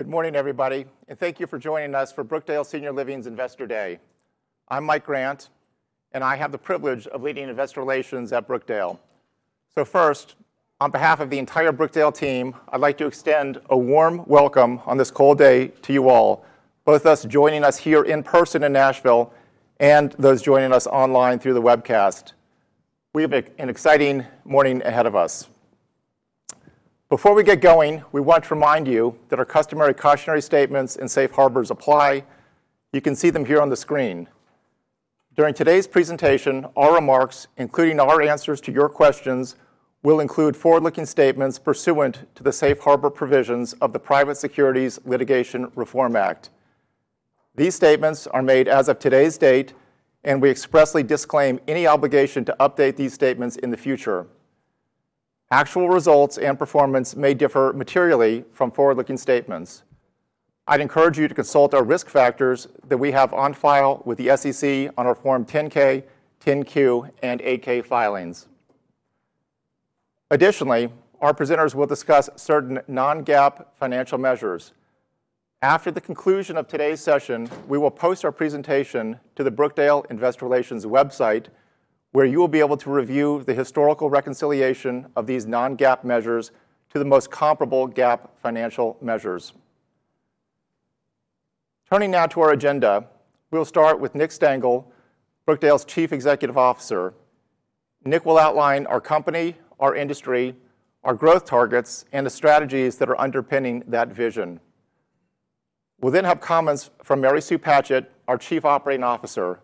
Good morning, everybody, and thank you for joining us for Brookdale Senior Living's Investor Day. I'm Mike Grant, and I have the privilege of leading Investor Relations at Brookdale. So first, on behalf of the entire Brookdale team, I'd like to extend a warm welcome on this cold day to you all, both those joining us here in person in Nashville, and those joining us online through the webcast. We have an exciting morning ahead of us. Before we get going, we want to remind you that our customary cautionary statements and safe harbors apply. You can see them here on the screen. During today's presentation, our remarks, including our answers to your questions, will include forward-looking statements pursuant to the safe harbor provisions of the Private Securities Litigation Reform Act. These statements are made as of today's date, and we expressly disclaim any obligation to update these statements in the future. Actual results and performance may differ materially from forward-looking statements. I'd encourage you to consult our risk factors that we have on file with the SEC on our Form 10-K, 10-Q, and 8-K filings. Additionally, our presenters will discuss certain non-GAAP financial measures. After the conclusion of today's session, we will post our presentation to the Brookdale Investor Relations website, where you will be able to review the historical reconciliation of these non-GAAP measures to the most comparable GAAP financial measures. Turning now to our agenda, we'll start with Nick Stengle, Brookdale's Chief Executive Officer. Nick will outline our company, our industry, our growth targets, and the strategies that are underpinning that vision. We'll then have comments from Mary Sue Patchett, our Chief Operating Officer.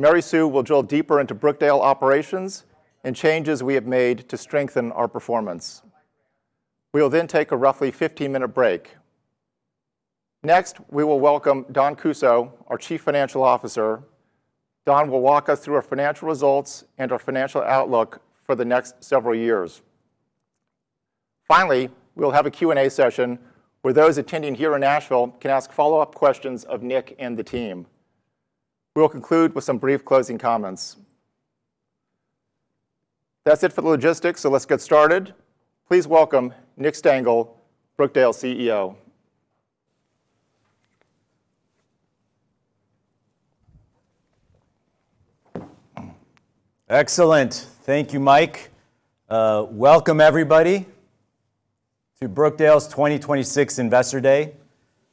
Mary Sue will drill deeper into Brookdale operations and changes we have made to strengthen our performance. We will then take a roughly 15-minute break. Next, we will welcome Dawn Kussow, our Chief Financial Officer. Dawn will walk us through our financial results and our financial outlook for the next several years. Finally, we'll have a Q&A session, where those attending here in Nashville can ask follow-up questions of Nick and the team. We will conclude with some brief closing comments. That's it for the logistics, so let's get started. Please welcome Nick Stengle, Brookdale's CEO. Excellent. Thank you, Mike. Welcome, everybody, to Brookdale's 2026 Investor Day.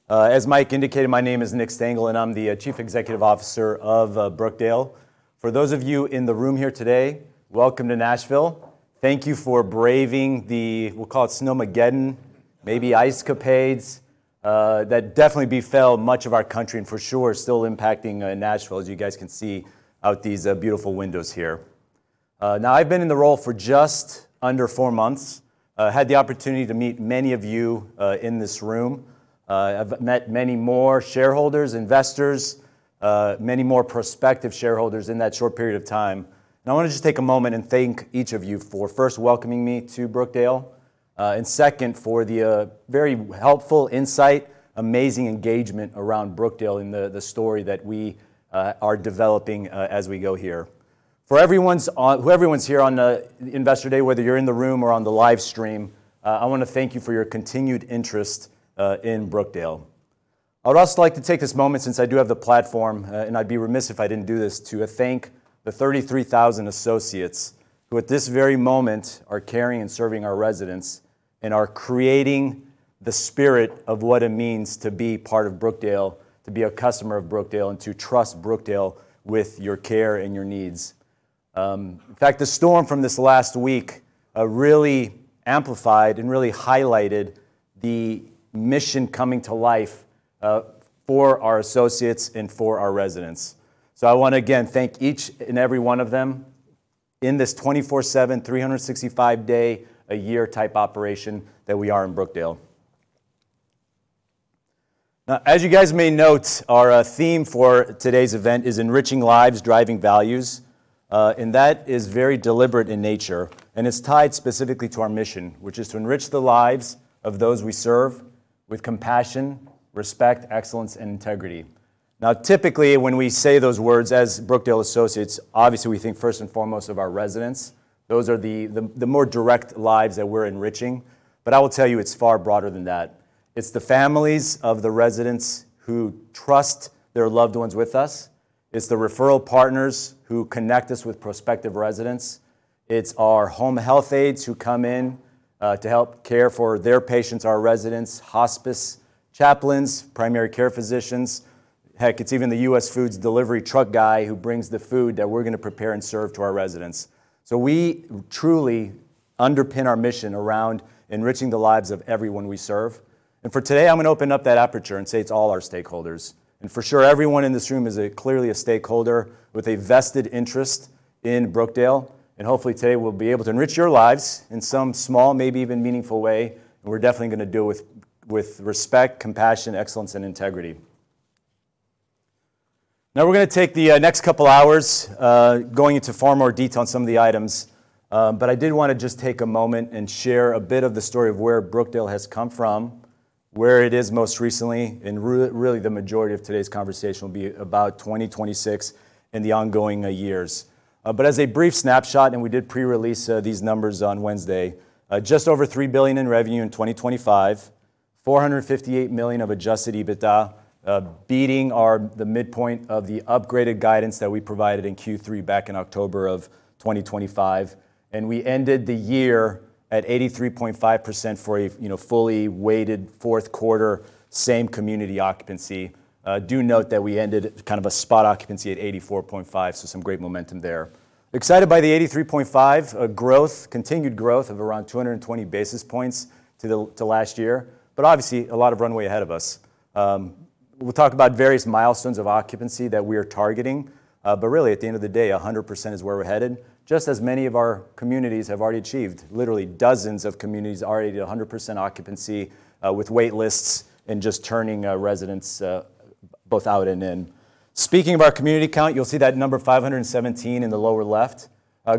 As Mike indicated, my name is Nick Stengle, and I'm the Chief Executive Officer of Brookdale. For those of you in the room here today, welcome to Nashville. Thank you for braving the, we'll call it, Snowmageddon, maybe Ice Capades, that definitely befell much of our country, and for sure, still impacting Nashville, as you guys can see out these beautiful windows here. Now, I've been in the role for just under four months. Had the opportunity to meet many of you in this room. I've met many more shareholders, investors, many more prospective shareholders in that short period of time. I wanna just take a moment and thank each of you for first welcoming me to Brookdale, and second, for the very helpful insight, amazing engagement around Brookdale and the story that we are developing as we go here. For everyone who's here on the Investor Day, whether you're in the room or on the live stream, I wanna thank you for your continued interest in Brookdale. I would also like to take this moment, since I do have the platform, and I'd be remiss if I didn't do this, to thank the 33,000 associates who, at this very moment, are caring and serving our residents, and are creating the spirit of what it means to be part of Brookdale, to be a customer of Brookdale, and to trust Brookdale with your care and your needs. In fact, the storm from this last week really amplified and really highlighted the mission coming to life for our associates and for our residents. So I wanna, again, thank each and every one of them in this 24/7, 365-day-a-year type operation that we are in Brookdale. Now, as you guys may note, our theme for today's event is Enriching Lives, Driving Values. And that is very deliberate in nature, and it's tied specifically to our mission, which is to enrich the lives of those we serve with compassion, respect, excellence, and integrity. Now, typically, when we say those words as Brookdale associates, obviously, we think first and foremost of our residents. Those are the more direct lives that we're enriching. But I will tell you, it's far broader than that. It's the families of the residents who trust their loved ones with us. It's the referral partners who connect us with prospective residents. It's our home health aides who come in to help care for their patients, our residents, hospice chaplains, primary care physicians. Heck, it's even the US Foods delivery truck guy who brings the food that we're gonna prepare and serve to our residents. So we truly underpin our mission around enriching the lives of everyone we serve, and for today, I'm gonna open up that aperture and say it's all our stakeholders. And for sure, everyone in this room is clearly a stakeholder with a vested interest in Brookdale, and hopefully, today, we'll be able to enrich your lives in some small, maybe even meaningful way. We're definitely gonna do it with respect, compassion, excellence, and integrity. Now, we're gonna take the next couple hours going into far more detail on some of the items. But I did wanna just take a moment and share a bit of the story of where Brookdale has come from, where it is most recently, and really, the majority of today's conversation will be about 2026 and the ongoing years. But as a brief snapshot, and we did pre-release these numbers on Wednesday. Just over $3 billion in revenue in 2025, $458 million of adjusted EBITDA, beating the midpoint of the upgraded guidance that we provided in Q3 back in October 2025. And we ended the year at 83.5% for a, you know, fully weighted fourth quarter, same community occupancy. Do note that we ended at kind of a spot occupancy at 84.5%, so some great momentum there. Excited by the 83.5%, growth, continued growth of around 200 basis points to the, to last year, but obviously, a lot of runway ahead of us. We'll talk about various milestones of occupancy that we are targeting, but really, at the end of the day, 100% is where we're headed, just as many of our communities have already achieved. Literally, dozens of communities are already at a 100% occupancy, with wait lists and just turning, residents, both out and in. Speaking of our community count, you'll see that number 517 in the lower left.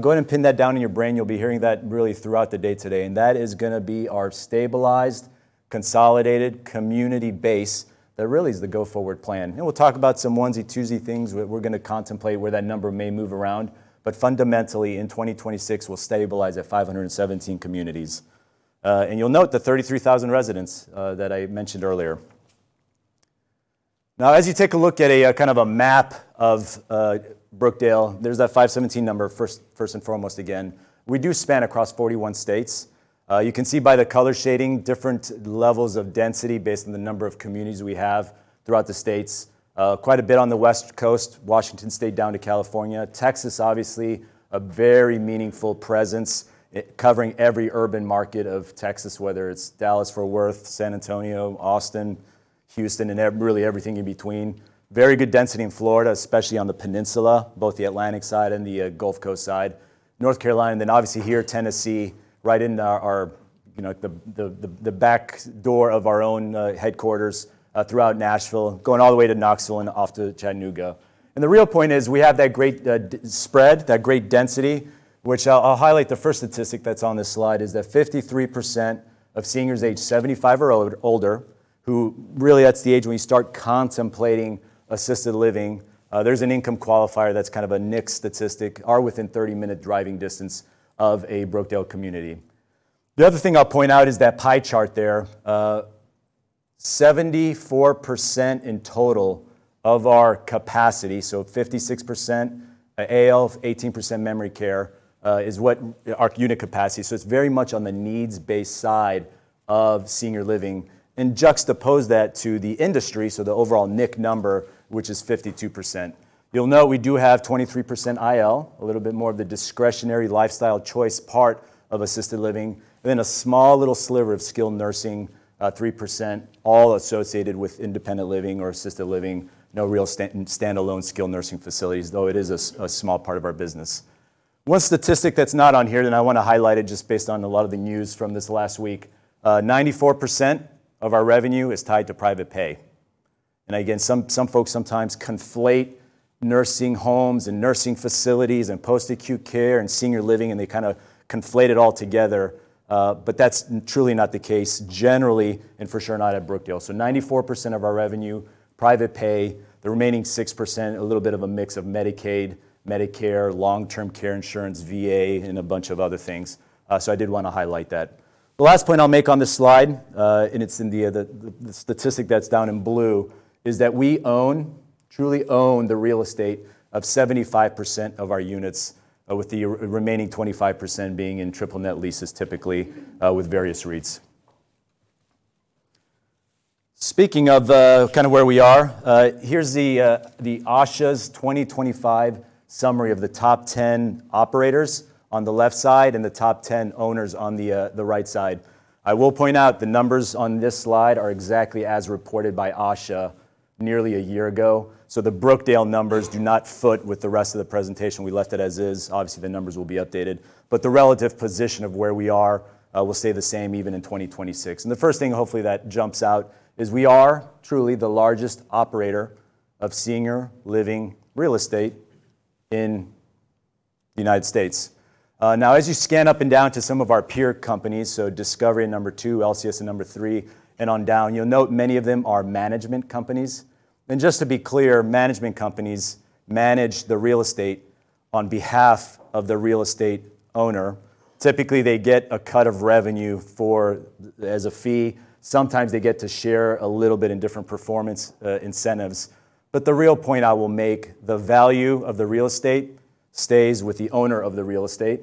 Go ahead and pin that down in your brain. You'll be hearing that really throughout the day today, and that is gonna be our stabilized, consolidated, community base. That really is the go-forward plan, and we'll talk about some onesie, twosie things we're gonna contemplate where that number may move around, but fundamentally, in 2026, we'll stabilize at 517 communities. And you'll note the 33,000 residents that I mentioned earlier. Now, as you take a look at a kind of a map of Brookdale, there's that 517 number, first, first and foremost again. We do span across 41 states. You can see by the color shading, different levels of density based on the number of communities we have throughout the States. Quite a bit on the West Coast, Washington State down to California. Texas, obviously, a very meaningful presence, covering every urban market of Texas, whether it's Dallas-Fort Worth, San Antonio, Austin, Houston, and really everything in between. Very good density in Florida, especially on the peninsula, both the Atlantic side and the Gulf Coast side. North Carolina, and then obviously here, Tennessee, right in our you know the back door of our own headquarters throughout Nashville, going all the way to Knoxville and off to Chattanooga. And the real point is, we have that great spread, that great density, which I'll highlight the first statistic that's on this slide, is that 53% of seniors aged 75 or older who really, that's the age when you start contemplating assisted living, there's an income qualifier that's kind of a NIC statistic, are within 30-minute driving distance of a Brookdale community. The other thing I'll point out is that pie chart there. 74% in total of our capacity, so 56%, AL, memory care, is what our unit capacity. So it's very much on the needs-based side of senior living, and juxtapose that to the industry, so the overall NIC number, which is 52%. You'll note we do have 23% IL, a little bit more of the discretionary, lifestyle choice part of assisted living, and then a small, little sliver of skilled nursing, 3%, all associated with independent living or assisted living. No real standalone skilled nursing facilities, though it is a small part of our business. One statistic that's not on here that I want to highlight it just based on a lot of the news from this last week, 94% of our revenue is tied to private pay. And again, some, some folks sometimes conflate nursing homes and nursing facilities and post-acute care and senior living, and they kind of conflate it all together. But that's truly not the case, generally, and for sure, not at Brookdale. So 94% of our revenue, private pay, the remaining 6%, a little bit of a mix of Medicaid, Medicare, long-term care insurance, VA, and a bunch of other things. So I did want to highlight that. The last point I'll make on this slide, and it's in the statistic that's down in blue, is that we own, truly own the real estate of 75% of our units, with the remaining 25% being in triple-net leases, typically with various REITs. Speaking of kind of where we are, here's the ASHA's 2025 summary of the top 10 operators on the left side and the top 10 owners on the right side. I will point out, the numbers on this slide are exactly as reported by ASHA nearly a year ago, so the Brookdale numbers do not foot with the rest of the presentation. We left it as is. Obviously, the numbers will be updated, but the relative position of where we are will stay the same even in 2026. And the first thing, hopefully, that jumps out, is we are truly the largest operator of senior living real estate in the United States. Now, as you scan up and down to some of our peer companies, so Discovery at number 2, LCS at number 3, and on down, you'll note many of them are management companies. And just to be clear, management companies manage the real estate on behalf of the real estate owner. Typically, they get a cut of revenue as a fee. Sometimes they get to share a little bit in different performance incentives. But the real point I will make, the value of the real estate stays with the owner of the real estate.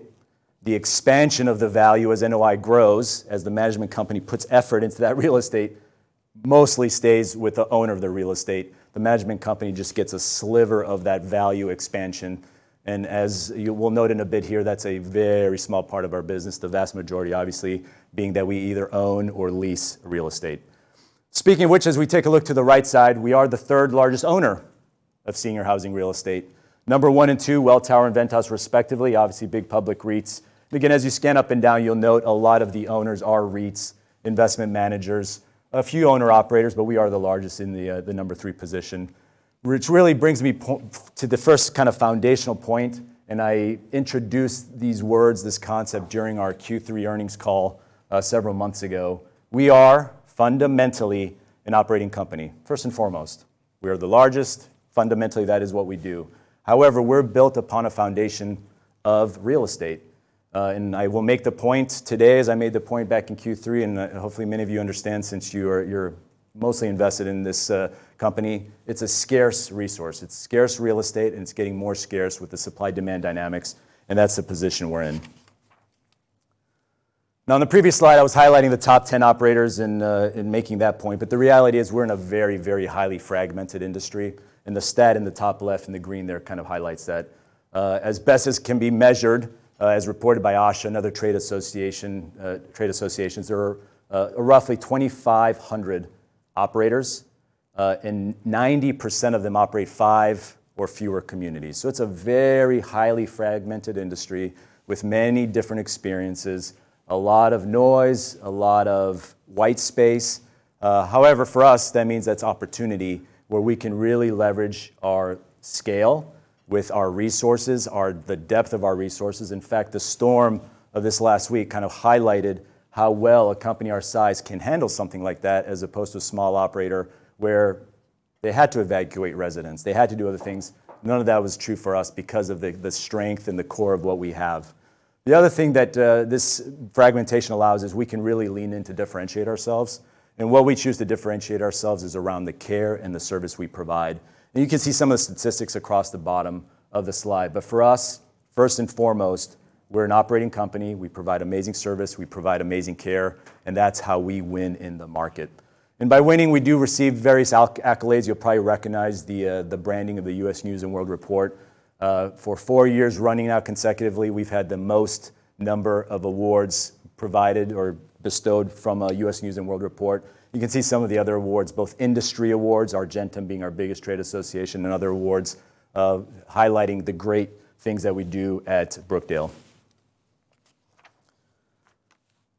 The expansion of the value as NOI grows, as the management company puts effort into that real estate, mostly stays with the owner of the real estate. The management company just gets a sliver of that value expansion, and as you will note in a bit here, that's a very small part of our business. The vast majority, obviously, being that we either own or lease real estate. Speaking of which, as we take a look to the right side, we are the third-largest owner of senior housing real estate. Number 1 and 2, Welltower and Ventas, respectively, obviously big public REITs. And again, as you scan up and down, you'll note a lot of the owners are REITs, investment managers. A few owner-operators, but we are the largest in the number 3 position, which really brings me to the first kind of foundational point, and I introduced these words, this concept, during our Q3 earnings call several months ago, we are fundamentally an operating company, first and foremost. We are the largest. Fundamentally, that is what we do. However, we're built upon a foundation of real estate. And I will make the point today, as I made the point back in Q3, and hopefully, many of you understand, since you're, you're mostly invested in this company, it's a scarce resource. It's scarce real estate, and it's getting more scarce with the supply-demand dynamics, and that's the position we're in. Now, in the previous slide, I was highlighting the top 10 operators in making that point, but the reality is we're in a very, very highly fragmented industry, and the stat in the top left, in the green there, kind of highlights that. As best as can be measured, as reported by ASHA and other trade association, trade associations, there are roughly 2,500 operators, and 90% of them operate five or fewer communities. So it's a very highly fragmented industry with many different experiences, a lot of noise, a lot of white space. However, for us, that means that's opportunity where we can really leverage our scale with our resources, our... the depth of our resources. In fact, the storm of this last week kind of highlighted how well a company our size can handle something like that, as opposed to a small operator, where they had to evacuate residents. They had to do other things. None of that was true for us because of the strength and the core of what we have. The other thing that this fragmentation allows is we can really lean in to differentiate ourselves, and what we choose to differentiate ourselves is around the care and the service we provide. And you can see some of the statistics across the bottom of the slide, but for us, first and foremost, we're an operating company. We provide amazing service, we provide amazing care, and that's how we win in the market. And by winning, we do receive various accolades. You'll probably recognize the, the branding of the U.S. News & World Report. For four years running now, consecutively, we've had the most number of awards provided or bestowed from U.S. News & World Report. You can see some of the other awards, both industry awards, Argentum being our biggest trade association, and other awards, highlighting the great things that we do at Brookdale.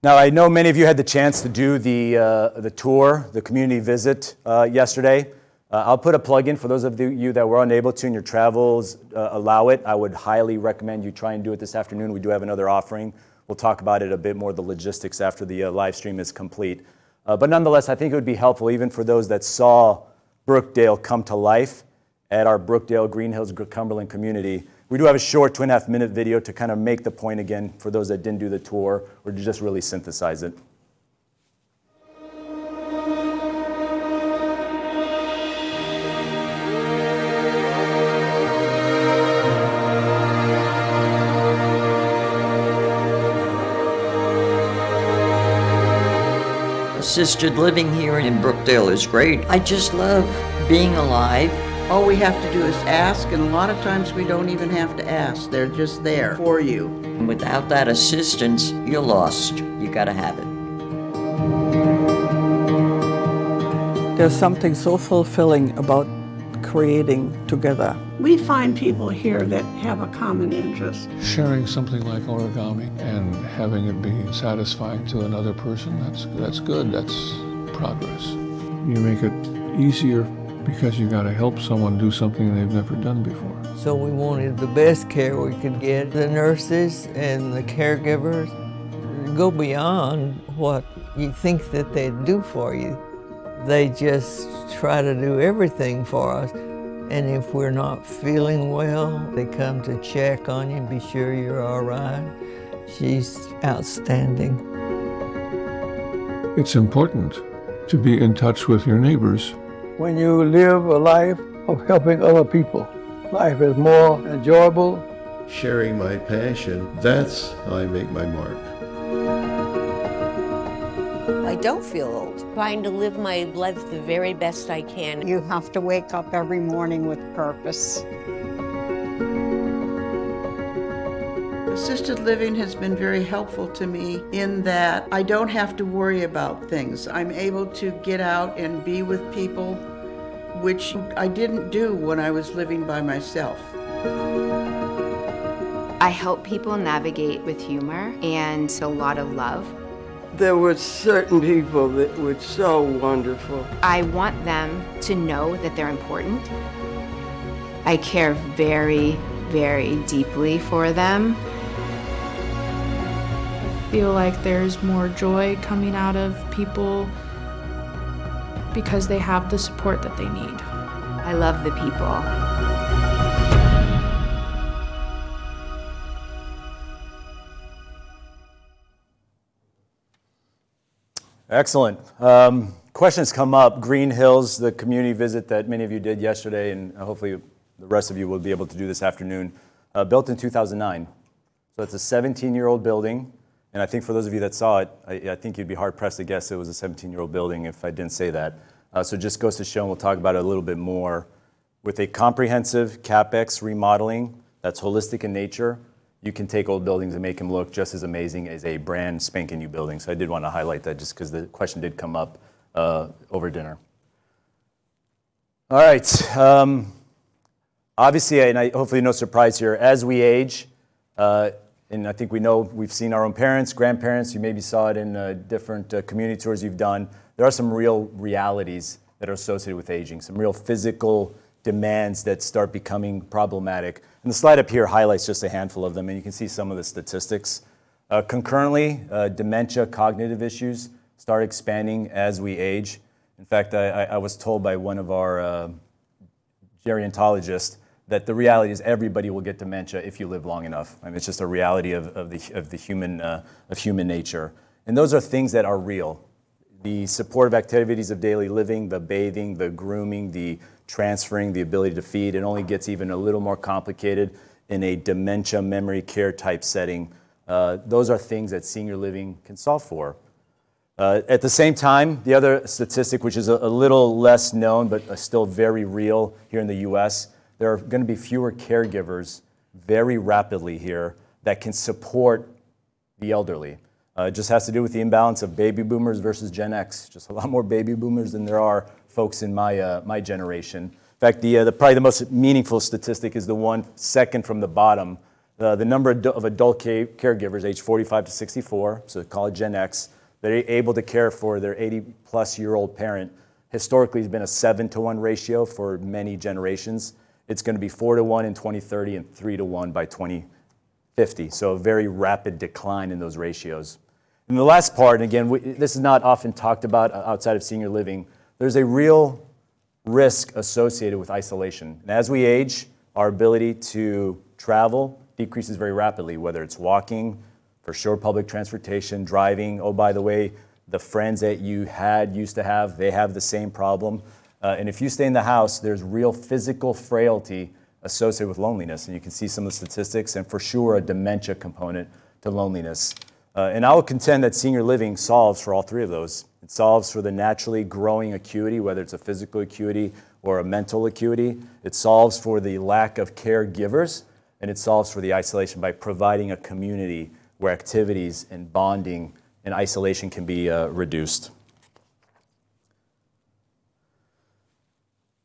Now, I know many of you had the chance to do the tour, the community visit, yesterday. I'll put a plug in for those of you that were unable to, and your travels allow it, I would highly recommend you try and do it this afternoon. We do have another offering. We'll talk about it a bit more, the logistics, after the live stream is complete. But nonetheless, I think it would be helpful, even for those that saw Brookdale come to life at our Brookdale Green Hills Cumberland community. We do have a short 2.5-minute video to kind of make the point again, for those that didn't do the tour or to just really synthesize it. Assisted living here in Brookdale is great. I just love being alive. All we have to do is ask, and a lot of times, we don't even have to ask. They're just there for you. Without that assistance, you're lost. You gotta have it. There's something so fulfilling about creating together. We find people here that have a common interest. Sharing something like origami and having it be satisfying to another person, that's, that's good. That's progress. You make it easier because you got to help someone do something they've never done before. So we wanted the best care we could get. The nurses and the caregivers go beyond what you think that they'd do for you. They just try to do everything for us, and if we're not feeling well, they come to check on you and be sure you're all right. She's outstanding. It's important to be in touch with your neighbors. When you live a life of helping other people, life is more enjoyable. Sharing my passion, that's how I make my mark. I don't feel old. Trying to live my life the very best I can. You have to wake up every morning with purpose. Assisted living has been very helpful to me in that I don't have to worry about things. I'm able to get out and be with people, which I didn't do when I was living by myself. I help people navigate with humor, and so a lot of love. There were certain people that were so wonderful. I want them to know that they're important. I care very, very deeply for them. I feel like there's more joy coming out of people because they have the support that they need. I love the people. Excellent. Questions come up. Green Hills, the community visit that many of you did yesterday, and hopefully, the rest of you will be able to do this afternoon. Built in 2009, so it's a 17-year-old building, and I think for those of you that saw it, I, I think you'd be hard-pressed to guess it was a 17-year-old building if I didn't say that. So just goes to show, and we'll talk about it a little bit more, with a comprehensive CapEx remodeling that's holistic in nature, you can take old buildings and make them look just as amazing as a brand spanking new building. So I did wanna highlight that just 'cause the question did come up, over dinner. All right. Obviously, and hopefully no surprise here, as we age, and I think we know, we've seen our own parents, grandparents, you maybe saw it in, different, community tours you've done, there are some real realities that are associated with aging, some real physical demands that start becoming problematic. The slide up here highlights just a handful of them, and you can see some of the statistics. Concurrently, dementia, cognitive issues start expanding as we age. In fact, I was told by one of our gerontologists that the reality is everybody will get dementia if you live long enough. I mean, it's just a reality of the human nature, and those are things that are real. The supportive activities of daily living, the bathing, the grooming, the transferring, the ability to feed, it only gets even a little more complicated in a memory care-type setting. Those are things that senior living can solve for. At the same time, the other statistic, which is a little less known but still very real here in the U.S., there are gonna be fewer caregivers very rapidly here that can support the elderly. It just has to do with the imbalance of Baby Boomers versus Gen X. Just a lot more Baby Boomers than there are folks in my, my generation. In fact, probably the most meaningful statistic is the one second from the bottom. The number of adult caregivers age 45-64, so call it Gen X, they're able to care for their 80+-year-old parent. Historically, it's been a 7-to-1 ratio for many generations. It's gonna be 4-to-1 in 2030 and 3-to-1 by 2050, so a very rapid decline in those ratios. And the last part, and again, this is not often talked about outside of senior living, there's a real risk associated with isolation, and as we age, our ability to travel decreases very rapidly, whether it's walking, for sure public transportation, driving. Oh, by the way, the friends that you had, used to have, they have the same problem. And if you stay in the house, there's real physical frailty associated with loneliness, and you can see some of the statistics, and for sure, a dementia component to loneliness. And I would contend that senior living solves for all three of those. It solves for the naturally growing acuity, whether it's a physical acuity or a mental acuity. It solves for the lack of caregivers, and it solves for the isolation by providing a community where activities and bonding and isolation can be reduced.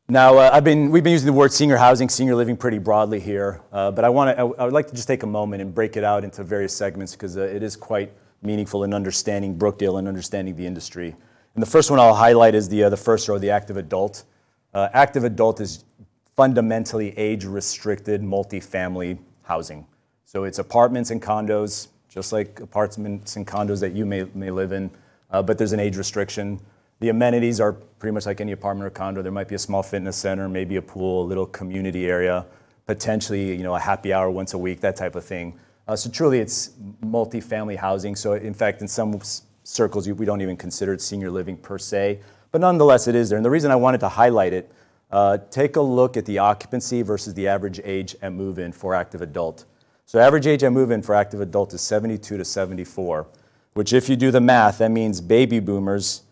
Now, we've been using the word senior housing, senior living pretty broadly here, but I wanna, I, I would like to just take a moment and break it out into various segments 'cause it is quite meaningful in understanding Brookdale and understanding the industry. The first one I'll highlight is the, the first row, the active adult. Active adult is fundamentally age-restricted multifamily housing. So it's apartments and condos, just like apartments and condos that you may, may live in, but there's an age restriction. The amenities are pretty much like any apartment or condo. There might be a small fitness center, maybe a pool, a little community area, potentially, you know, a happy hour once a week, that type of thing. So truly, it's multifamily housing, so in fact, in some circles, we don't even consider it senior living per se, but nonetheless, it is there. The reason I wanted to highlight it, take a look at the occupancy versus the average age at move-in for active adult. So average age at move-in for active adult is 72-74, which, if you do the math, that means Baby Boomers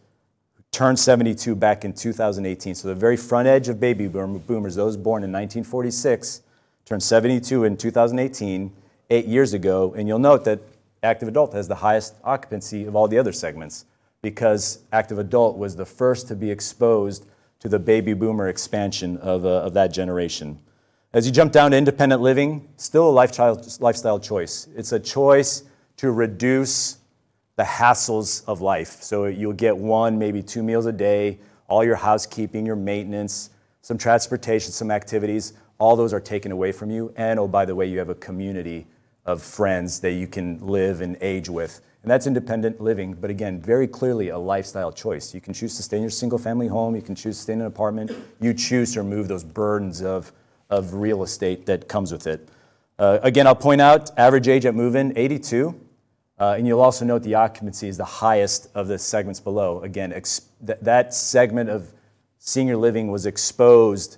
turned 72 back in 2018. So the very front edge of Baby Boomers, those born in 1946, turned 72 in 2018, 8 years ago, and you'll note that active adult has the highest occupancy of all the other segments because active adult was the first to be exposed to the Baby Boomer expansion of that generation. As you jump down to independent living, still a lifestyle choice. It's a choice to reduce the hassles of life, so you'll get one, maybe two meals a day, all your housekeeping, your maintenance, some transportation, some activities. All those are taken away from you, and, oh, by the way, you have a community of friends that you can live and age with, and that's independent living, but again, very clearly a lifestyle choice. You can choose to stay in your single-family home. You can choose to stay in an apartment. You choose to remove those burdens of real estate that comes with it. Again, I'll point out, average age at move-in, 82, and you'll also note the occupancy is the highest of the segments below. Again, that segment of senior living was exposed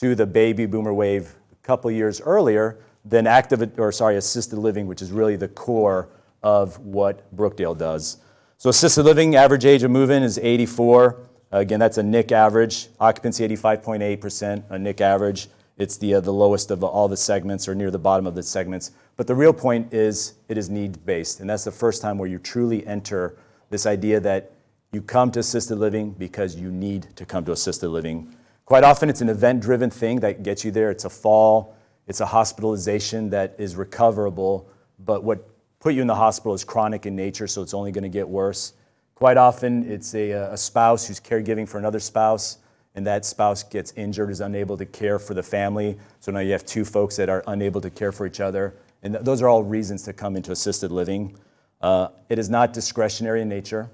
to the Baby Boomer wave a couple of years earlier than assisted living, which is really the core of what Brookdale does. So assisted living, average age of move-in is 84. Again, that's a NIC average. Occupancy, 85.8%, a NIC average. It's the lowest of all the segments or near the bottom of the segments. But the real point is, it is need-based, and that's the first time where you truly enter this idea that you come to assisted living because you need to come to assisted living. Quite often, it's an event-driven thing that gets you there. It's a fall. It's a hospitalization that is recoverable, but what put you in the hospital is chronic in nature, so it's only gonna get worse. Quite often, it's a, a spouse who's caregiving for another spouse, and that spouse gets injured, is unable to care for the family. So now you have two folks that are unable to care for each other, and those are all reasons to come into assisted living. It is not discretionary in nature.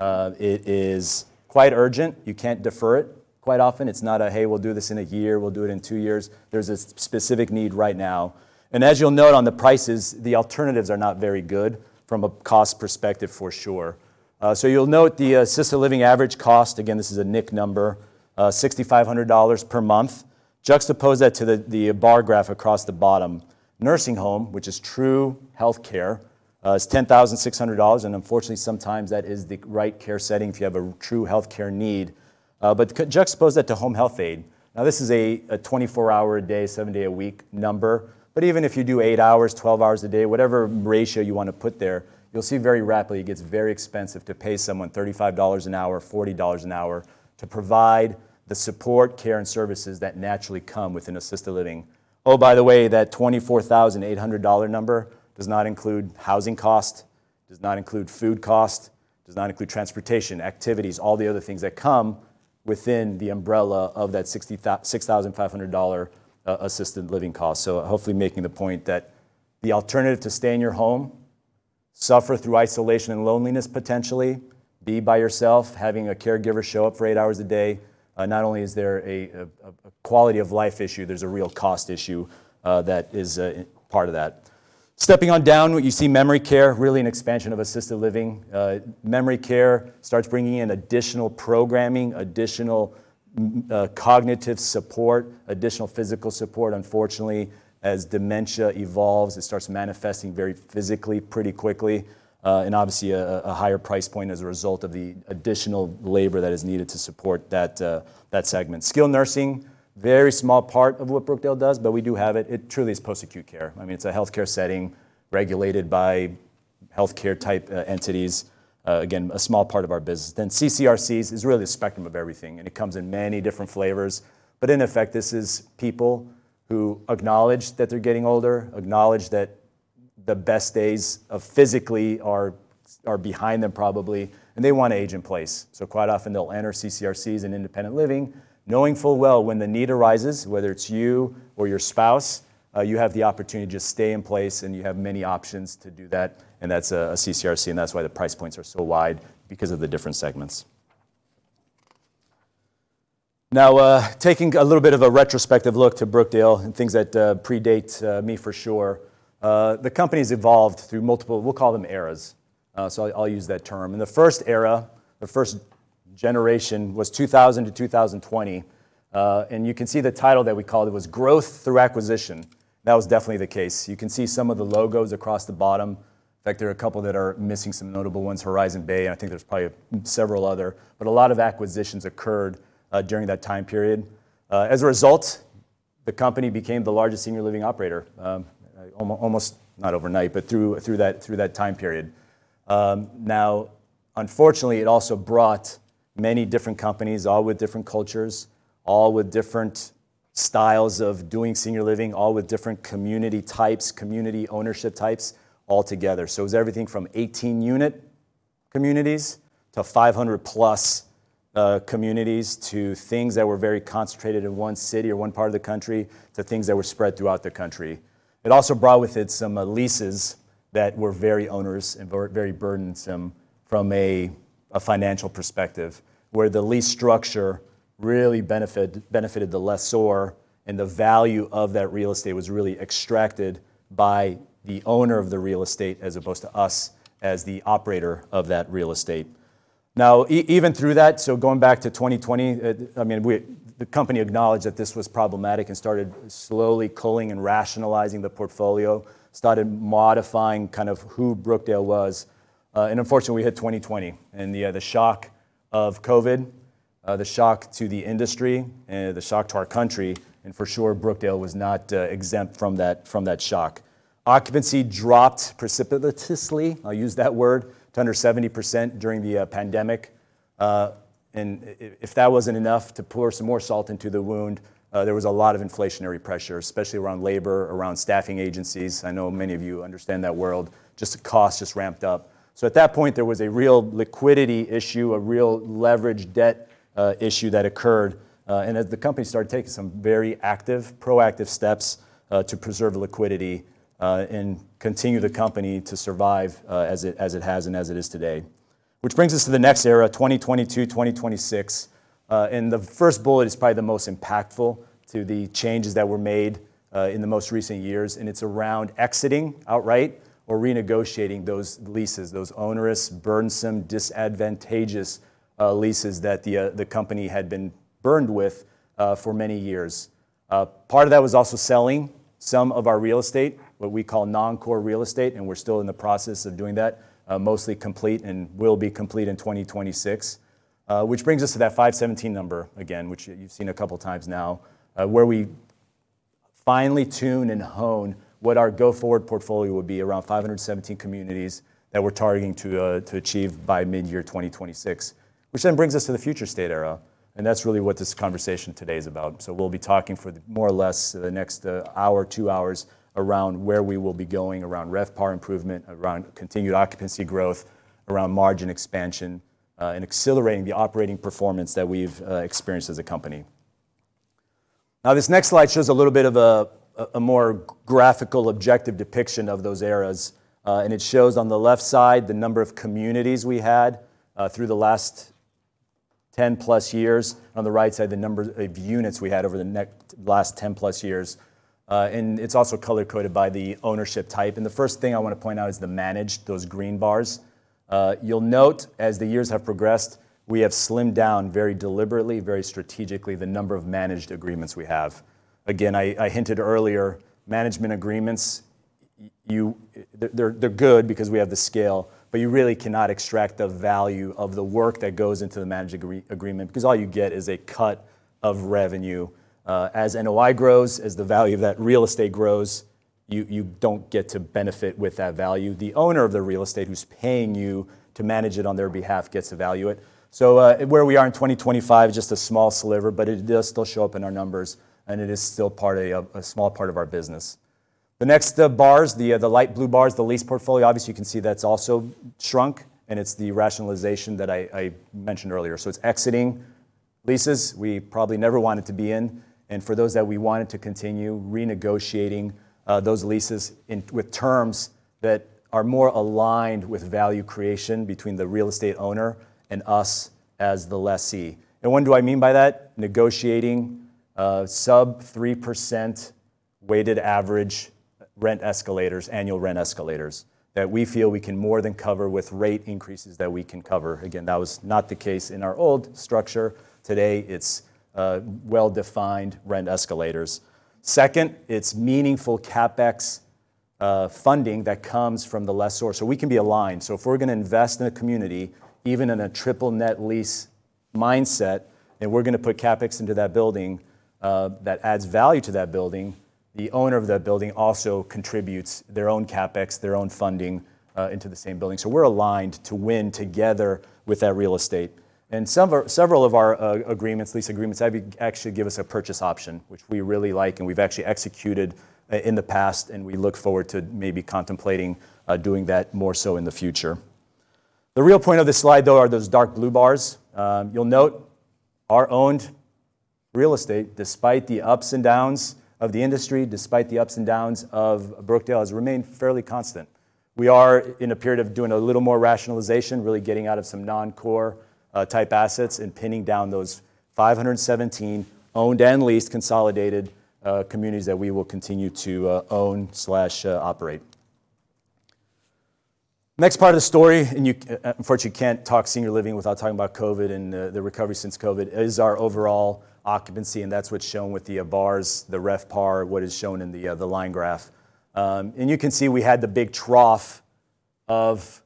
It is quite urgent. You can't defer it. Quite often, it's not a, "Hey, we'll do this in a year. We'll do it in two years." There's a specific need right now, and as you'll note on the prices, the alternatives are not very good from a cost perspective, for sure. So you'll note the, assisted living average cost, again, this is a NIC number, $6,500 per month. Juxtapose that to the bar graph across the bottom. Nursing home, which is true healthcare, is $10,600, and unfortunately, sometimes that is the right care setting if you have a true healthcare need. But juxtapose that to home health aide. Now, this is a 24-hour-a-day, 7-day-a-week number, but even if you do 8 hours, 12 hours a day, whatever ratio you wanna put there, you'll see very rapidly it gets very expensive to pay someone $35 an hour, $40 an hour to provide the support, care, and services that naturally come with an assisted living. Oh, by the way, that $24,800 number does not include housing costs-... Does not include food cost, does not include transportation, activities, all the other things that come within the umbrella of that $65,000 assisted living cost. So hopefully making the point that the alternative to stay in your home, suffer through isolation and loneliness, potentially, be by yourself, having a caregiver show up for eight hours a day, not only is there a quality of life issue, there's a real cost issue, that is part of that. Stepping on down, what you memory care, really an expansion of assisted living. Memory care starts bringing in additional programming, additional m- cognitive support, additional physical support. Unfortunately, as dementia evolves, it starts manifesting very physically, pretty quickly, and obviously, a higher price point as a result of the additional labor that is needed to support that, that segment. Skilled nursing, very small part of what Brookdale does, but we do have it. It truly is post-acute care. I mean, it's a healthcare setting, regulated by healthcare-type, entities. Again, a small part of our business. Then CCRCs is really a spectrum of everything, and it comes in many different flavors. But in effect, this is people who acknowledge that they're getting older, acknowledge that the best days of physically are, are behind them, probably, and they want to age in place. So quite often, they'll enter CCRCs and independent living, knowing full well when the need arises, whether it's you or your spouse, you have the opportunity to just stay in place, and you have many options to do that, and that's a, a CCRC, and that's why the price points are so wide because of the different segments. Now, taking a little bit of a retrospective look to Brookdale and things that, predate, me for sure. The company's evolved through multiple, we'll call them eras. So I, I'll use that term. And the first era, the first generation, was 2000 to 2020, and you can see the title that we called it was Growth through Acquisition. That was definitely the case. You can see some of the logos across the bottom. In fact, there are a couple that are missing, some notable ones, Horizon Bay, and I think there's probably several other, but a lot of acquisitions occurred during that time period. As a result, the company became the largest senior living operator, almost not overnight, but through that time period. Now, unfortunately, it also brought many different companies, all with different cultures, all with different styles of doing senior living, all with different community types, community ownership types, all together. So it was everything from 18-unit communities to 500-plus communities, to things that were very concentrated in one city or one part of the country, to things that were spread throughout the country. It also brought with it some leases that were very onerous and very burdensome from a financial perspective, where the lease structure really benefited the lessor, and the value of that real estate was really extracted by the owner of the real estate, as opposed to us as the operator of that real estate. Now, even through that, so going back to 2020, I mean, the company acknowledged that this was problematic and started slowly culling and rationalizing the portfolio, started modifying kind of who Brookdale was. And unfortunately, we hit 2020, and the shock of COVID, the shock to the industry and the shock to our country, and for sure, Brookdale was not exempt from that, from that shock. Occupancy dropped precipitously, I'll use that word, to under 70% during the pandemic. And if that wasn't enough, to pour some more salt into the wound, there was a lot of inflationary pressure, especially around labor, around staffing agencies. I know many of you understand that world. Just the cost just ramped up. So at that point, there was a real liquidity issue, a real leverage debt issue that occurred. And as the company started taking some very active, proactive steps to preserve liquidity and continue the company to survive, as it has and as it is today. Which brings us to the next era, 2022-2026. The first bullet is probably the most impactful to the changes that were made, in the most recent years, and it's around exiting outright or renegotiating those leases, those onerous, burdensome, disadvantageous, leases that the company had been burned with, for many years. Part of that was also selling some of our real estate, what we call non-core real estate, and we're still in the process of doing that. Mostly complete and will be complete in 2026. Which brings us to that 517 number again, which you've seen a couple times now, where we finally tune and hone what our go-forward portfolio would be, around 517 communities that we're targeting to achieve by midyear 2026. Which then brings us to the future state era, and that's really what this conversation today is about. So we'll be talking for the more or less the next hour, two hours around where we will be going, around RevPAR improvement, around continued occupancy growth, around margin expansion, and accelerating the operating performance that we've experienced as a company. Now, this next slide shows a little bit of a more graphical objective depiction of those eras, and it shows on the left side the number of communities we had through the last 10+ years. On the right side, the number of units we had over the last 10+ years. It's also color-coded by the ownership type. The first thing I want to point out is the managed, those green bars. You'll note, as the years have progressed, we have slimmed down very deliberately, very strategically, the number of managed agreements we have. Again, I hinted earlier, management agreements... They're good because we have the scale, but you really cannot extract the value of the work that goes into the managed agreement because all you get is a cut of revenue. As NOI grows, as the value of that real estate grows, you don't get to benefit with that value. The owner of the real estate, who's paying you to manage it on their behalf, gets to value it. So, where we are in 2025, just a small sliver, but it does still show up in our numbers, and it is still part of a small part of our business. The next bars, the light blue bars, the lease portfolio, obviously, you can see that's also shrunk, and it's the rationalization that I mentioned earlier. So it's exiting leases we probably never wanted to be in, and for those that we wanted to continue, renegotiating those leases with terms that are more aligned with value creation between the real estate owner and us as the lessee. And what do I mean by that? Negotiating sub-3% weighted average rent escalators, annual rent escalators, that we feel we can more than cover with rate increases that we can cover. Again, that was not the case in our old structure. Today, it's well-defined rent escalators. Second, it's meaningful CapEx funding that comes from the lessor, so we can be aligned. So if we're gonna invest in a community, even in a triple-net lease mindset, and we're gonna put CapEx into that building, that adds value to that building, the owner of that building also contributes their own CapEx, their own funding, into the same building. So we're aligned to win together with that real estate. And several of our agreements, lease agreements, actually give us a purchase option, which we really like, and we've actually executed in the past, and we look forward to maybe contemplating doing that more so in the future. The real point of this slide, though, are those dark blue bars. You'll note, our owned real estate, despite the ups and downs of the industry, despite the ups and downs of Brookdale, has remained fairly constant. We are in a period of doing a little more rationalization, really getting out of some non-core type assets, and pinning down those 517 owned and leased consolidated communities that we will continue to own, operate. Next part of the story, and you unfortunately can't talk senior living without talking about COVID and the recovery since COVID, is our overall occupancy, and that's what's shown with the bars, the RevPAR, what is shown in the line graph. And you can see we had the big trough of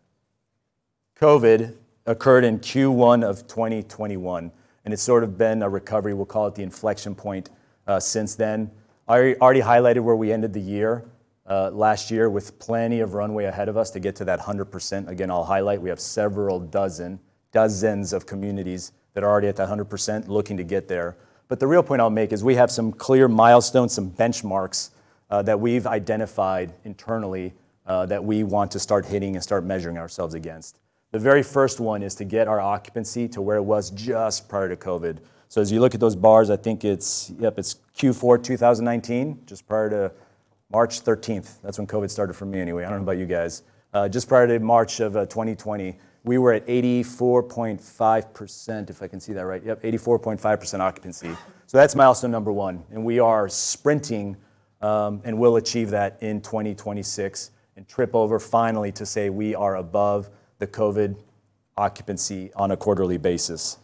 COVID occurred in Q1 of 2021, and it's sort of been a recovery. We'll call it the inflection point since then. I already highlighted where we ended the year last year, with plenty of runway ahead of us to get to that 100%. Again, I'll highlight, we have several dozen, dozens of communities that are already at the 100% looking to get there. But the real point I'll make is, we have some clear milestones, some benchmarks, that we've identified internally, that we want to start hitting and start measuring ourselves against. The very first one is to get our occupancy to where it was just prior to COVID. So as you look at those bars, I think it's... Yep, it's Q4 2019, just prior to March 13th. That's when COVID started for me, anyway. I don't know about you guys. Just prior to March of 2020, we were at 84.5%, if I can see that right. Yep, 84.5% occupancy. So that's milestone number one, and we are sprinting, and we'll achieve that in 2026, and trip over finally to say we are above the COVID occupancy on a quarterly basis.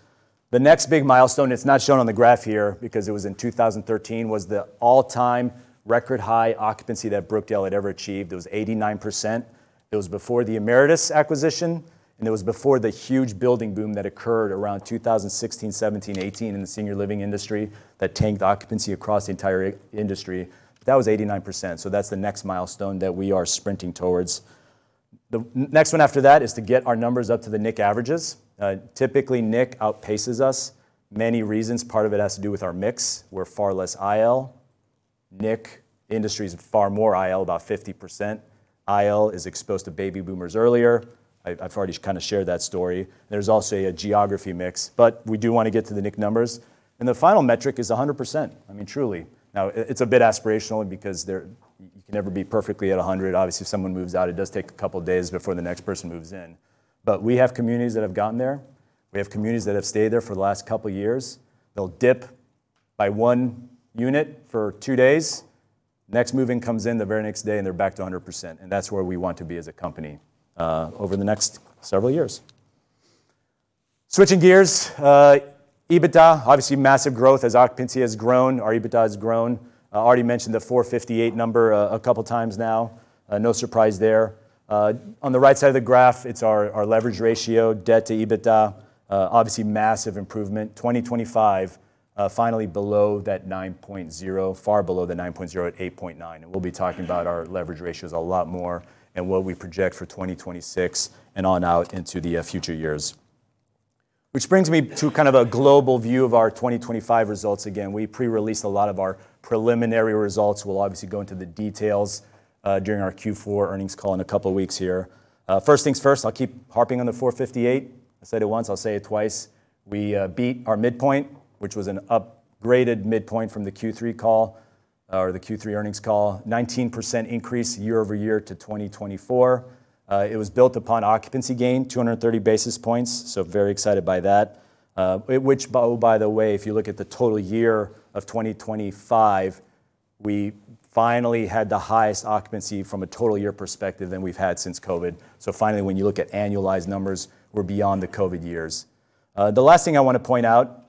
The next big milestone, it's not shown on the graph here because it was in 2013, was the all-time record high occupancy that Brookdale had ever achieved. It was 89%. It was before the Emeritus acquisition, and it was before the huge building boom that occurred around 2016, 2017, 2018 in the senior living industry, that tanked occupancy across the entire industry. That was 89%, so that's the next milestone that we are sprinting towards. The next one after that is to get our numbers up to the NIC averages. Typically, NIC outpaces us. Many reasons, part of it has to do with our mix. We're far less IL. NIC industry is far more IL, about 50%. IL is exposed to Baby Boomers earlier. I've already kinda shared that story. There's also a geographic mix, but we do wanna get to the NIC numbers. And the final metric is 100%, I mean, truly. Now, it's a bit aspirational because there, you can never be perfectly at 100%. Obviously, if someone moves out, it does take a couple of days before the next person moves in. But we have communities that have gotten there. We have communities that have stayed there for the last couple of years. They'll dip by 1 unit for 2 days. Next move-in comes in the very next day, and they're back to 100%, and that's where we want to be as a company, over the next several years. Switching gears, EBITDA, obviously massive growth. As occupancy has grown, our EBITDA has grown. I already mentioned the $458 number, a couple of times now, no surprise there. On the right side of the graph, it's our, our leverage ratio, debt to EBITDA. Obviously, massive improvement. 2025, finally below that 9.0, far below the 9.0, at 8.9, and we'll be talking about our leverage ratios a lot more, and what we project for 2026 and on out into the, future years. Which brings me to kind of a global view of our 2025 results. Again, we pre-released a lot of our preliminary results. We'll obviously go into the details, during our Q4 earnings call in a couple of weeks here. First things first, I'll keep harping on the $458. I said it once, I'll say it twice: we beat our midpoint, which was an upgraded midpoint from the Q3 call, or the Q3 earnings call. 19% increase year-over-year to 2024. It was built upon occupancy gain, 230 basis points, so very excited by that. Which by the way, if you look at the total year of 2025, we finally had the highest occupancy from a total year perspective than we've had since COVID. So finally, when you look at annualized numbers, we're beyond the COVID years. The last thing I wanna point out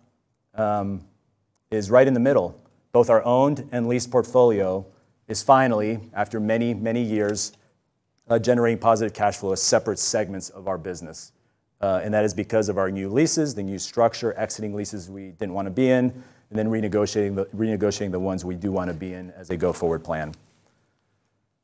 is right in the middle. Both our owned and leased portfolio is finally, after many, many years, generating positive cash flow as separate segments of our business. And that is because of our new leases, the new structure, exiting leases we didn't wanna be in, and then renegotiating the ones we do wanna be in as a go-forward plan.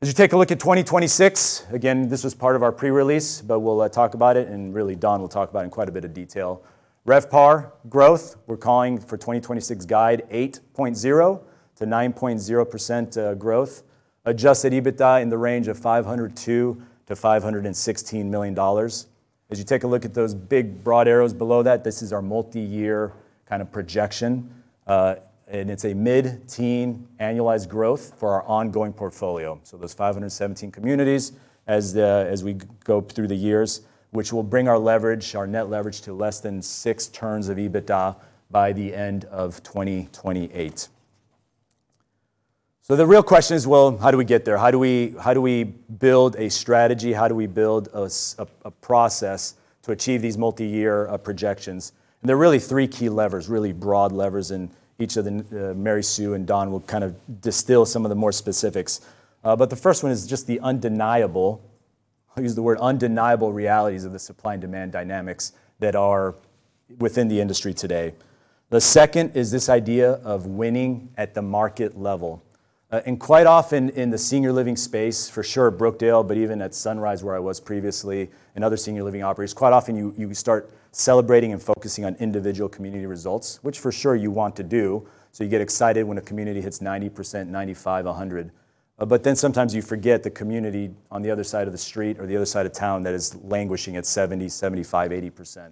As you take a look at 2026, again, this was part of our pre-release, but we'll talk about it, and really, Dawn will talk about it in quite a bit of detail. RevPAR growth, we're calling for 2026 guide 8.0%-9.0% growth. Adjusted EBITDA in the range of $502 million-$516 million. As you take a look at those big, broad arrows below that, this is our multi-year kind of projection, and it's a mid-teen annualized growth for our ongoing portfolio. So those 517 communities as we go through the years, which will bring our leverage, our net leverage to less than 6 turns of EBITDA by the end of 2028. So the real question is, well, how do we get there? How do we, how do we build a strategy? How do we build a process to achieve these multi-year projections? And there are really 3 key levers, really broad levers, and each of Mary Sue and Dawn will kind of distill some of the more specifics. But the first one is just the undeniable, I'll use the word undeniable, realities of the supply and demand dynamics that are within the industry today. The second is this idea of winning at the market level. And quite often in the senior living space, for sure at Brookdale, but even at Sunrise, where I was previously, and other senior living operators, quite often you start celebrating and focusing on individual community results, which for sure you want to do. So you get excited when a community hits 90%, 95%, 100%. But then sometimes you forget the community on the other side of the street or the other side of town that is languishing at 70%, 75%, 80%.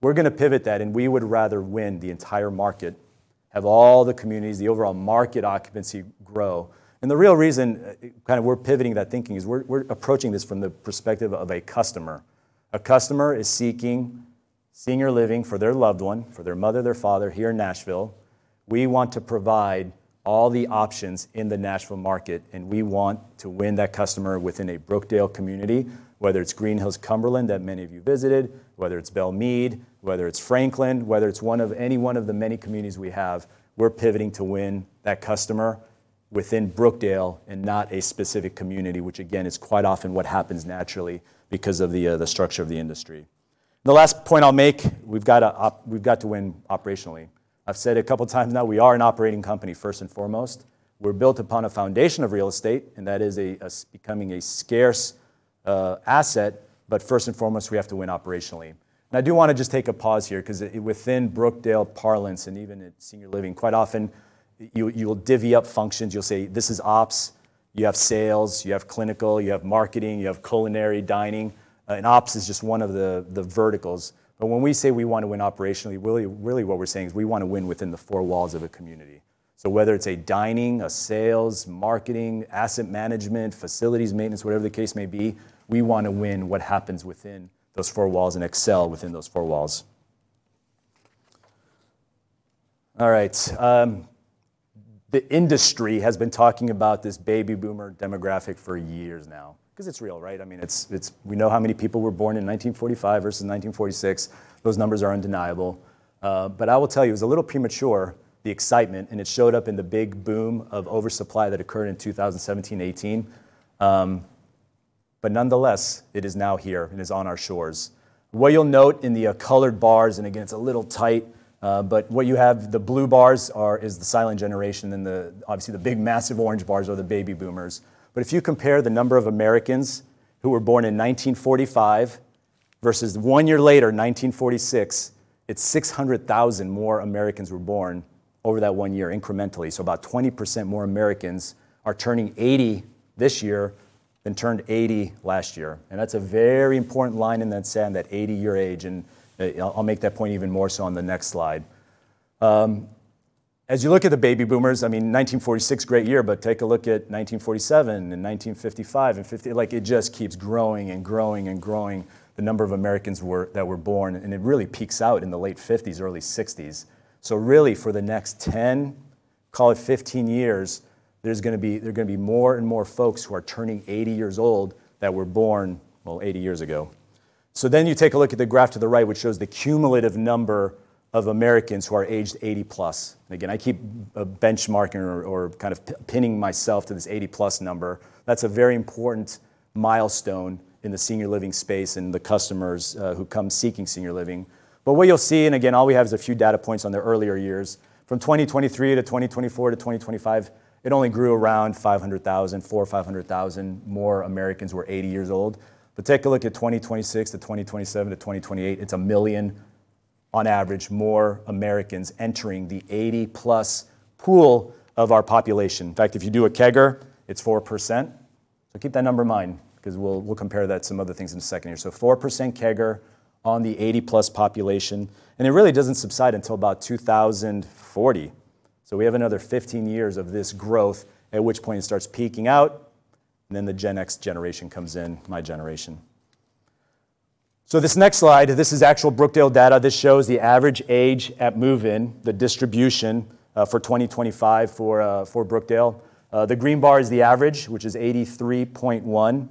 We're gonna pivot that, and we would rather win the entire market, have all the communities, the overall market occupancy grow. And the real reason, kind of we're pivoting that thinking, is we're approaching this from the perspective of a customer. A customer is seeking senior living for their loved one, for their mother, their father, here in Nashville. We want to provide all the options in the Nashville market, and we want to win that customer within a Brookdale community, whether it's Green Hills Cumberland, that many of you visited, whether it's Belle Meade, whether it's Franklin, whether it's one of... any one of the many communities we have, we're pivoting to win that customer within Brookdale and not a specific community, which again, is quite often what happens naturally because of the structure of the industry. The last point I'll make, we've got to win operationally. I've said a couple times now, we are an operating company, first and foremost. We're built upon a foundation of real estate, and that is becoming a scarce asset, but first and foremost, we have to win operationally. And I do wanna just take a pause here, 'cause within Brookdale parlance, and even at senior living, quite often you, you'll divvy up functions. You'll say, "This is ops." You have sales, you have clinical, you have marketing, you have culinary, dining, and ops is just one of the verticals. But when we say we want to win operationally, really, really what we're saying is we want to win within the four walls of a community. So whether it's a dining, a sales, marketing, asset management, facilities, maintenance, whatever the case may be, we want to win what happens within those four walls and excel within those four walls. All right, the industry has been talking about this Baby Boomer demographic for years now. 'Cause it's real, right? I mean, it's we know how many people were born in 1945 versus 1946. Those numbers are undeniable. But I will tell you, it was a little premature, the excitement, and it showed up in the big boom of oversupply that occurred in 2017, 2018. But nonetheless, it is now here, and it is on our shores. What you'll note in the colored bars, and again, it's a little tight, but what you have, the blue bars are the Silent Generation, and obviously, the big, massive orange bars are the Baby Boomers. But if you compare the number of Americans who were born in 1945 versus one year later, 1946, it's 600,000 more Americans were born over that one year incrementally. So about 20% more Americans are turning 80 this year than turned 80 last year, and that's a very important line in that sand, that 80-year age, and I'll make that point even more so on the next slide. As you look at the Baby Boomers, I mean, 1946, great year, but take a look at 1947 and 1955, and 50... like, it just keeps growing and growing and growing, the number of Americans that were born, and it really peaks out in the late 50s, early 60s. So really, for the next 10, call it 15 years, there's gonna be- there are gonna be more and more folks who are turning 80 years old than were born, well, 80 years ago. So then you take a look at the graph to the right, which shows the cumulative number of Americans who are aged 80+. Again, I keep benchmarking or kind of pinning myself to this 80+ number. That's a very important milestone in the senior living space and the customers who come seeking senior living. But what you'll see, and again, all we have is a few data points on the earlier years. From 2023 to 2024 to 2025, it only grew around 500,000, 400,000 or 500,000 more Americans were 80 years old. But take a look at 2026 to 2027 to 2028, it's 1 million on average more Americans entering the 80+ pool of our population. In fact, if you do a CAGR, it's 4%. So keep that number in mind, 'cause we'll compare that to some other things in a second here. So 4% CAGR on the 80+ population, and it really doesn't subside until about 2040. So we have another 15 years of this growth, at which point it starts peaking out, and then the Gen X generation comes in, my generation. So this next slide, this is actual Brookdale data. This shows the average age at move-in, the distribution, for 2025 for Brookdale. The green bar is the average, which is 83.1.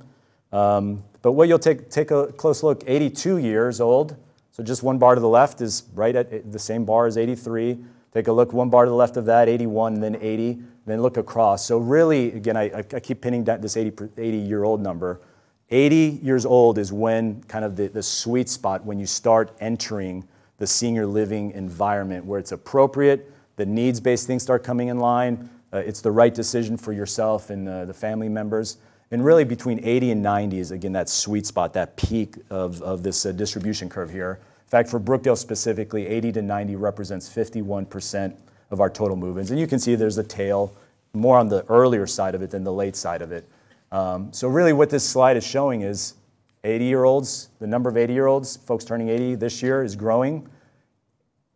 But what you'll take a close look, 82 years old, so just one bar to the left, is right at the same bar as 83. Take a look, one bar to the left of that, 81, then 80, then look across. So really, again, I keep pinning down this 80-year-old number. 80 years old is when, the sweet spot, when you start entering the senior living environment, where it's appropriate, the needs-based things start coming in line, it's the right decision for yourself and, the family members. And really, between 80 and 90 is, again, that sweet spot, that peak of, this, distribution curve here. In fact, for Brookdale specifically, 80 to 90 represents 51% of our total move-ins. And you can see there's a tail, more on the earlier side of it than the late side of it. So really what this slide is showing is 80-year-olds, the number of 80-year-olds, folks turning 80 this year, is growing.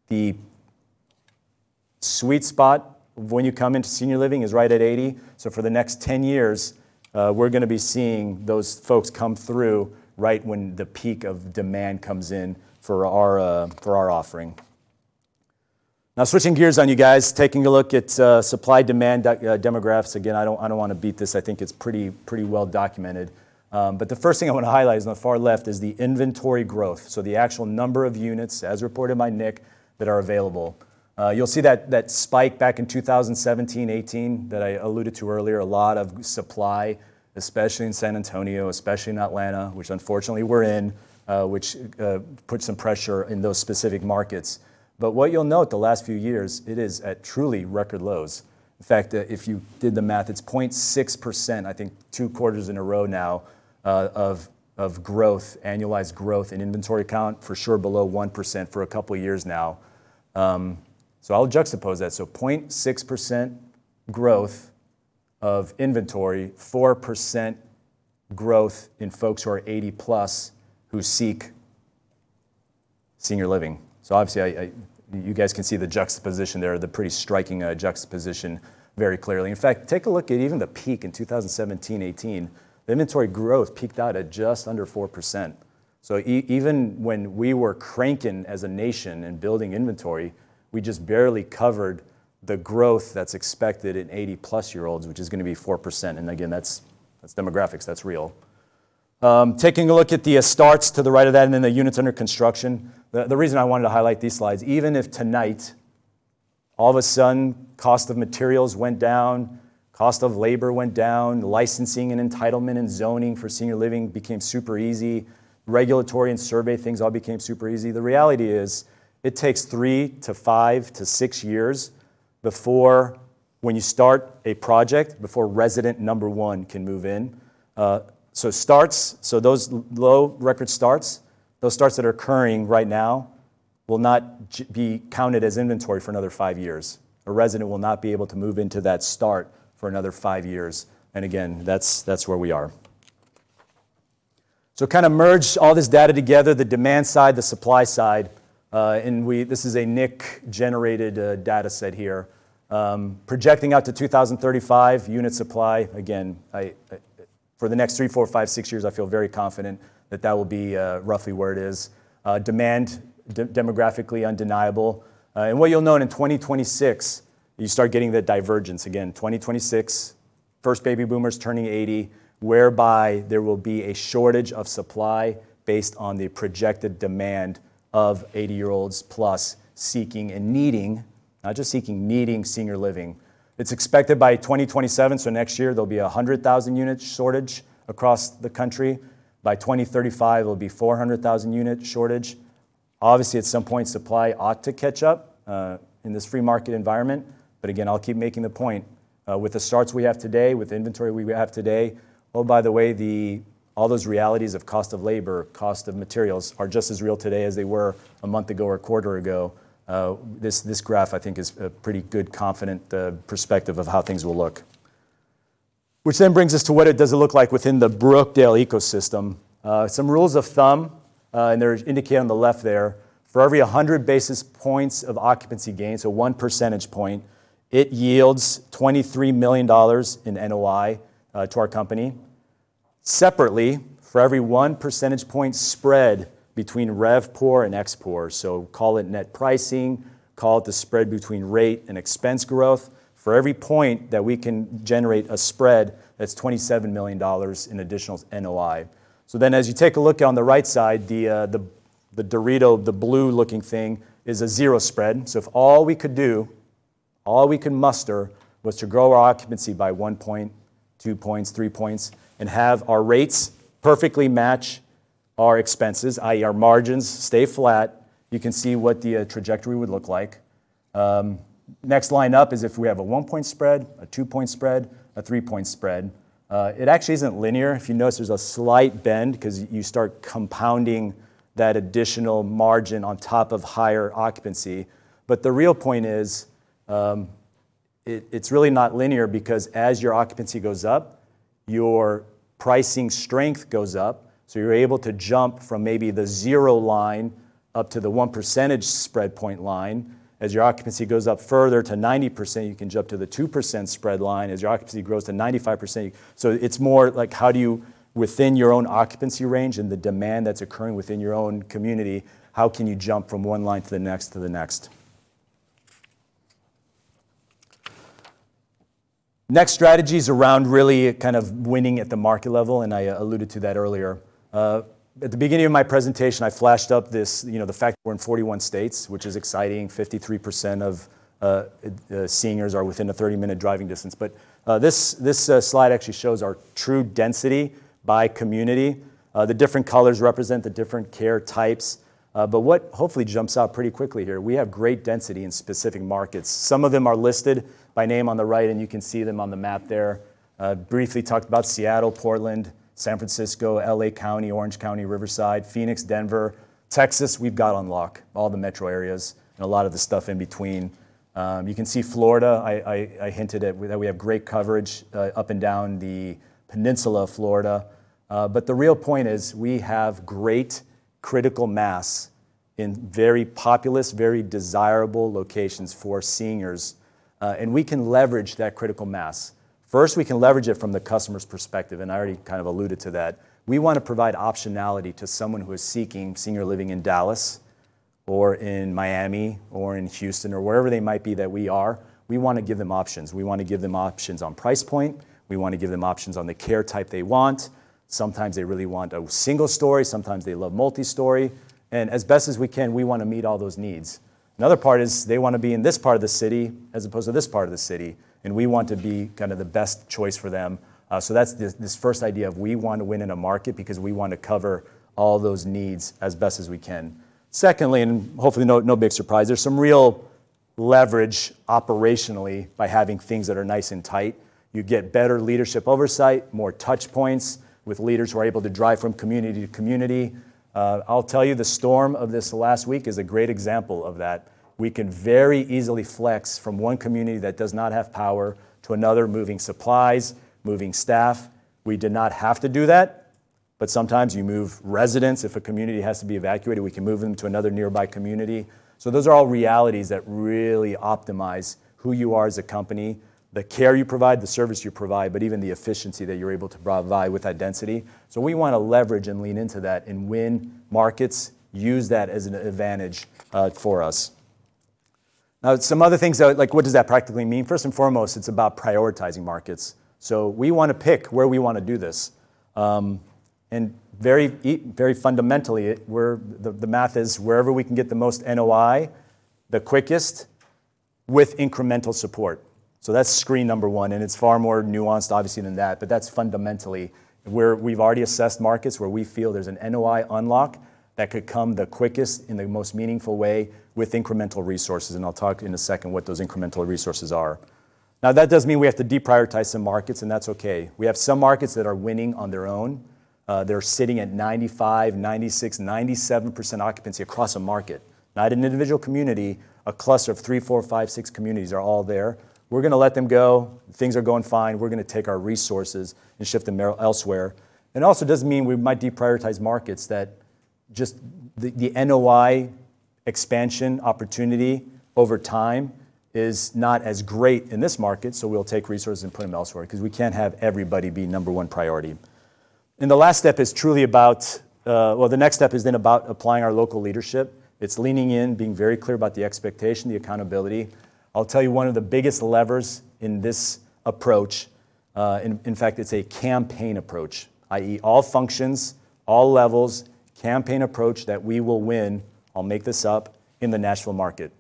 The sweet spot when you come into senior living is right at 80, so for the next 10 years, we're gonna be seeing those folks come through right when the peak of demand comes in for our offering. Now, switching gears on you guys, taking a look at supply, demand, demographics. Again, I don't, I don't wanna beat this. I think it's pretty, pretty well documented. But the first thing I want to highlight is on the far left, is the inventory growth, so the actual number of units, as reported by NIC, that are available. You'll see that spike back in 2017, 2018, that I alluded to earlier, a lot of supply, especially in San Antonio, especially in Atlanta, which unfortunately we're in, which put some pressure in those specific markets. But what you'll note the last few years, it is at truly record lows. In fact, if you did the math, it's 0.6%, I think, two quarters in a row now, of growth, annualized growth in inventory count, for sure below 1% for a couple years now. So I'll juxtapose that. So 0.6% growth of inventory, 4% growth in folks who are 80+, who seek senior living. So obviously, you guys can see the juxtaposition there, the pretty striking juxtaposition very clearly. In fact, take a look at even the peak in 2017, 2018, the inventory growth peaked out at just under 4%. So even when we were cranking as a nation and building inventory, we just barely covered the growth that's expected in 80+-year-olds, which is gonna be 4%, and again, that's demographics, that's real. Taking a look at the starts to the right of that, and then the units under construction. The reason I wanted to highlight these slides, even if tonight, all of a sudden, cost of materials went down, cost of labor went down, licensing and entitlement and zoning for senior living became super easy, regulatory and survey things all became super easy, the reality is, it takes 3 to 5 to 6 years before when you start a project, before resident number one can move in. So starts, so those low record starts, those starts that are occurring right now, will not be counted as inventory for another 5 years. A resident will not be able to move into that start for another 5 years, and again, that's, that's where we are. So kind of merged all this data together, the demand side, the supply side, and we. This is a NIC-generated data set here. Projecting out to 2035, unit supply, again, I. For the next 3, 4, 5, 6 years, I feel very confident that that will be roughly where it is. Demand, demographically undeniable. And what you'll note in 2026, you start getting the divergence again. 2026, first Baby Boomers turning 80, whereby there will be a shortage of supply based on the projected demand of 80-year-olds plus, seeking and needing, not just seeking, needing senior living. It's expected by 2027, so next year, there'll be a 100,000 unit shortage across the country. By 2035, it'll be 400,000 unit shortage. Obviously, at some point, supply ought to catch up in this free market environment. But again, I'll keep making the point, with the starts we have today, with the inventory we have today. Oh, by the way, the—all those realities of cost of labor, cost of materials, are just as real today as they were a month ago or a quarter ago. This, this graph, I think, is a pretty good confident perspective of how things will look. Which then brings us to what does it look like within the Brookdale ecosystem? Some rules of thumb, and they're indicated on the left there. For every 100 basis points of occupancy gain, so 1 percentage point, it yields $23 million in NOI to our company. Separately, for every 1 percentage point spread between RevPOR and ExpPOR, so call it net pricing, call it the spread between rate and expense growth. For every point that we can generate a spread, that's $27 million in additional NOI. So then, as you take a look on the right side, the, the Dorito, the blue-looking thing is a zero spread. So if all we could do, all we can muster, was to grow our occupancy by 1 point, 2 points, 3 points, and have our rates perfectly match our expenses, i.e., our margins stay flat, you can see what the trajectory would look like. Next line up is if we have a 1-point spread, a 2-point spread, a 3-point spread. It actually isn't linear. If you notice, there's a slight bend, 'cause you start compounding that additional margin on top of higher occupancy. But the real point is, it's really not linear, because as your occupancy goes up, your pricing strength goes up. So you're able to jump from maybe the 0 line up to the 1 percentage spread point line. As your occupancy goes up further to 90%, you can jump to the 2% spread line. As your occupancy grows to 95%, so it's more like, how do you, within your own occupancy range and the demand that's occurring within your own community, how can you jump from one line to the next, to the next? Next strategy's around really kind of winning at the market level, and I alluded to that earlier. At the beginning of my presentation, I flashed up this, you know, the fact we're in 41 states, which is exciting. 53% of seniors are within a 30-minute driving distance. But this slide actually shows our true density by community. The different colors represent the different care types, but what hopefully jumps out pretty quickly here, we have great density in specific markets. Some of them are listed by name on the right, and you can see them on the map there. Briefly talked about Seattle, Portland, San Francisco, L.A. County, Orange County, Riverside, Phoenix, Denver. Texas, we've got on lock, all the metro areas, and a lot of the stuff in between. You can see Florida. I hinted at that we have great coverage up and down the peninsula of Florida. But the real point is, we have great critical mass in very populous, very desirable locations for seniors, and we can leverage that critical mass. First, we can leverage it from the customer's perspective, and I already kind of alluded to that. We want to provide optionality to someone who is seeking senior living in Dallas, or in Miami, or in Houston, or wherever they might be that we are. We want to give them options. We want to give them options on price point. We want to give them options on the care type they want. Sometimes they really want a single story, sometimes they love multi-story, and as best as we can, we want to meet all those needs. Another part is they want to be in this part of the city as opposed to this part of the city, and we want to be kind of the best choice for them. So that's this, this first idea of we want to win in a market because we want to cover all those needs as best as we can. Secondly, and hopefully, no, no big surprise, there's some real leverage operationally by having things that are nice and tight. You get better leadership oversight, more touch points with leaders who are able to drive from community to community. I'll tell you, the storm of this last week is a great example of that. We can very easily flex from one community that does not have power to another, moving supplies, moving staff. We did not have to do that, but sometimes you move residents. If a community has to be evacuated, we can move them to another nearby community. So those are all realities that really optimize who you are as a company, the care you provide, the service you provide, but even the efficiency that you're able to provide with that density. So we want to leverage and lean into that and win markets, use that as an advantage, for us. Now, some other things, though, like, what does that practically mean? First and foremost, it's about prioritizing markets. So we want to pick where we want to do this. And very fundamentally, the math is wherever we can get the most NOI, the quickest, with incremental support. So that's screen number one, and it's far more nuanced, obviously, than that. But that's fundamentally where we've already assessed markets, where we feel there's an NOI unlock that could come the quickest in the most meaningful way with incremental resources, and I'll talk in a second what those incremental resources are. Now, that does mean we have to deprioritize some markets, and that's okay. We have some markets that are winning on their own. They're sitting at 95%, 96%, 97% occupancy across a market. Not an individual community, a cluster of three, four, five, six communities are all there. We're gonna let them go. Things are going fine. We're gonna take our resources and shift them elsewhere. And also, doesn't mean we might deprioritize markets that just the NOI expansion opportunity over time is not as great in this market, so we'll take resources and put them elsewhere 'cause we can't have everybody be number one priority. And the last step is truly about, well, the next step is then about applying our local leadership. It's leaning in, being very clear about the expectation, the accountability. I'll tell you, one of the biggest levers in this approach, in fact, it's a campaign approach, i.e., all functions, all levels, campaign approach that we will win, I'll make this up, in the national market.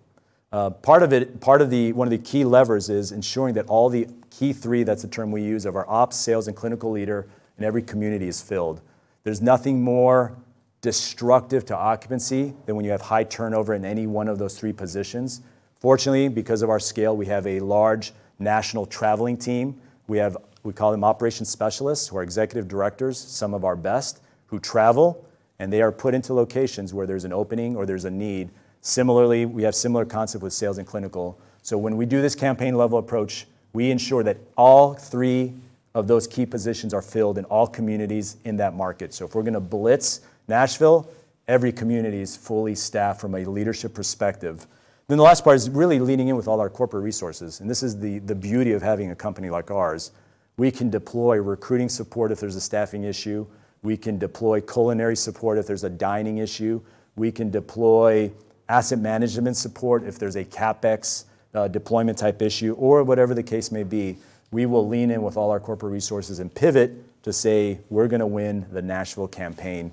Part of it, part of one of the key levers is ensuring that all the Key 3, that's the term we use, of our ops, sales, and clinical leader in every community is filled. There's nothing more destructive to occupancy than when you have high turnover in any one of those three positions. Fortunately, because of our scale, we have a large national traveling team. We have, we call them operations specialists who are executive directors, some of our best, who travel, and they are put into locations where there's an opening or there's a need. Similarly, we have similar concept with sales and clinical. So when we do this campaign-level approach, we ensure that all three of those key positions are filled in all communities in that market. So if we're gonna blitz Nashville, every community is fully staffed from a leadership perspective. Then, the last part is really leaning in with all our corporate resources, and this is the, the beauty of having a company like ours. We can deploy recruiting support if there's a staffing issue. We can deploy culinary support if there's a dining issue. We can deploy asset management support if there's a CapEx, deployment type issue, or whatever the case may be. We will lean in with all our corporate resources and pivot to say, "We're gonna win the Nashville campaign,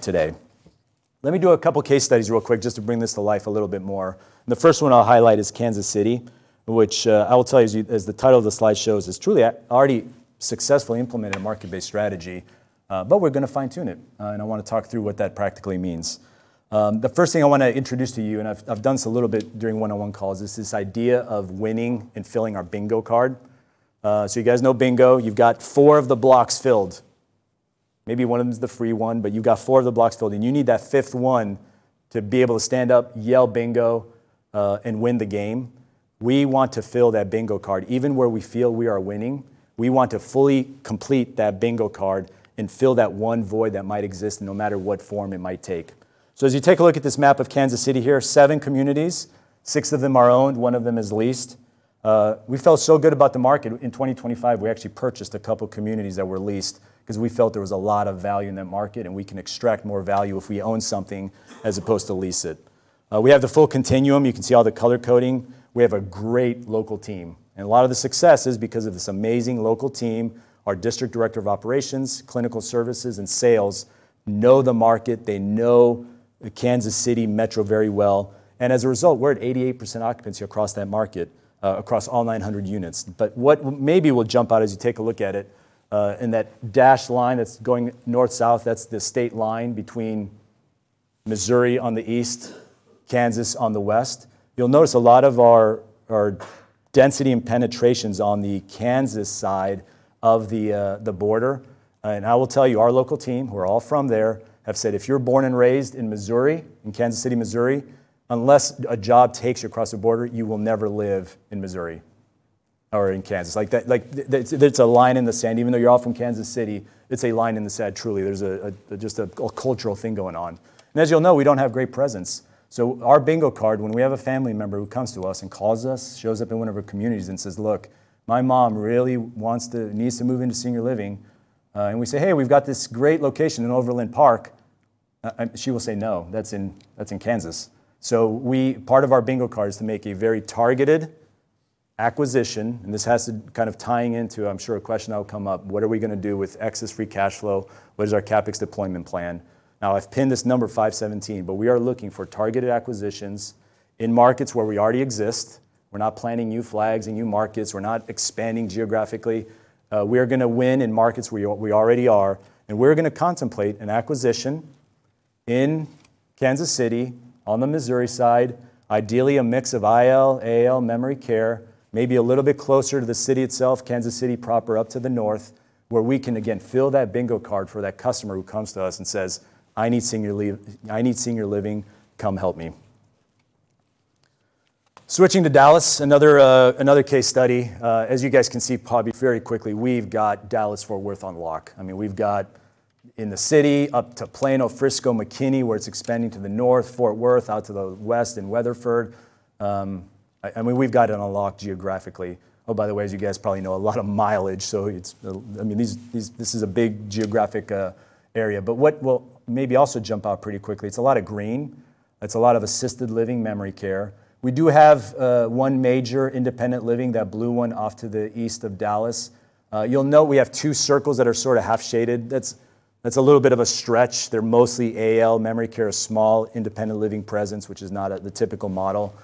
today." Let me do a couple case studies real quick, just to bring this to life a little bit more. The first one I'll highlight is Kansas City, which, I will tell you, as the title of the slide shows, is truly already successfully implemented a market-based strategy, but we're gonna fine-tune it, and I want to talk through what that practically means. The first thing I want to introduce to you, and I've done this a little bit during one-on-one calls, is this idea of winning and filling our bingo card. So you guys know bingo. You've got four of the blocks filled. Maybe one of them is the free one, but you've got four of the blocks filled, and you need that 5th one to be able to stand up, yell, "Bingo!" and win the game. We want to fill that bingo card. Even where we feel we are winning, we want to fully complete that bingo card and fill that one void that might exist, no matter what form it might take. So as you take a look at this map of Kansas City here, seven communities, six of them are owned, one of them is leased. We felt so good about the market in 2025, we actually purchased a couple communities that were leased 'cause we felt there was a lot of value in that market, and we can extract more value if we own something as opposed to lease it. We have the full continuum. You can see all the color coding. We have a great local team, and a lot of the success is because of this amazing local team. Our district director of operations, clinical services, and sales know the market. They know the Kansas City metro very well, and as a result, we're at 88% occupancy across that market, across all 900 units. But what maybe will jump out as you take a look at it, and that dashed line that's going north-south, that's the state line between Missouri on the east, Kansas on the west. You'll notice a lot of our, our density and penetrations on the Kansas side of the, the border.... I will tell you, our local team, who are all from there, have said, "If you're born and raised in Missouri, in Kansas City, Missouri, unless a job takes you across the border, you will never live in Missouri or in Kansas." Like, there's a line in the sand. Even though you're all from Kansas City, it's a line in the sand, truly. There's just a cultural thing going on. As you all know, we don't have great presence, so our bingo card, when we have a family member who comes to us, and calls us, shows up in one of our communities and says, "Look, my mom really wants to needs to move into senior living." And we say, "Hey, we've got this great location in Overland Park." She will say, "No, that's in, that's in Kansas." So part of our bingo card is to make a very targeted acquisition, and this has kind of tying into, I'm sure, a question that will come up, what are we gonna do with excess free cash flow? What is our CapEx deployment plan? Now, I've pinned this number 517, but we are looking for targeted acquisitions in markets where we already exist. We're not planting new flags in new markets. We're not expanding geographically. We are gonna win in markets where we already are, and we're gonna contemplate an acquisition in Kansas City, on the Missouri side, ideally, a mix of IL, memory care, maybe a little bit closer to the city itself, Kansas City proper, up to the north, where we can, again, fill that bingo card for that customer who comes to us and says, "I need senior liv- I need senior living. Come help me." Switching to Dallas, another case study. As you guys can see probably very quickly, we've got Dallas-Fort Worth on lock. I mean, we've got in the city up to Plano, Frisco, McKinney, where it's expanding to the north, Fort Worth, out to the west in Weatherford. I mean, we've got it on lock geographically. Oh, by the way, as you guys probably know, a lot of mileage, so it's... I mean, these, this is a big geographic area. But what will maybe also jump out pretty quickly, it's a lot of green. It's a lot of assisted memory care. We do have one major independent living, that blue one off to the east of Dallas. You'll note we have two circles that are sort of half shaded. That's a little bit of a stretch. They're mostly memory care, a small independent living presence, which is not the typical model.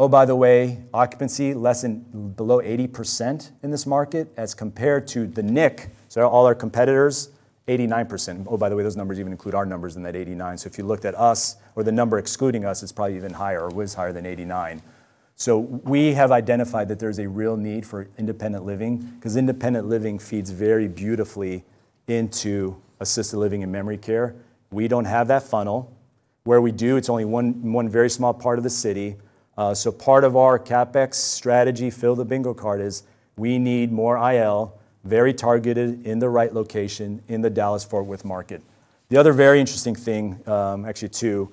Oh, by the way, occupancy less than below 80% in this market as compared to the NIC. So all our competitors, 89%. Oh, by the way, those numbers even include our numbers in that 89, so if you looked at us, or the number excluding us, it's probably even higher, or was higher than 89. So we have identified that there's a real need for independent living, 'cause independent living feeds very beautifully into assisted living memory care. We don't have that funnel. Where we do, it's only one, one very small part of the city. So part of our CapEx strategy, fill the bingo card, is we need more IL, very targeted, in the right location in the Dallas-Fort Worth market. The other very interesting thing, actually two,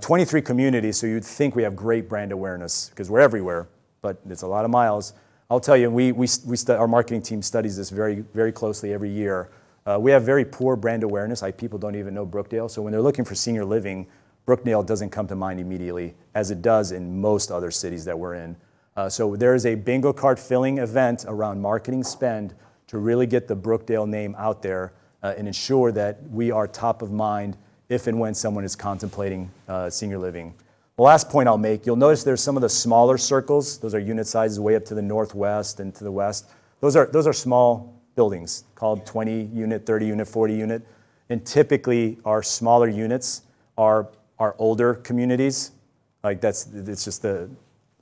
23 communities, so you'd think we have great brand awareness, 'cause we're everywhere, but it's a lot of miles. I'll tell you, and we, we our marketing team studies this very, very closely every year. We have very poor brand awareness, like, people don't even know Brookdale, so when they're looking for senior living, Brookdale doesn't come to mind immediately, as it does in most other cities that we're in. So there is a bingo card filling event around marketing spend to really get the Brookdale name out there, and ensure that we are top of mind if and when someone is contemplating senior living. The last point I'll make, you'll notice there's some of the smaller circles. Those are unit sizes way up to the northwest and to the west. Those are, those are small buildings called 20-unit, 30-unit, 40-unit, and typically, our smaller units are our older communities. Like, that's... It's just the,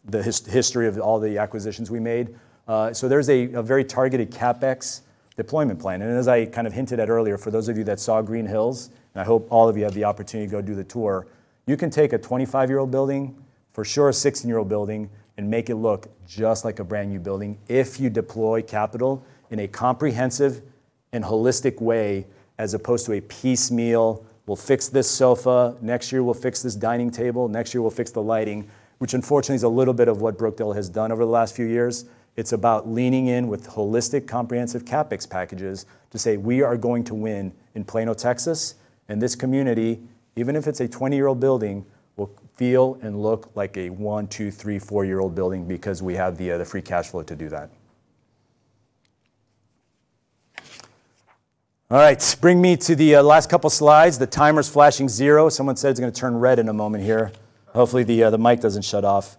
the history of all the acquisitions we made. So, there's a very targeted CapEx deployment plan, and as I kind of hinted at earlier, for those of you that saw Green Hills, and I hope all of you have the opportunity to go do the tour, you can take a 25-year-old building, for sure a 16-year-old building, and make it look just like a brand-new building if you deploy capital in a comprehensive and holistic way as opposed to a piecemeal, we'll fix this sofa, next year we'll fix this dining table, next year we'll fix the lighting, which unfortunately is a little bit of what Brookdale has done over the last few years. It's about leaning in with holistic, comprehensive CapEx packages to say, "We are going to win in Plano, Texas, and this community, even if it's a 20-year-old building, will feel and look like a 1, 2, 3, 4-year-old building because we have the, the free cash flow to do that." All right, bring me to the last couple slides. The timer's flashing zero. Someone said it's gonna turn red in a moment here. Hopefully, the, the mic doesn't shut off.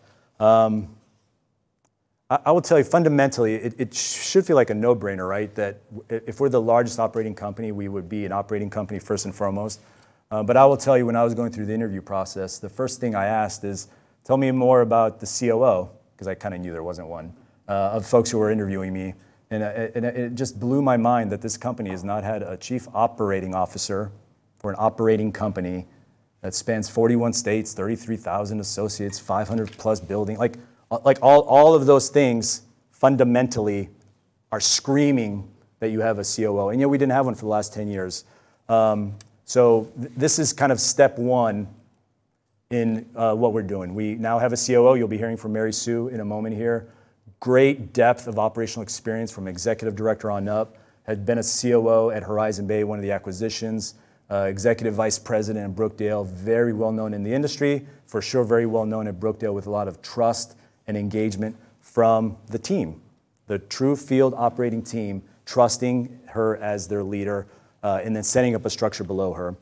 I, I will tell you, fundamentally, it should feel like a no-brainer, right? That if we're the largest operating company, we would be an operating company first and foremost. But I will tell you, when I was going through the interview process, the first thing I asked is, "Tell me more about the COO," 'cause I kinda knew there wasn't one, of the folks who were interviewing me, and it just blew my mind that this company has not had a Chief Operating Officer for an operating company that spans 41 states, 33,000 associates, 500+ buildings. Like, all of those things fundamentally are screaming that you have a COO, and yet we didn't have one for the last 10 years. So this is kind of step one in what we're doing. We now have a COO. You'll be hearing from Mary Sue in a moment here. Great depth of operational experience from executive director on up, had been a COO at Horizon Bay, one of the acquisitions, executive vice president at Brookdale, very well-known in the industry, for sure very well-known at Brookdale, with a lot of trust and engagement from the team. The true field operating team trusting her as their leader, and then setting up a structure below her.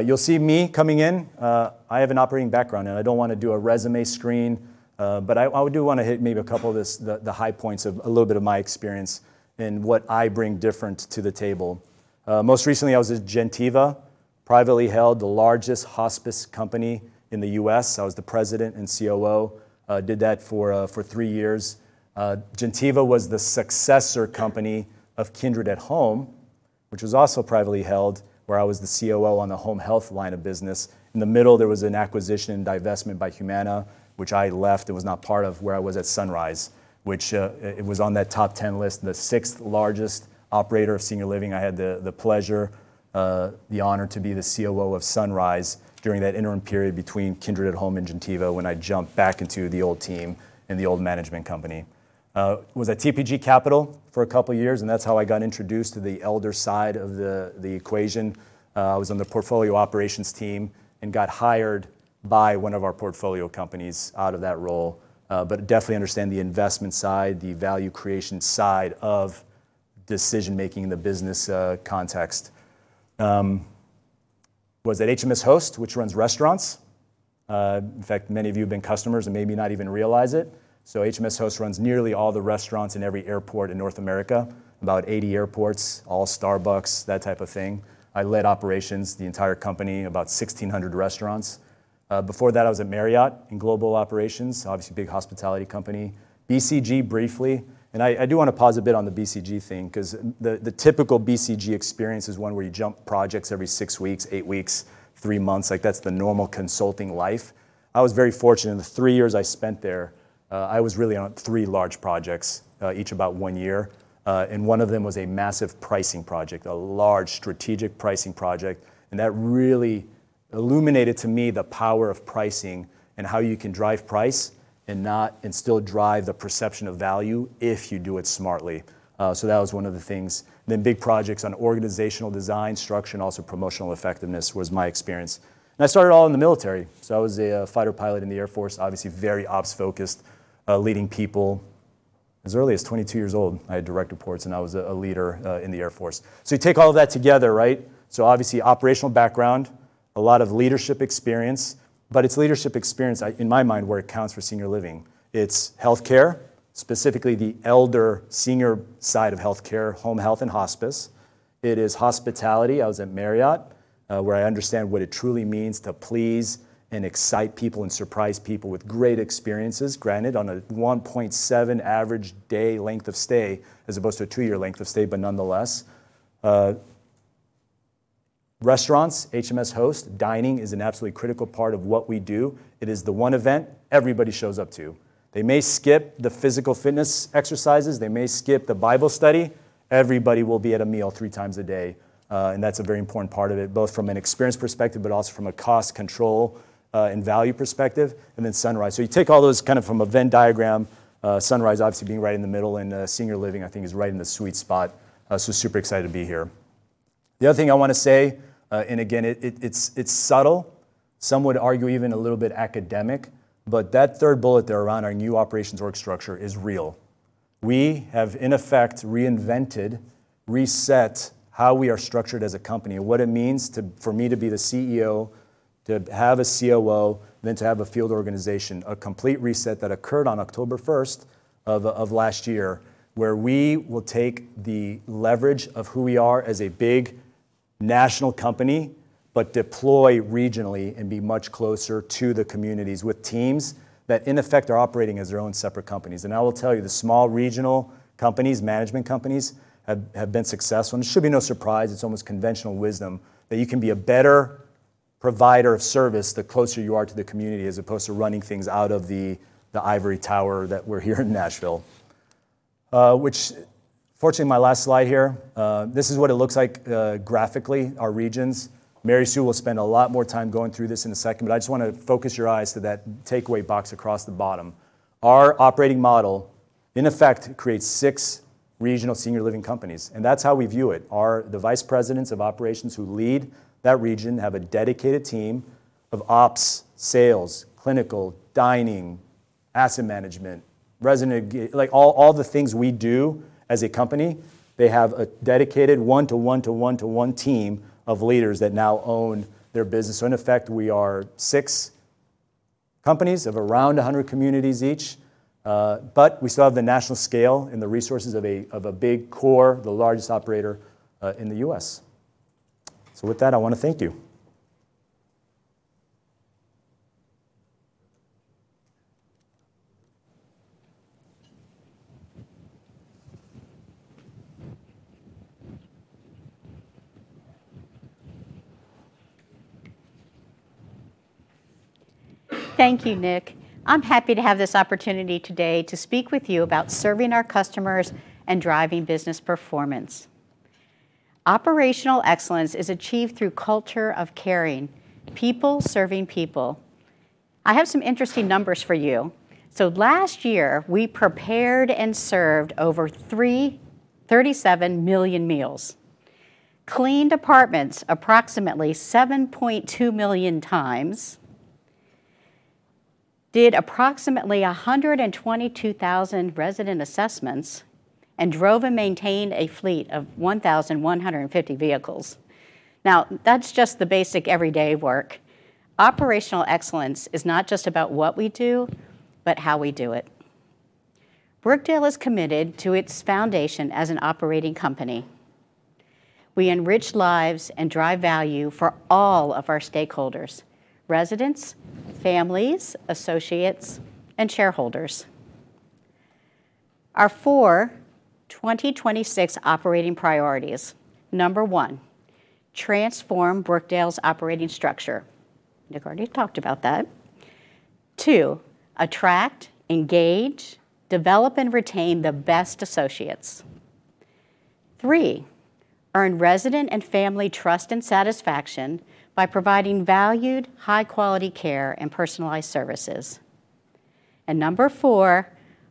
You'll see me coming in. I have an operating background, and I don't wanna do a resume screen, but I do wanna hit maybe a couple of the high points of a little bit of my experience and what I bring different to the table. Most recently, I was at Gentiva, privately held, the largest hospice company in the U.S. I was the president and COO. Did that for three years. Gentiva was the successor company of Kindred at Home, which was also privately held, where I was the COO on the home health line of business. In the middle, there was an acquisition and divestment by Humana, which I left. It was not part of where I was at Sunrise, which it was on that top ten list, the sixth largest operator of senior living. I had the pleasure, the honor to be the COO of Sunrise during that interim period between Kindred at Home and Gentiva, when I jumped back into the old team and the old management company. Was at TPG Capital for a couple years, and that's how I got introduced to the elder side of the equation. I was on the portfolio operations team and got hired by one of our portfolio companies out of that role. But definitely understand the investment side, the value creation side of decision-making in the business, context. Was at HMSHost, which runs restaurants. In fact, many of you have been customers and maybe not even realize it. So HMSHost runs nearly all the restaurants in every airport in North America, about 80 airports, all Starbucks, that type of thing. I led operations, the entire company, about 1,600 restaurants. Before that, I was at Marriott in global operations, obviously, a big hospitality company. BCG, briefly, and I, I do wanna pause a bit on the BCG thing, 'cause the, the typical BCG experience is one where you jump projects every six weeks, eight weeks, three months. Like, that's the normal consulting life. I was very fortunate. In the three years I spent there, I was really on three large projects, each about one year. And one of them was a massive pricing project, a large strategic pricing project, and that really illuminated to me the power of pricing and how you can drive price and still drive the perception of value if you do it smartly. So that was one of the things. Then big projects on organizational design, structure, and also promotional effectiveness was my experience. And I started all in the military. So I was a fighter pilot in the Air Force, obviously very ops-focused, leading people. As early as 22 years old, I had direct reports, and I was a leader in the Air Force. So you take all of that together, right? So obviously, operational background, a lot of leadership experience, but it's leadership experience, in my mind, where it counts for senior living. It's healthcare, specifically the elder senior side of healthcare, home health, and hospice. It is hospitality. I was at Marriott, where I understand what it truly means to please and excite people and surprise people with great experiences, granted, on a 1.7 average day length of stay, as opposed to a two-year length of stay, but nonetheless. Restaurants, HMSHost. Dining is an absolutely critical part of what we do. It is the one event everybody shows up to. They may skip the physical fitness exercises. They may skip the Bible study. Everybody will be at a meal three times a day, and that's a very important part of it, both from an experience perspective, but also from a cost control, and value perspective, and then Sunrise. So you take all those kind of from a Venn diagram, Sunrise obviously being right in the middle, and senior living, I think, is right in the sweet spot. So super excited to be here. The other thing I wanna say, and again, it's subtle, some would argue even a little bit academic, but that third bullet there around our new operations org structure is real. We have, in effect, reinvented, reset how we are structured as a company and what it means to... for me to be the CEO, to have a COO, then to have a field organization. A complete reset that occurred on October first of last year, where we will take the leverage of who we are as a big national company, but deploy regionally and be much closer to the communities, with teams that, in effect, are operating as their own separate companies. And I will tell you, the small regional companies, management companies, have been successful, and it should be no surprise, it's almost conventional wisdom, that you can be a better provider of service the closer you are to the community, as opposed to running things out of the ivory tower that we're here in Nashville. Which fortunately, my last slide here, this is what it looks like, graphically, our regions. Mary Sue will spend a lot more time going through this in a second, but I just wanna focus your eyes to that takeaway box across the bottom. Our operating model, in effect, creates six regional senior living companies, and that's how we view it. The vice presidents of operations who lead that region have a dedicated team of ops, sales, clinical, dining, asset management, Resident Life, all, all the things we do as a company, they have a dedicated one-to-one-to-one-to-one team of leaders that now own their business. So in effect, we are six companies of around 100 communities each. But we still have the national scale and the resources of a, of a big core, the largest operator in the U.S. So with that, I wanna thank you. Thank you, Nick. I'm happy to have this opportunity today to speak with you about serving our customers and driving business performance. Operational excellence is achieved through culture of caring, people serving people. I have some interesting numbers for you. So last year, we prepared and served over 337 million meals, cleaned apartments approximately 7.2 million times, did approximately 122,000 resident assessments, and drove and maintained a fleet of 1,150 vehicles. Now, that's just the basic everyday work. Operational excellence is not just about what we do, but how we do it.... Brookdale is committed to its foundation as an operating company. We enrich lives and drive value for all of our stakeholders: residents, families, associates, and shareholders. Our 2026 operating priorities. Number one, transform Brookdale's operating structure. Nick already talked about that. 2, attract, engage, develop, and retain the best associates. 3, earn resident and family trust and satisfaction by providing valued, high-quality care and personalized services. And number 4,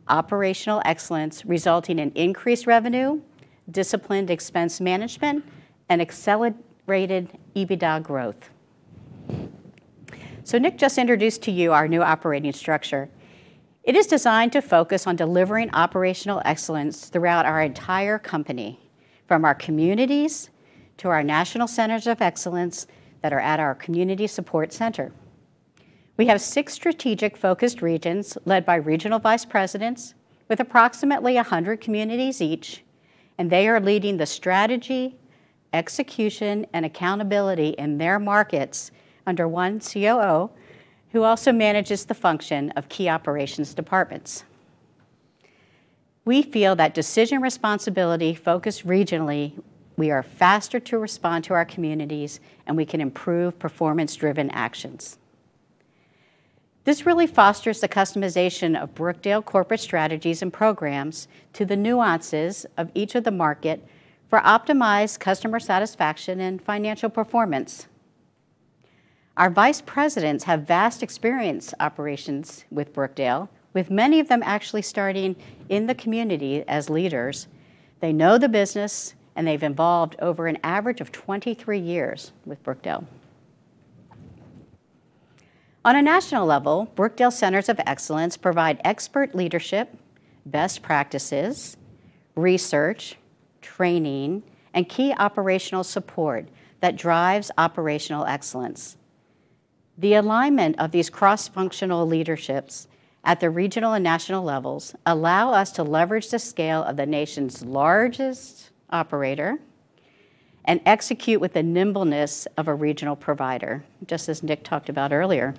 operational excellence resulting in increased revenue, disciplined expense management, and accelerated EBITDA growth. So Nick just introduced to you our new operating structure. It is designed to focus on delivering operational excellence throughout our entire company, from our communities to our national centers of excellence that are at our Community Support Center. We have six strategic-focused regions, led by regional vice presidents, with approximately 100 communities each, and they are leading the strategy, execution, and accountability in their markets under one COO, who also manages the function of key operations departments. We feel that decision responsibility focused regionally, we are faster to respond to our communities, and we can improve performance-driven actions. This really fosters the customization of Brookdale corporate strategies and programs to the nuances of each of the market for optimized customer satisfaction and financial performance. Our vice presidents have vast experience operations with Brookdale, with many of them actually starting in the community as leaders. They know the business, and they've involved over an average of 23 years with Brookdale. On a national level, Brookdale Centers of Excellence provide expert leadership, best practices, research, training, and key operational support that drives operational excellence. The alignment of these cross-functional leaderships at the regional and national levels allow us to leverage the scale of the nation's largest operator and execute with the nimbleness of a regional provider, just as Nick talked about earlier.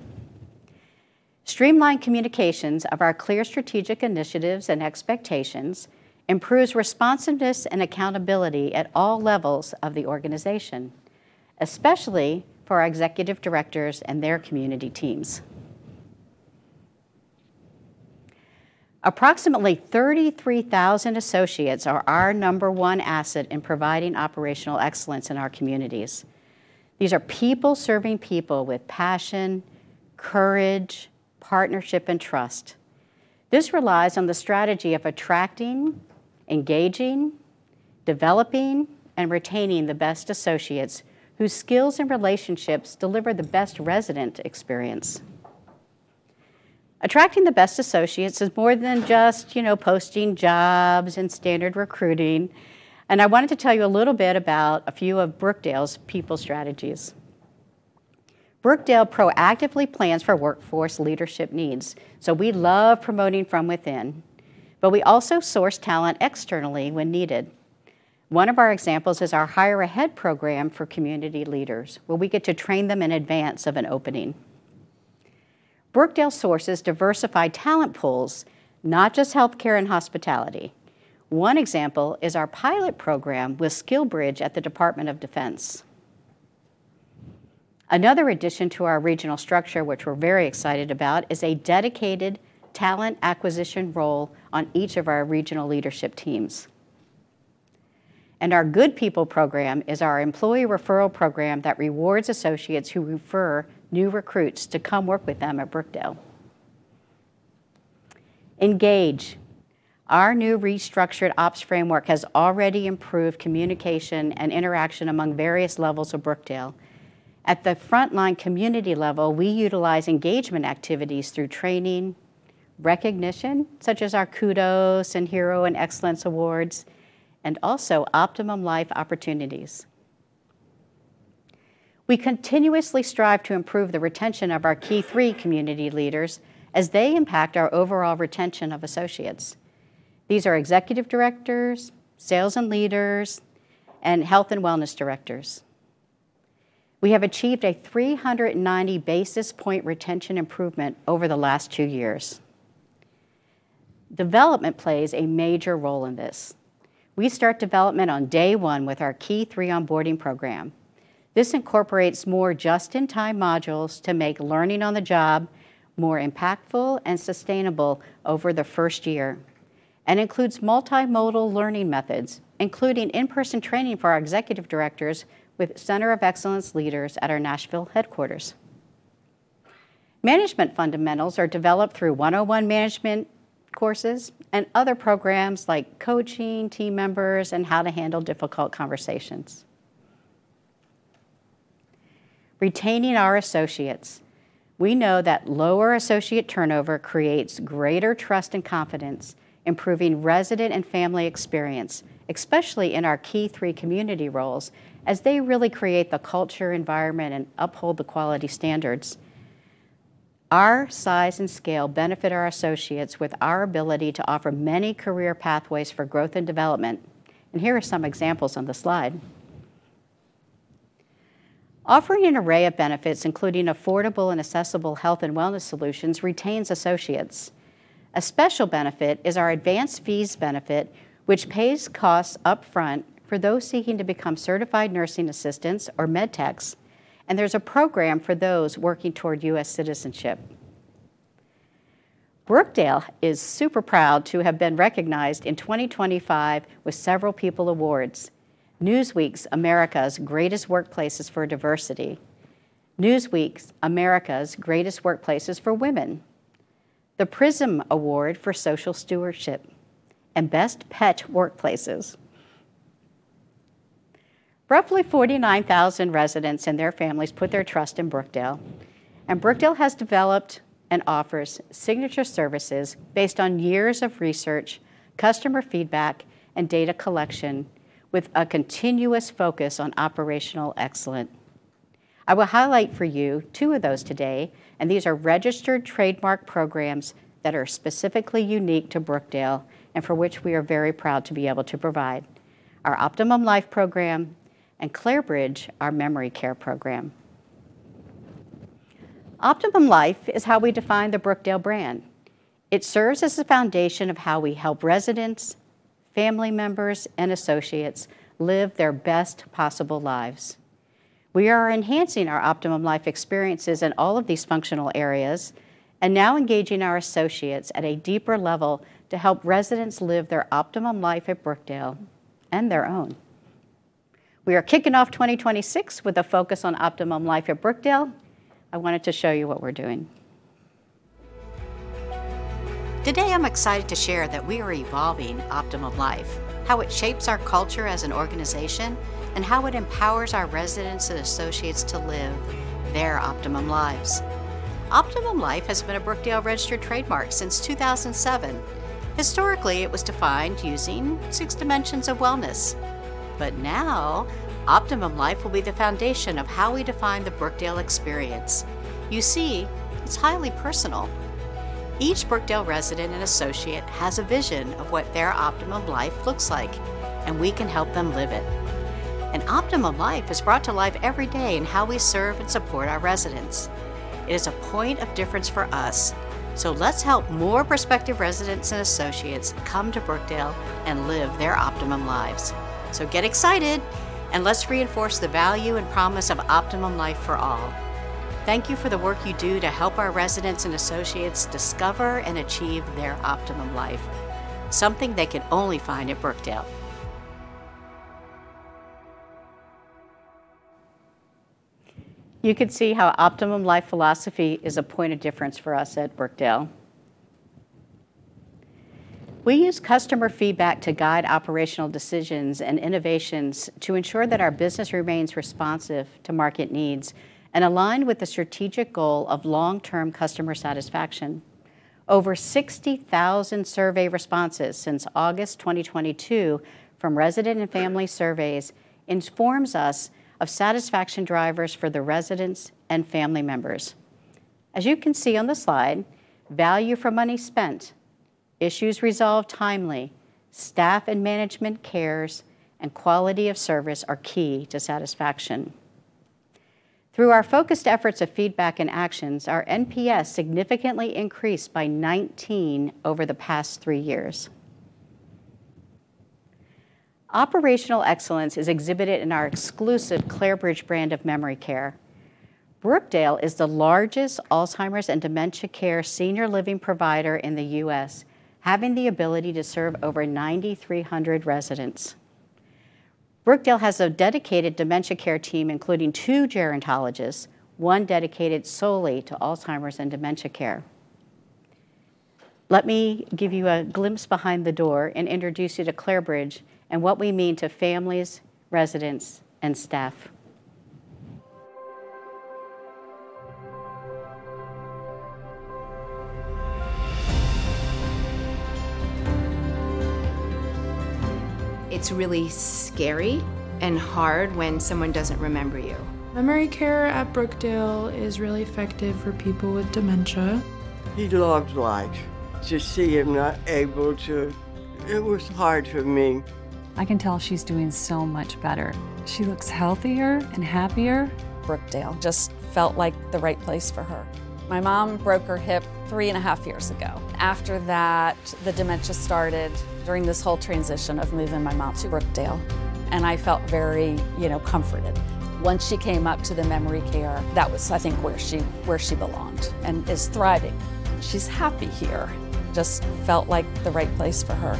Streamlined communications of our clear strategic initiatives and expectations improves responsiveness and accountability at all levels of the organization, especially for our executive directors and their community teams. Approximately 33,000 associates are our number one asset in providing operational excellence in our communities. These are people serving people with passion, courage, partnership, and trust. This relies on the strategy of attracting, engaging, developing, and retaining the best associates, whose skills and relationships deliver the best resident experience. Attracting the best associates is more than just, you know, posting jobs and standard recruiting, and I wanted to tell you a little bit about a few of Brookdale's people strategies. Brookdale proactively plans for workforce leadership needs, so we love promoting from within, but we also source talent externally when needed. One of our examples is our Hire Ahead program for community leaders, where we get to train them in advance of an opening. Brookdale sources diversify talent pools, not just healthcare and hospitality. One example is our pilot program with SkillBridge at the Department of Defense. Another addition to our regional structure, which we're very excited about, is a dedicated talent acquisition role on each of our regional leadership teams. Our Good People program is our employee referral program that rewards associates who refer new recruits to come work with them at Brookdale. Engage. Our new restructured ops framework has already improved communication and interaction among various levels of Brookdale. At the frontline community level, we utilize engagement activities through training, recognition, such as our Kudos and Hero and Excellence awards, and also Optimum Life opportunities. We continuously strive to improve the retention of our Key 3 community leaders as they impact our overall retention of associates. These are executive directors, sales leaders, and health and wellness directors. We have achieved a 390 basis point retention improvement over the last two years. Development plays a major role in this. We start development on day one with our Key 3 onboarding program. This incorporates more just-in-time modules to make learning on the job more impactful and sustainable over the first year and includes multimodal learning methods, including in-person training for our executive directors with Center of Excellence leaders at our Nashville headquarters. Management fundamentals are developed through one-on-one management courses and other programs like coaching team members and how to handle difficult conversations. Retaining our associates. We know that lower associate turnover creates greater trust and confidence, improving resident and family experience, especially in our Key 3 community roles, as they really create the culture, environment, and uphold the quality standards. Our size and scale benefit our associates with our ability to offer many career pathways for growth and development, and here are some examples on the slide. Offering an array of benefits, including affordable and accessible health and wellness solutions, retains associates. A special benefit is our advanced fees benefit, which pays costs upfront for those seeking to become certified nursing assistants or med techs, and there's a program for those working toward U.S. citizenship. Brookdale is super proud to have been recognized in 2025 with several people awards: Newsweek's America's Greatest Workplaces for Diversity, Newsweek's America's Greatest Workplaces for Women, the Prism Award for Social Stewardship, and Best Pet Workplaces. Roughly 49,000 residents and their families put their trust in Brookdale, and Brookdale has developed and offers signature services based on years of research, customer feedback, and data collection, with a continuous focus on operational excellence. I will highlight for you two of those today, and these are registered trademark programs that are specifically unique to Brookdale, and for which we are very proud to be able to provide: our Optimum Life program and Clare Bridge, memory care program. Optimum Life is how we define the Brookdale brand. It serves as the foundation of how we help residents, family members, and associates live their best possible lives. We are enhancing our Optimum Life experiences in all of these functional areas and now engaging our associates at a deeper level to help residents live their Optimum Life at Brookdale and their own. We are kicking off 2026 with a focus on Optimum Life at Brookdale. I wanted to show you what we're doing. Today, I'm excited to share that we are evolving Optimum Life, how it shapes our culture as an organization, and how it empowers our residents and associates to live their optimum lives. Optimum Life has been a Brookdale registered trademark since 2007. Historically, it was defined using six dimensions of wellness, but now, Optimum Life will be the foundation of how we define the Brookdale experience. You see, it's highly personal. Each Brookdale resident and associate has a vision of what their optimum life looks like, and we can help them live it. Optimum Life is brought to life every day in how we serve and support our residents. It is a point of difference for us, so let's help more prospective residents and associates come to Brookdale and live their optimum lives. Get excited, and let's reinforce the value and promise of Optimum Life for all. Thank you for the work you do to help our residents and associates discover and achieve their Optimum Life, something they can only find at Brookdale. You can see how Optimum Life philosophy is a point of difference for us at Brookdale. We use customer feedback to guide operational decisions and innovations to ensure that our business remains responsive to market needs and aligned with the strategic goal of long-term customer satisfaction. Over 60,000 survey responses since August 2022 from resident and family surveys informs us of satisfaction drivers for the residents and family members. As you can see on the slide, value for money spent, issues resolved timely, staff and management cares, and quality of service are key to satisfaction. Through our focused efforts of feedback and actions, our NPS significantly increased by 19 over the past three years. Operational excellence is exhibited in our exclusive Clare Bridge brand memory care. Brookdale is the largest Alzheimer's and dementia care senior living provider in the U.S., having the ability to serve over 9,300 residents. Brookdale has a dedicated dementia care team, including two gerontologists, one dedicated solely to Alzheimer's and dementia care. Let me give you a glimpse behind the door and introduce you to Clare Bridge and what we mean to families, residents, and staff. It's really scary and hard when someone doesn't remember you. memory care at Brookdale is really effective for people with dementia. He loved life. To see him not able to... It was hard for me. I can tell she's doing so much better. She looks healthier and happier. Brookdale just felt like the right place for her. My mom broke her hip three and a half years ago. After that, the dementia started during this whole transition of moving my mom to Brookdale, and I felt very, you know, comforted. Once she came up to memory care, that was, I think, where she, where she belonged and is thriving. She's happy here. Just felt like the right place for her.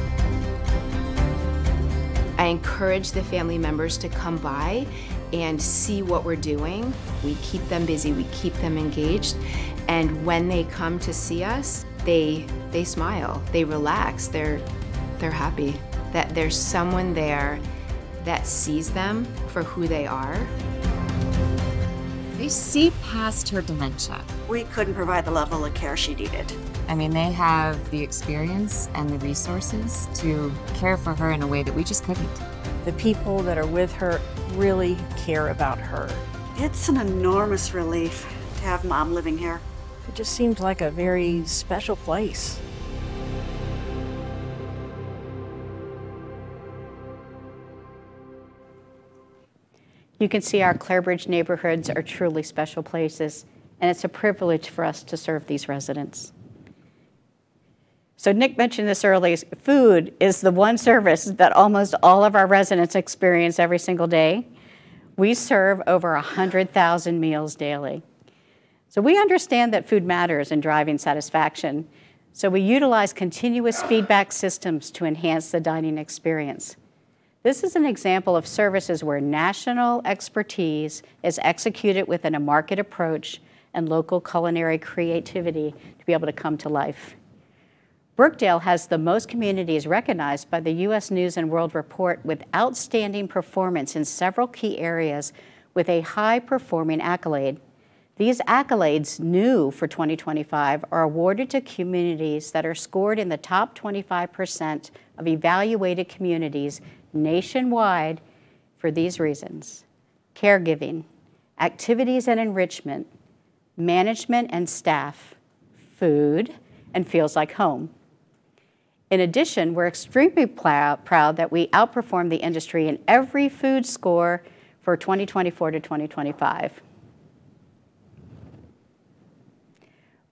I encourage the family members to come by and see what we're doing. We keep them busy, we keep them engaged, and when they come to see us, they smile, they relax. They're happy that there's someone there that sees them for who they are. They see past her dementia. We couldn't provide the level of care she needed. I mean, they have the experience and the resources to care for her in a way that we just couldn't. The people that are with her really care about her. It's an enormous relief to have Mom living here. It just seems like a very special place. ... You can see our Clare Bridge neighborhoods are truly special places, and it's a privilege for us to serve these residents. So Nick mentioned this earlier, food is the one service that almost all of our residents experience every single day. We serve over 100,000 meals daily. So we understand that food matters in driving satisfaction, so we utilize continuous feedback systems to enhance the dining experience. This is an example of services where national expertise is executed within a market approach and local culinary creativity to be able to come to life. Brookdale has the most communities recognized by the U.S. News & World Report with outstanding performance in several key areas, with a high-performing accolade. These accolades, new for 2025, are awarded to communities that are scored in the top 25% of evaluated communities nationwide for these reasons: caregiving, activities and enrichment, management and staff, food, and feels like home. In addition, we're extremely proud that we outperform the industry in every food score for 2024-2025.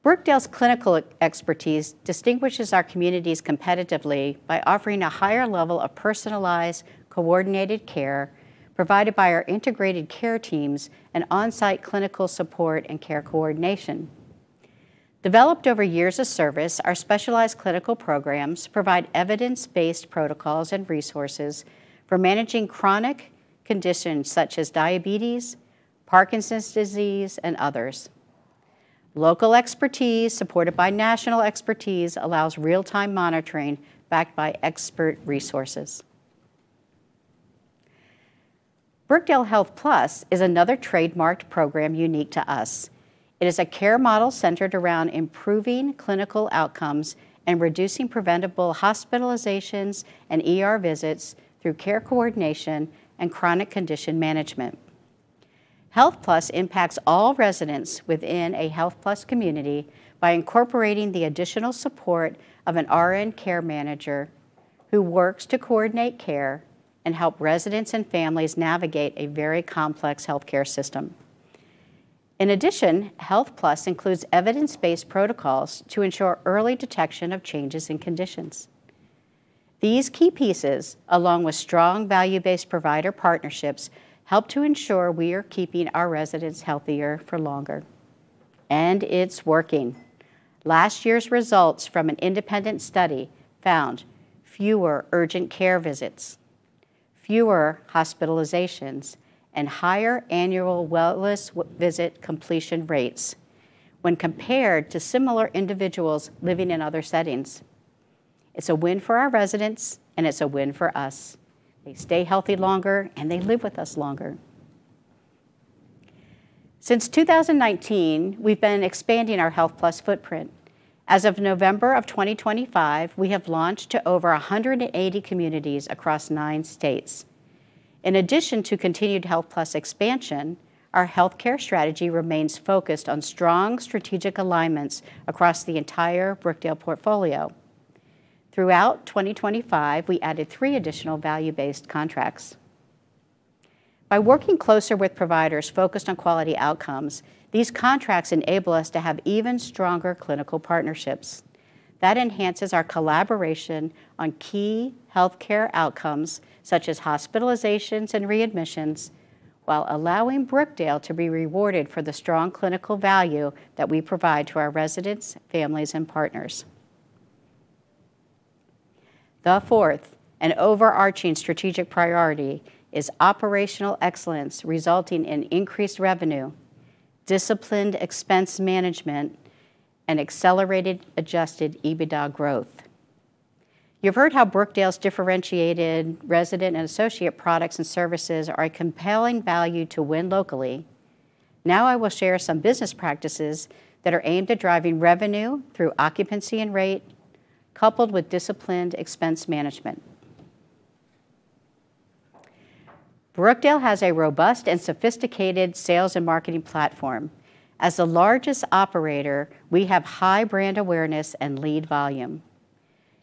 Brookdale's clinical expertise distinguishes our communities competitively by offering a higher level of personalized, coordinated care, provided by our integrated care teams and on-site clinical support and care coordination. Developed over years of service, our specialized clinical programs provide evidence-based protocols and resources for managing chronic conditions such as diabetes, Parkinson's disease, and others. Local expertise, supported by national expertise, allows real-time monitoring, backed by expert resources. Brookdale HealthPlus is another trademarked program unique to us. It is a care model centered around improving clinical outcomes and reducing preventable hospitalizations and ER visits through care coordination and chronic condition management. HealthPlus impacts all residents within a HealthPlus community by incorporating the additional support of an RN care manager, who works to coordinate care and help residents and families navigate a very complex healthcare system. In addition, HealthPlus includes evidence-based protocols to ensure early detection of changes in conditions. These key pieces, along with strong value-based provider partnerships, help to ensure we are keeping our residents healthier for longer, and it's working. Last year's results from an independent study found fewer urgent care visits, fewer hospitalizations, and higher annual wellness visit completion rates when compared to similar individuals living in other settings. It's a win for our residents, and it's a win for us. They stay healthy longer, and they live with us longer. Since 2019, we've been expanding our HealthPlus footprint. As of November 2025, we have launched to over 180 communities across 9 states. In addition to continued HealthPlus expansion, our healthcare strategy remains focused on strong strategic alignments across the entire Brookdale portfolio. Throughout 2025, we added 3 additional value-based contracts. By working closer with providers focused on quality outcomes, these contracts enable us to have even stronger clinical partnerships. That enhances our collaboration on key healthcare outcomes, such as hospitalizations and readmissions, while allowing Brookdale to be rewarded for the strong clinical value that we provide to our residents, families, and partners. The fourth and overarching strategic priority is operational excellence, resulting in increased revenue, disciplined expense management, and accelerated, adjusted EBITDA growth. You've heard how Brookdale's differentiated resident and associate products and services are a compelling value to win locally. Now I will share some business practices that are aimed at driving revenue through occupancy and rate, coupled with disciplined expense management. Brookdale has a robust and sophisticated sales and marketing platform. As the largest operator, we have high brand awareness and lead volume.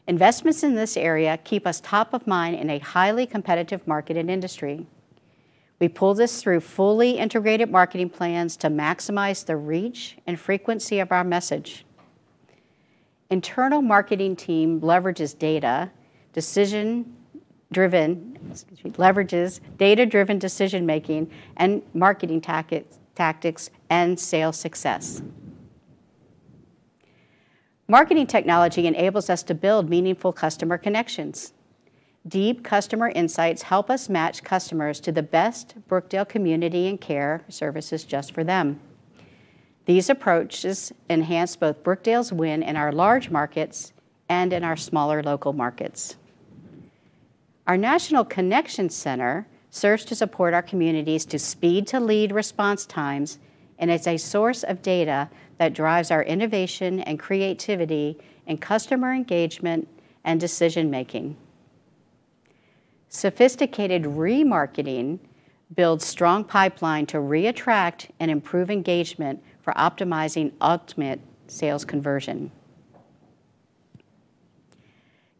Investments in this area keep us top of mind in a highly competitive market and industry. We pull this through fully integrated marketing plans to maximize the reach and frequency of our message. Internal marketing team leverages data-driven decision-making and marketing tactics and sales success. Marketing technology enables us to build meaningful customer connections. Deep customer insights help us match customers to the best Brookdale community and care services just for them. These approaches enhance both Brookdale's win in our large markets and in our smaller local markets. Our National Connection Center serves to support our communities to speed to lead response times, and it's a source of data that drives our innovation and creativity, and customer engagement, and decision-making.... Sophisticated remarketing builds strong pipeline to reattract and improve engagement for optimizing ultimate sales conversion.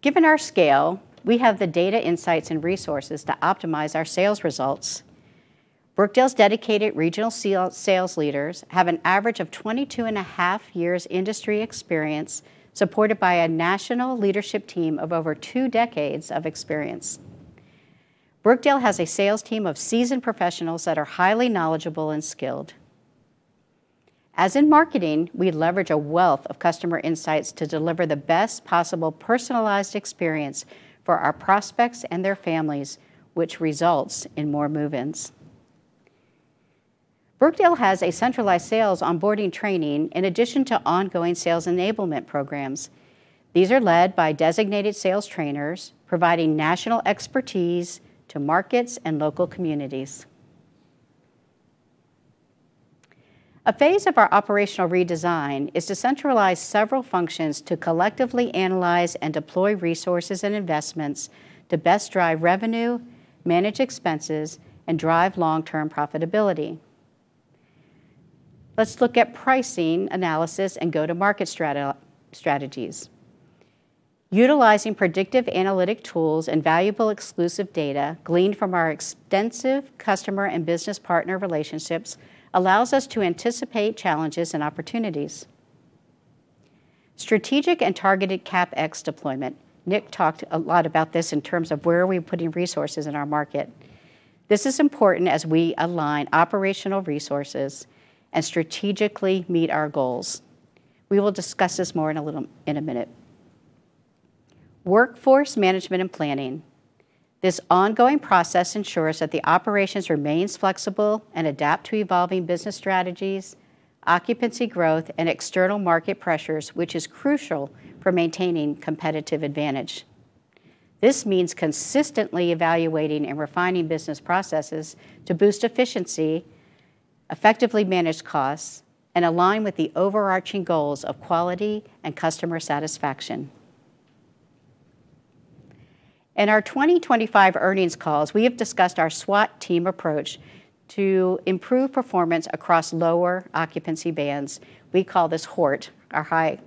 Given our scale, we have the data, insights, and resources to optimize our sales results. Brookdale's dedicated regional sales leaders have an average of 22.5 years industry experience, supported by a national leadership team of over two decades of experience. Brookdale has a sales team of seasoned professionals that are highly knowledgeable and skilled. As in marketing, we leverage a wealth of customer insights to deliver the best possible personalized experience for our prospects and their families, which results in more move-ins. Brookdale has a centralized sales onboarding training in addition to ongoing sales enablement programs. These are led by designated sales trainers, providing national expertise to markets and local communities. A phase of our operational redesign is to centralize several functions to collectively analyze and deploy resources and investments to best drive revenue, manage expenses, and drive long-term profitability. Let's look at pricing analysis and go-to-market strategies. Utilizing predictive analytic tools and valuable exclusive data gleaned from our extensive customer and business partner relationships, allows us to anticipate challenges and opportunities. Strategic and targeted CapEx deployment. Nick talked a lot about this in terms of where are we putting resources in our market. This is important as we align operational resources and strategically meet our goals. We will discuss this more in a little, in a minute. Workforce management and planning. This ongoing process ensures that the operations remains flexible and adapt to evolving business strategies, occupancy growth, and external market pressures, which is crucial for maintaining competitive advantage. This means consistently evaluating and refining business processes to boost efficiency, effectively manage costs, and align with the overarching goals of quality and customer satisfaction. In our 2025 earnings calls, we have discussed our SWAT team approach to improve performance across lower occupancy bands. We call this HORT, our High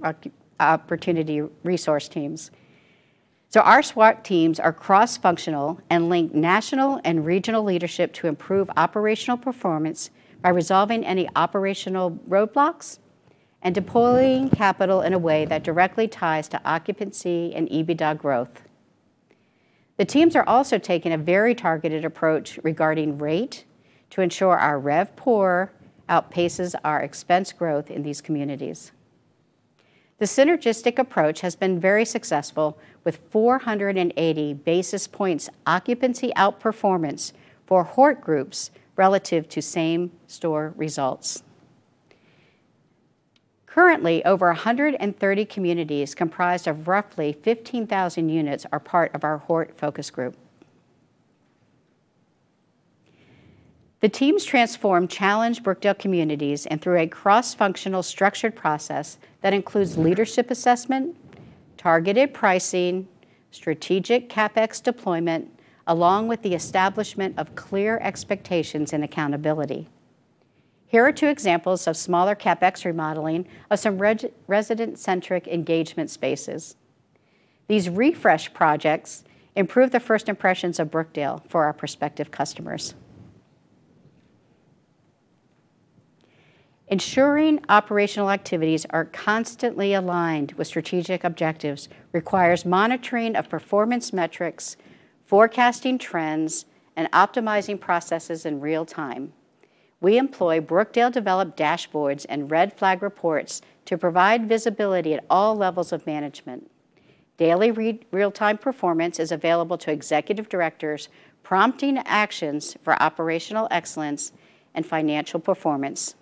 Opportunity Resource Teams. So our SWAT teams are cross-functional and link national and regional leadership to improve operational performance by resolving any operational roadblocks and deploying capital in a way that directly ties to occupancy and EBITDA growth. The teams are also taking a very targeted approach regarding rate, to ensure our RevPOR outpaces our expense growth in these communities. The synergistic approach has been very successful, with 480 basis points occupancy outperformance for HORT groups relative to same store results. Currently, over 130 communities, comprised of roughly 15,000 units, are part of our HORT focus group. The teams transform challenged Brookdale communities and through a cross-functional, structured process that includes leadership assessment, targeted pricing, strategic CapEx deployment, along with the establishment of clear expectations and accountability. Here are two examples of smaller CapEx remodeling of some resident-centric engagement spaces. These refresh projects improve the First Impressions of Brookdale for our prospective customers. Ensuring operational activities are constantly aligned with strategic objectives requires monitoring of performance metrics, forecasting trends, and optimizing processes in real time. We employ Brookdale-developed dashboards and red flag reports to provide visibility at all levels of management. Daily real-time performance is available to executive directors, prompting actions for operational excellence and financial performance.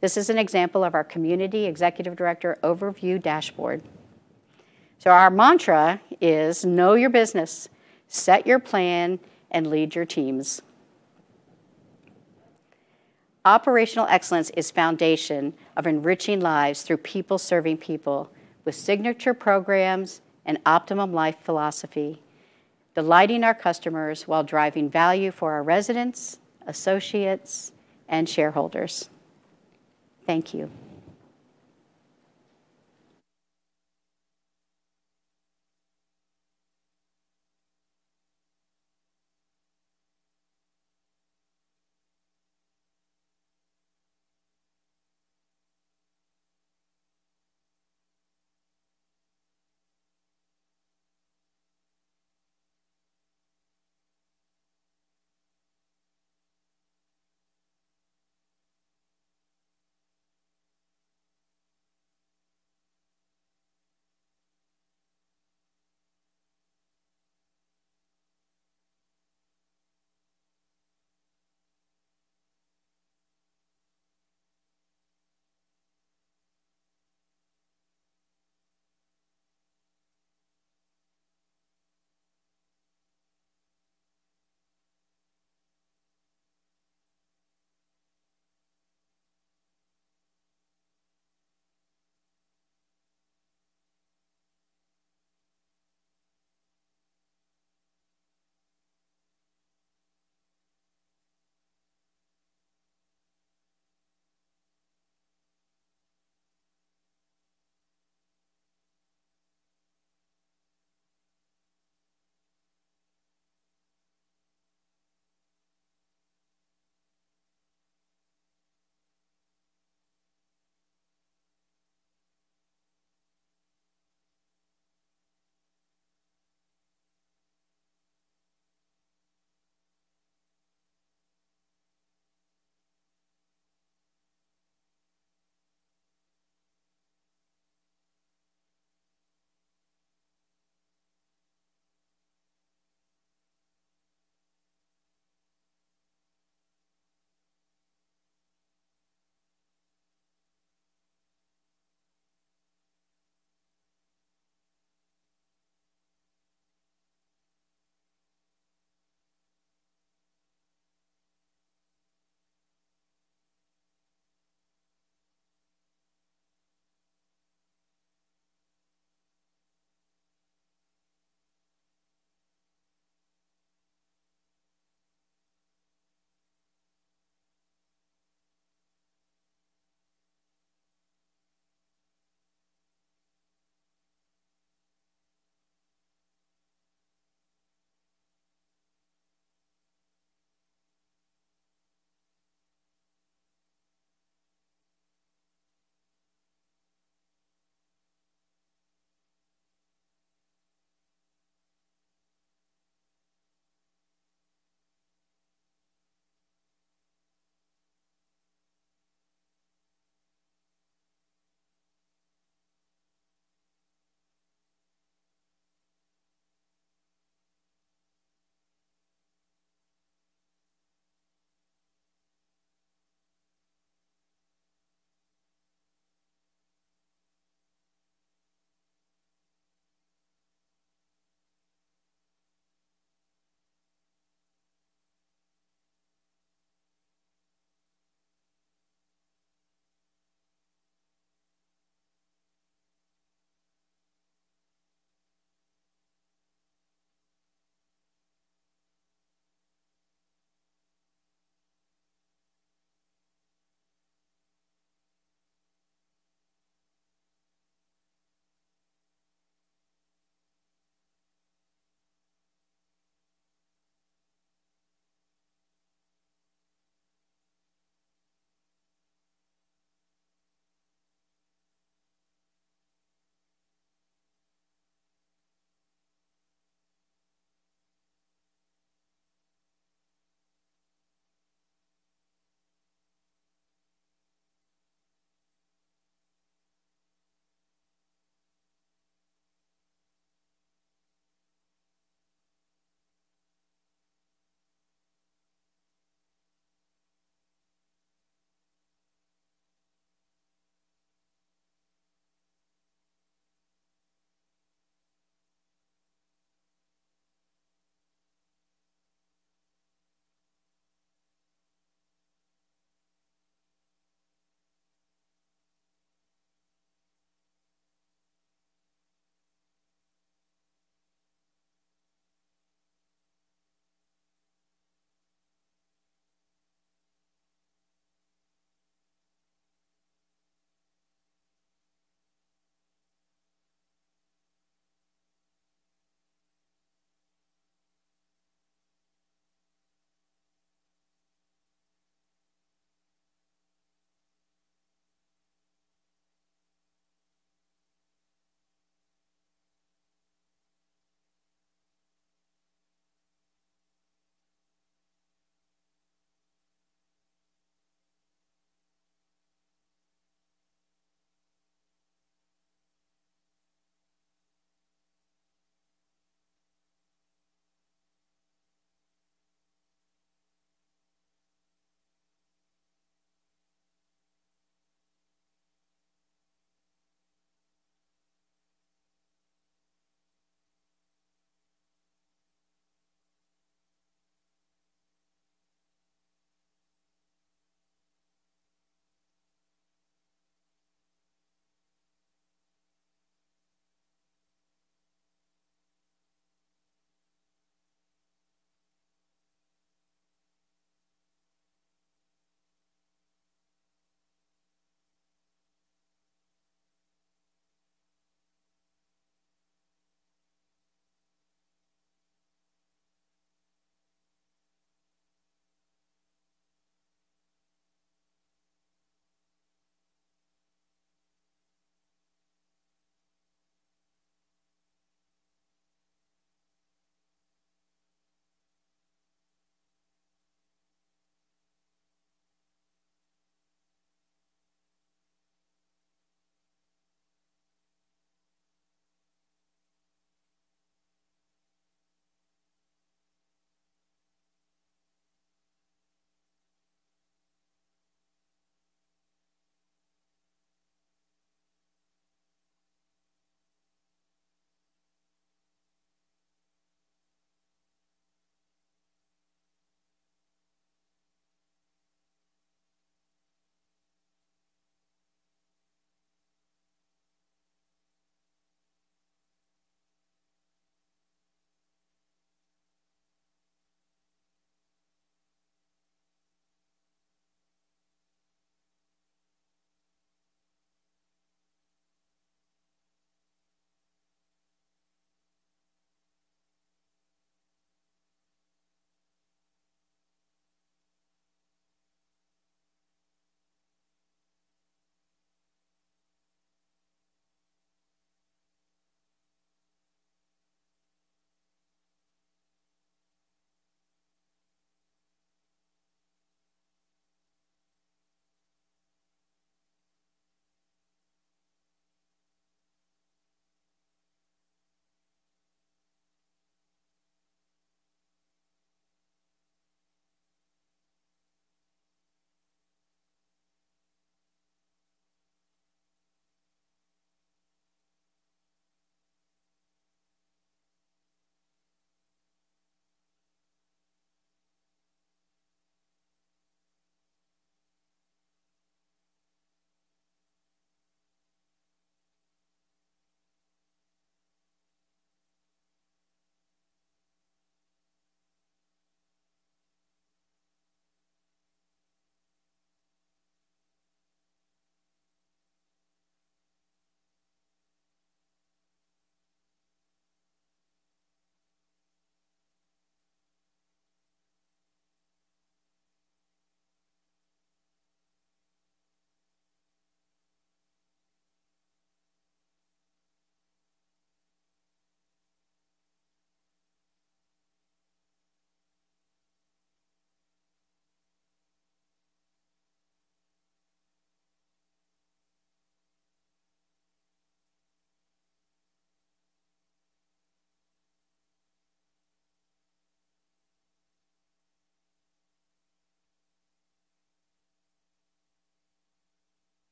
This is an example of our community executive director overview dashboard. So our mantra is: Know your business, set your plan, and lead your teams. Operational excellence is foundation of enriching lives through people serving people with Signature Programs and Optimum Life philosophy, delighting our customers while driving value for our residents, associates, and shareholders. Thank you. ...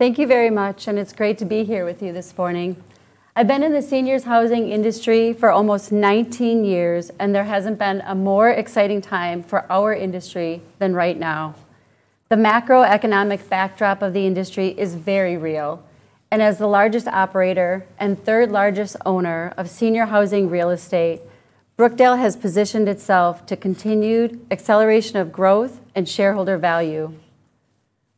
Thank you very much, and it's great to be here with you this morning. I've been in the seniors housing industry for almost 19 years, and there hasn't been a more exciting time for our industry than right now. The macroeconomic backdrop of the industry is very real, and as the largest operator and third-largest owner of senior housing real estate, Brookdale has positioned itself to continued acceleration of growth and shareholder value.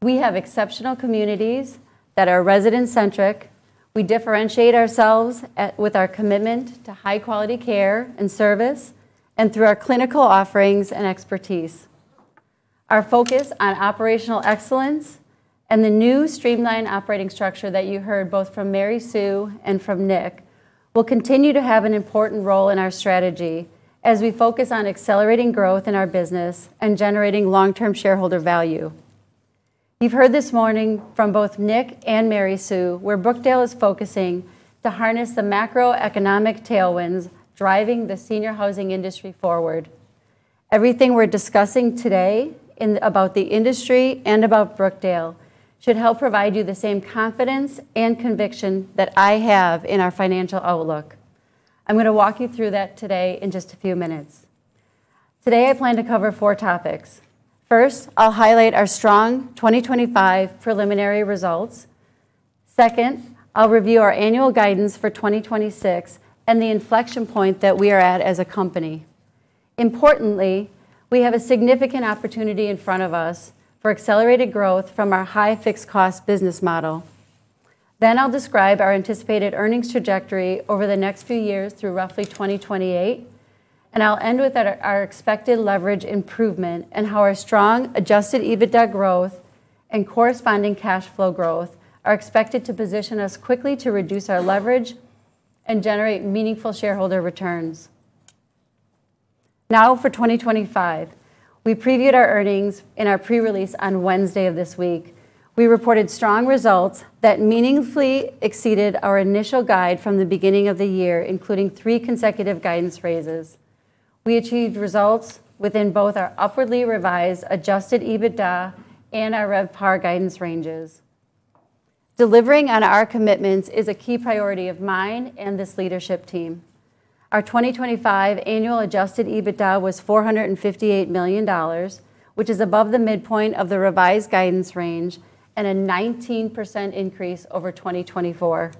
We have exceptional communities that are resident-centric. We differentiate ourselves at, with our commitment to high-quality care and service, and through our clinical offerings and expertise. Our focus on operational excellence and the new streamlined operating structure that you heard both from Mary Sue and from Nick, will continue to have an important role in our strategy as we focus on accelerating growth in our business and generating long-term shareholder value. You've heard this morning from both Nick and Mary Sue where Brookdale is focusing to harness the macroeconomic tailwinds driving the senior housing industry forward. Everything we're discussing today in, about the industry and about Brookdale should help provide you the same confidence and conviction that I have in our financial outlook. I'm gonna walk you through that today in just a few minutes. Today, I plan to cover four topics. First, I'll highlight our strong 2025 preliminary results. Second, I'll review our annual guidance for 2026 and the inflection point that we are at as a company. Importantly, we have a significant opportunity in front of us for accelerated growth from our high fixed cost business model. Then I'll describe our anticipated earnings trajectory over the next few years through roughly 2028, and I'll end with our, our expected leverage improvement and how our strong adjusted EBITDA growth and corresponding cash flow growth are expected to position us quickly to reduce our leverage and generate meaningful shareholder returns. Now, for 2025, we previewed our earnings in our pre-release on Wednesday of this week. We reported strong results that meaningfully exceeded our initial guide from the beginning of the year, including three consecutive guidance raises. We achieved results within both our upwardly revised adjusted EBITDA and our RevPAR guidance ranges. Delivering on our commitments is a key priority of mine and this leadership team. Our 2025 annual adjusted EBITDA was $458 million, which is above the midpoint of the revised guidance range and a 19% increase over 2024.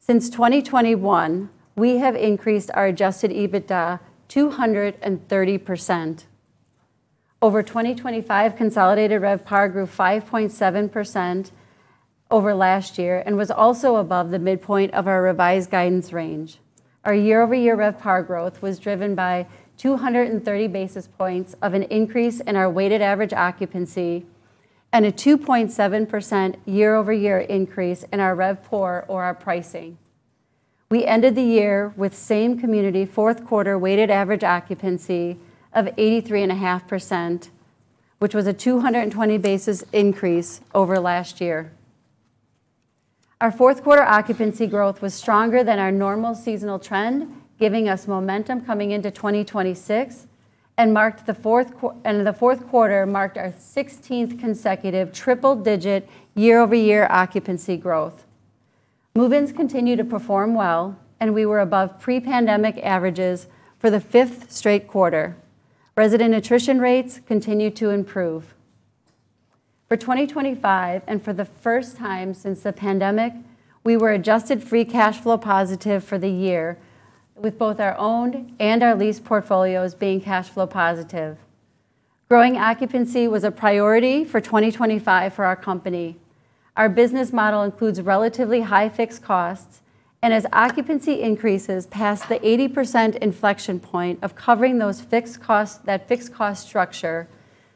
Since 2021, we have increased our adjusted EBITDA 230%. Over 2025, consolidated RevPAR grew 5.7% over last year and was also above the midpoint of our revised guidance range. Our year-over-year RevPAR growth was driven by 230 basis points of an increase in our weighted average occupancy and a 2.7% year-over-year increase in our RevPOR, or our pricing. We ended the year with same community, fourth quarter weighted average occupancy of 83.5%, which was a 220 basis points increase over last year. Our fourth quarter occupancy growth was stronger than our normal seasonal trend, giving us momentum coming into 2026, and the fourth quarter marked our 16th consecutive triple-digit year-over-year occupancy growth. Move-ins continue to perform well, and we were above pre-pandemic averages for the 5th straight quarter. Resident attrition rates continued to improve. For 2025, and for the first time since the pandemic, we were adjusted free cash flow positive for the year, with both our owned and our leased portfolios being cash flow positive. Growing occupancy was a priority for 2025 for our company. Our business model includes relatively high fixed costs, and as occupancy increases past the 80% inflection point of covering those fixed costs, that fixed cost structure,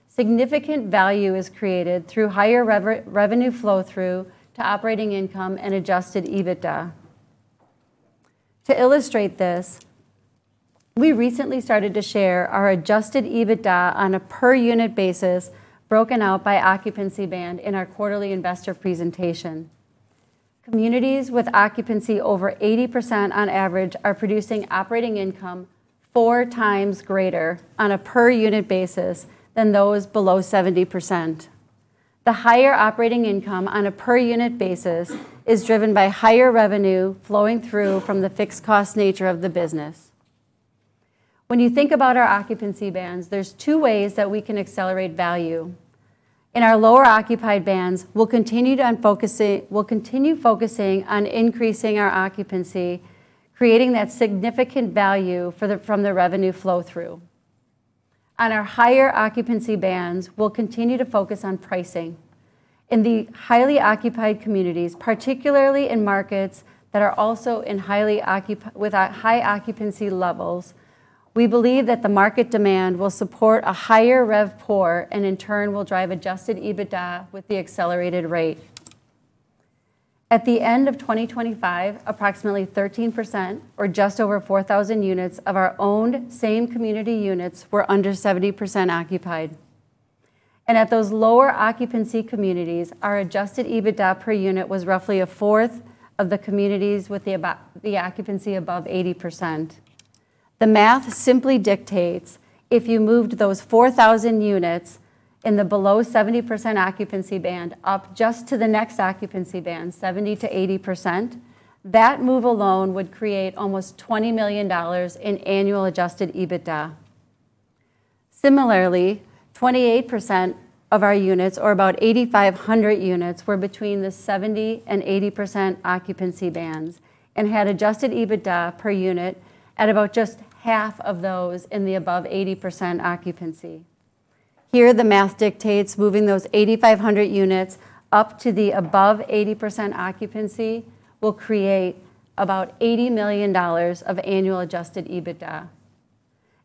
significant value is created through higher revenue flow through to operating income and adjusted EBITDA. To illustrate this, we recently started to share our adjusted EBITDA on a per unit basis, broken out by occupancy band in our quarterly investor presentation. Communities with occupancy over 80% on average are producing operating income four times greater on a per unit basis than those below 70%. The higher operating income on a per unit basis is driven by higher revenue flowing through from the fixed cost nature of the business. When you think about our occupancy bands, there's two ways that we can accelerate value. In our lower occupied bands, we'll continue focusing on increasing our occupancy, creating that significant value from the revenue flow through. On our higher occupancy bands, we'll continue to focus on pricing. In the highly occupied communities, particularly in markets that are also highly occupied with high occupancy levels. We believe that the market demand will support a higher RevPOR, and in turn, will drive adjusted EBITDA with the accelerated rate. At the end of 2025, approximately 13%, or just over 4,000 units of our owned same community units, were under 70% occupied. And at those lower occupancy communities, our adjusted EBITDA per unit was roughly a fourth of the communities with the occupancy above 80%. The math simply dictates if you moved those 4,000 units in the below 70% occupancy band up just to the next occupancy band, 70%-80%, that move alone would create almost $20 million in annual adjusted EBITDA. Similarly, 28% of our units, or about 8,500 units, were between the 70% and 80% occupancy bands and had adjusted EBITDA per unit at about just half of those in the above 80% occupancy. Here, the math dictates moving those 8,500 units up to the above 80% occupancy will create about $80 million of annual adjusted EBITDA.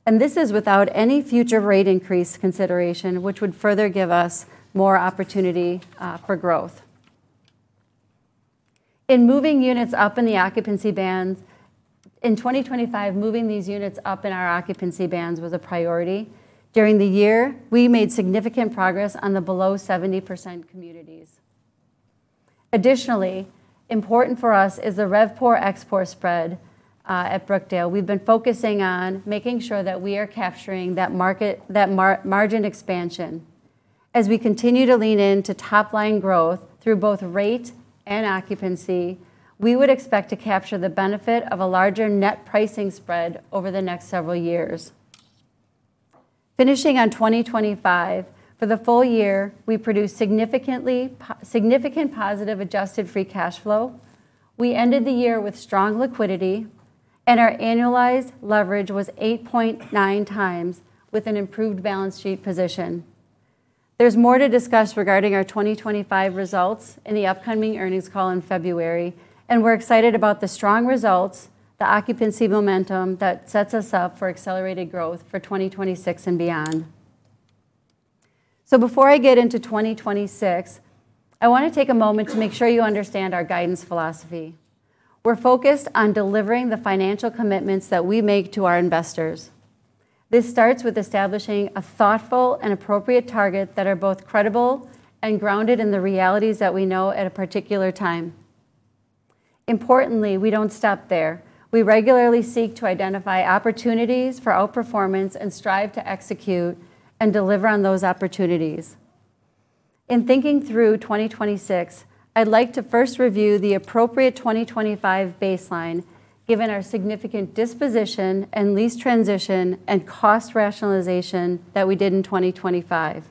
And this is without any future rate increase consideration, which would further give us more opportunity for growth. In moving units up in the occupancy bands, in 2025, moving these units up in our occupancy bands was a priority. During the year, we made significant progress on the below 70% communities. Additionally, important for us is the RevPOR-ExPOR spread at Brookdale. We've been focusing on making sure that we are capturing that margin expansion. As we continue to lean into top-line growth through both rate and occupancy, we would expect to capture the benefit of a larger net pricing spread over the next several years. Finishing on 2025, for the full year, we produced significantly positive adjusted free cash flow. We ended the year with strong liquidity, and our annualized leverage was 8.9x with an improved balance sheet position. There's more to discuss regarding our 2025 results in the upcoming earnings call in February, and we're excited about the strong results, the occupancy momentum that sets us up for accelerated growth for 2026 and beyond. So before I get into 2026, I wanna take a moment to make sure you understand our guidance philosophy. We're focused on delivering the financial commitments that we make to our investors. This starts with establishing a thoughtful and appropriate target that are both credible and grounded in the realities that we know at a particular time. Importantly, we don't stop there. We regularly seek to identify opportunities for outperformance and strive to execute and deliver on those opportunities. In thinking through 2026, I'd like to first review the appropriate 2025 baseline, given our significant disposition and lease transition and cost rationalization that we did in 2025.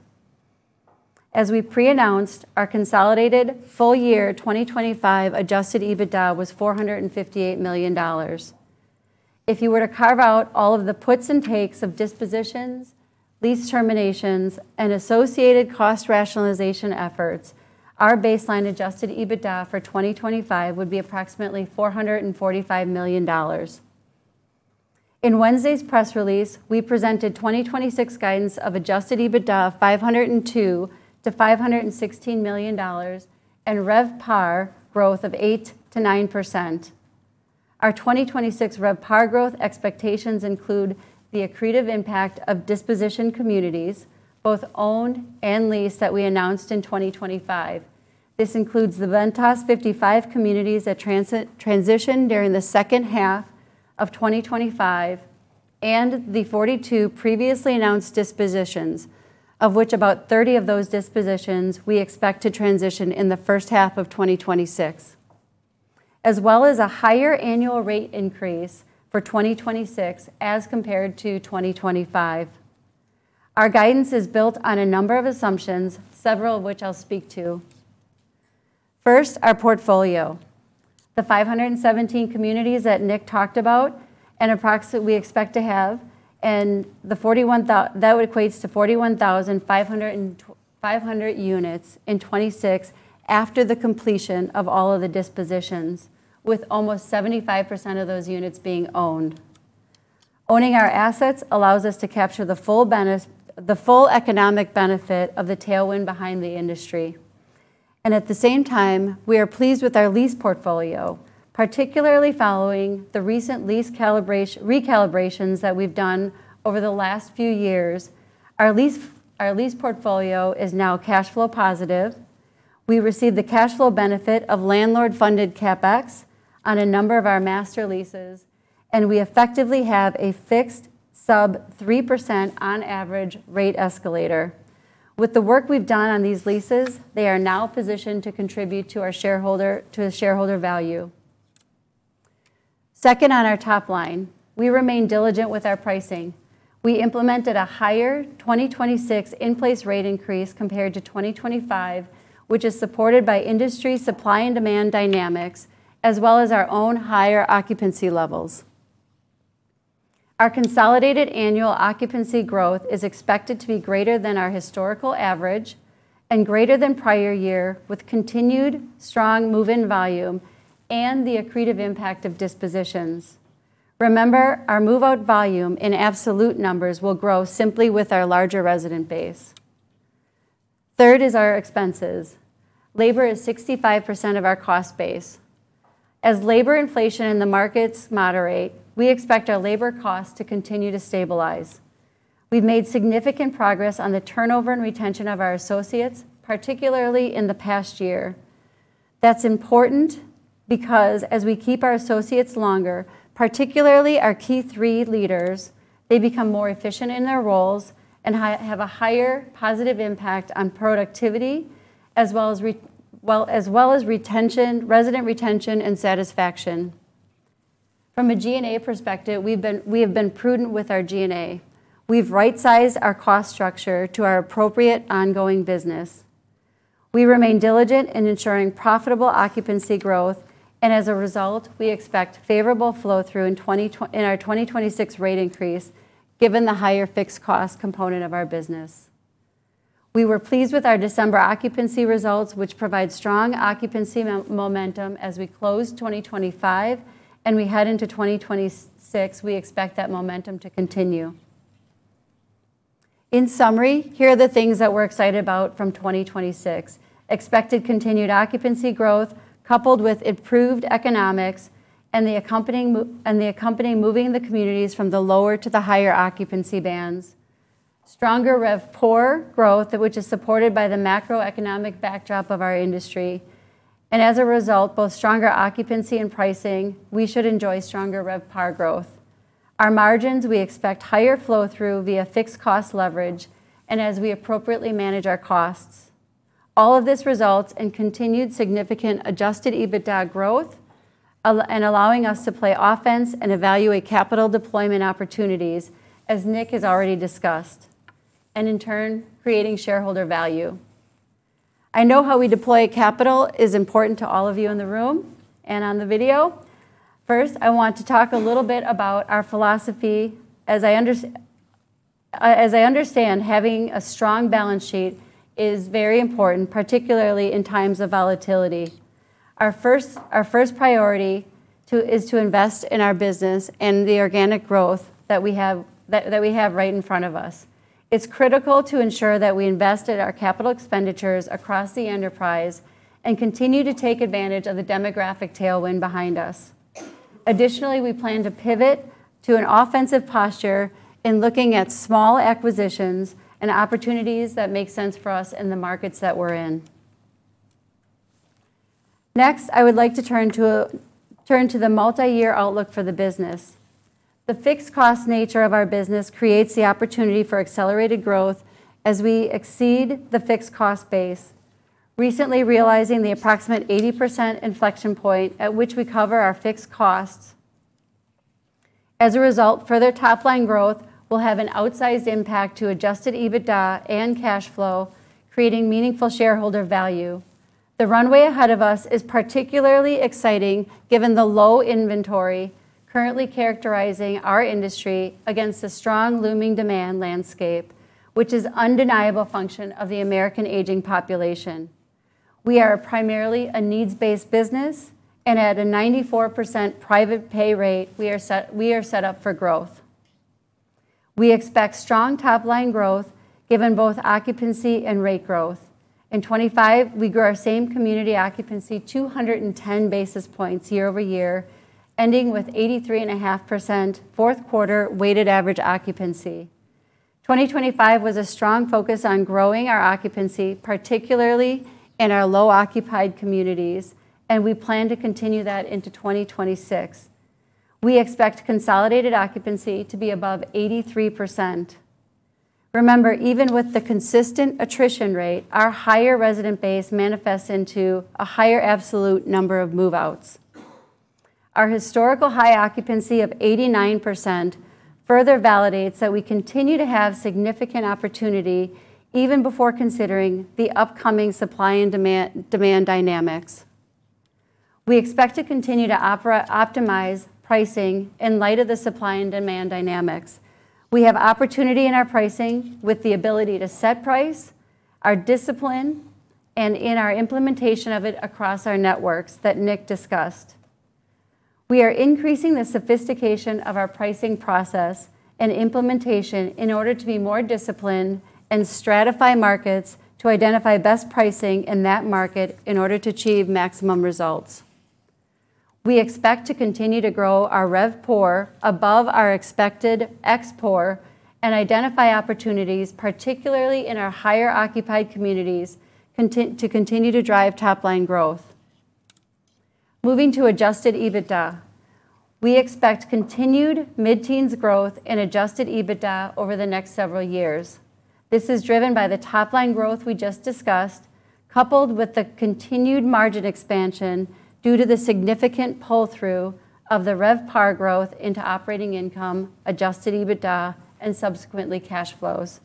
As we pre-announced, our consolidated full year 2025 adjusted EBITDA was $458 million. If you were to carve out all of the puts and takes of dispositions, lease terminations, and associated cost rationalization efforts, our baseline adjusted EBITDA for 2025 would be approximately $445 million. In Wednesday's press release, we presented 2026 guidance of adjusted EBITDA of $502 million-$516 million, and RevPAR growth of 8%-9%. Our 2026 RevPAR growth expectations include the accretive impact of disposition communities, both owned and leased, that we announced in 2025. This includes the Ventas 55 communities that transitioned during the second half of 2025, and the 42 previously announced dispositions, of which about 30 of those dispositions we expect to transition in the first half of 2026, as well as a higher annual rate increase for 2026 as compared to 2025. Our guidance is built on a number of assumptions, several of which I'll speak to. First, our portfolio. The 517 communities that Nick talked about, and approximately we expect to have. That equates to 41,525 units in 2026 after the completion of all of the dispositions, with almost 75% of those units being owned. Owning our assets allows us to capture the full economic benefit of the tailwind behind the industry. At the same time, we are pleased with our lease portfolio, particularly following the recent lease recalibrations that we've done over the last few years. Our lease portfolio is now cash flow positive. We received the cash flow benefit of landlord-funded CapEx on a number of our master leases, and we effectively have a fixed sub 3% average rate escalator. With the work we've done on these leases, they are now positioned to contribute to the shareholder value. Second, on our top line, we remain diligent with our pricing. We implemented a higher 2026 in-place rate increase compared to 2025, which is supported by industry supply and demand dynamics, as well as our own higher occupancy levels. Our consolidated annual occupancy growth is expected to be greater than our historical average, and greater than prior year, with continued strong move-in volume and the accretive impact of dispositions. Remember, our move-out volume in absolute numbers will grow simply with our larger resident base. Third is our expenses. Labor is 65% of our cost base. As labor inflation in the markets moderate, we expect our labor costs to continue to stabilize. We've made significant progress on the turnover and retention of our associates, particularly in the past year. That's important because as we keep our associates longer, particularly our Key 3 leaders, they become more efficient in their roles and have a higher positive impact on productivity, as well as retention, resident retention, and satisfaction. From a G&A perspective, we've been, we have been prudent with our G&A. We've right-sized our cost structure to our appropriate ongoing business. We remain diligent in ensuring profitable occupancy growth, and as a result, we expect favorable flow-through in our 2026 rate increase, given the higher fixed cost component of our business. We were pleased with our December occupancy results, which provide strong occupancy momentum as we close 2025, and we head into 2026, we expect that momentum to continue. In summary, here are the things that we're excited about from 2026: expected continued occupancy growth, coupled with improved economics and the accompanying moving the communities from the lower to the higher occupancy bands. Stronger RevPOR growth, which is supported by the macroeconomic backdrop of our industry, and as a result, both stronger occupancy and pricing, we should enjoy stronger RevPAR growth. Our margins, we expect higher flow-through via fixed cost leverage, and as we appropriately manage our costs. All of this results in continued significant adjusted EBITDA growth, and allowing us to play offense and evaluate capital deployment opportunities, as Nick has already discussed, and in turn, creating shareholder value. I know how we deploy capital is important to all of you in the room and on the video. First, I want to talk a little bit about our philosophy. As I understand, having a strong balance sheet is very important, particularly in times of volatility. Our first priority is to invest in our business and the organic growth that we have right in front of us. It's critical to ensure that we invest in our capital expenditures across the enterprise and continue to take advantage of the demographic tailwind behind us. Additionally, we plan to pivot to an offensive posture in looking at small acquisitions and opportunities that make sense for us in the markets that we're in. Next, I would like to turn to the multi-year outlook for the business. The fixed cost nature of our business creates the opportunity for accelerated growth as we exceed the fixed cost base. Recently, realizing the approximate 80% inflection point at which we cover our fixed costs. As a result, further top-line growth will have an outsized impact to adjusted EBITDA and cash flow, creating meaningful shareholder value. The runway ahead of us is particularly exciting, given the low inventory currently characterizing our industry against the strong, looming demand landscape, which is an undeniable function of the American aging population. We are primarily a needs-based business, and at a 94% private pay rate, we are set, we are set up for growth. We expect strong top-line growth, given both occupancy and rate growth. In 2025, we grew our same community occupancy 210 basis points year over year, ending with 83.5% fourth quarter weighted average occupancy. 2025 was a strong focus on growing our occupancy, particularly in our low-occupied communities, and we plan to continue that into 2026. We expect consolidated occupancy to be above 83%. Remember, even with the consistent attrition rate, our higher resident base manifests into a higher absolute number of move-outs. Our historical high occupancy of 89% further validates that we continue to have significant opportunity, even before considering the upcoming supply and demand dynamics. We expect to continue to optimize pricing in light of the supply and demand dynamics. We have opportunity in our pricing with the ability to set price, our discipline, and in our implementation of it across our networks that Nick discussed. We are increasing the sophistication of our pricing process and implementation in order to be more disciplined and stratify markets to identify best pricing in that market in order to achieve maximum results. We expect to continue to grow our RevPOR above our expected ExPOR and identify opportunities, particularly in our higher occupied communities, to continue to drive top-line growth. Moving to adjusted EBITDA. We expect continued mid-teens growth in adjusted EBITDA over the next several years. This is driven by the top-line growth we just discussed, coupled with the continued margin expansion due to the significant pull-through of the RevPAR growth into operating income, adjusted EBITDA, and subsequently, cash flows.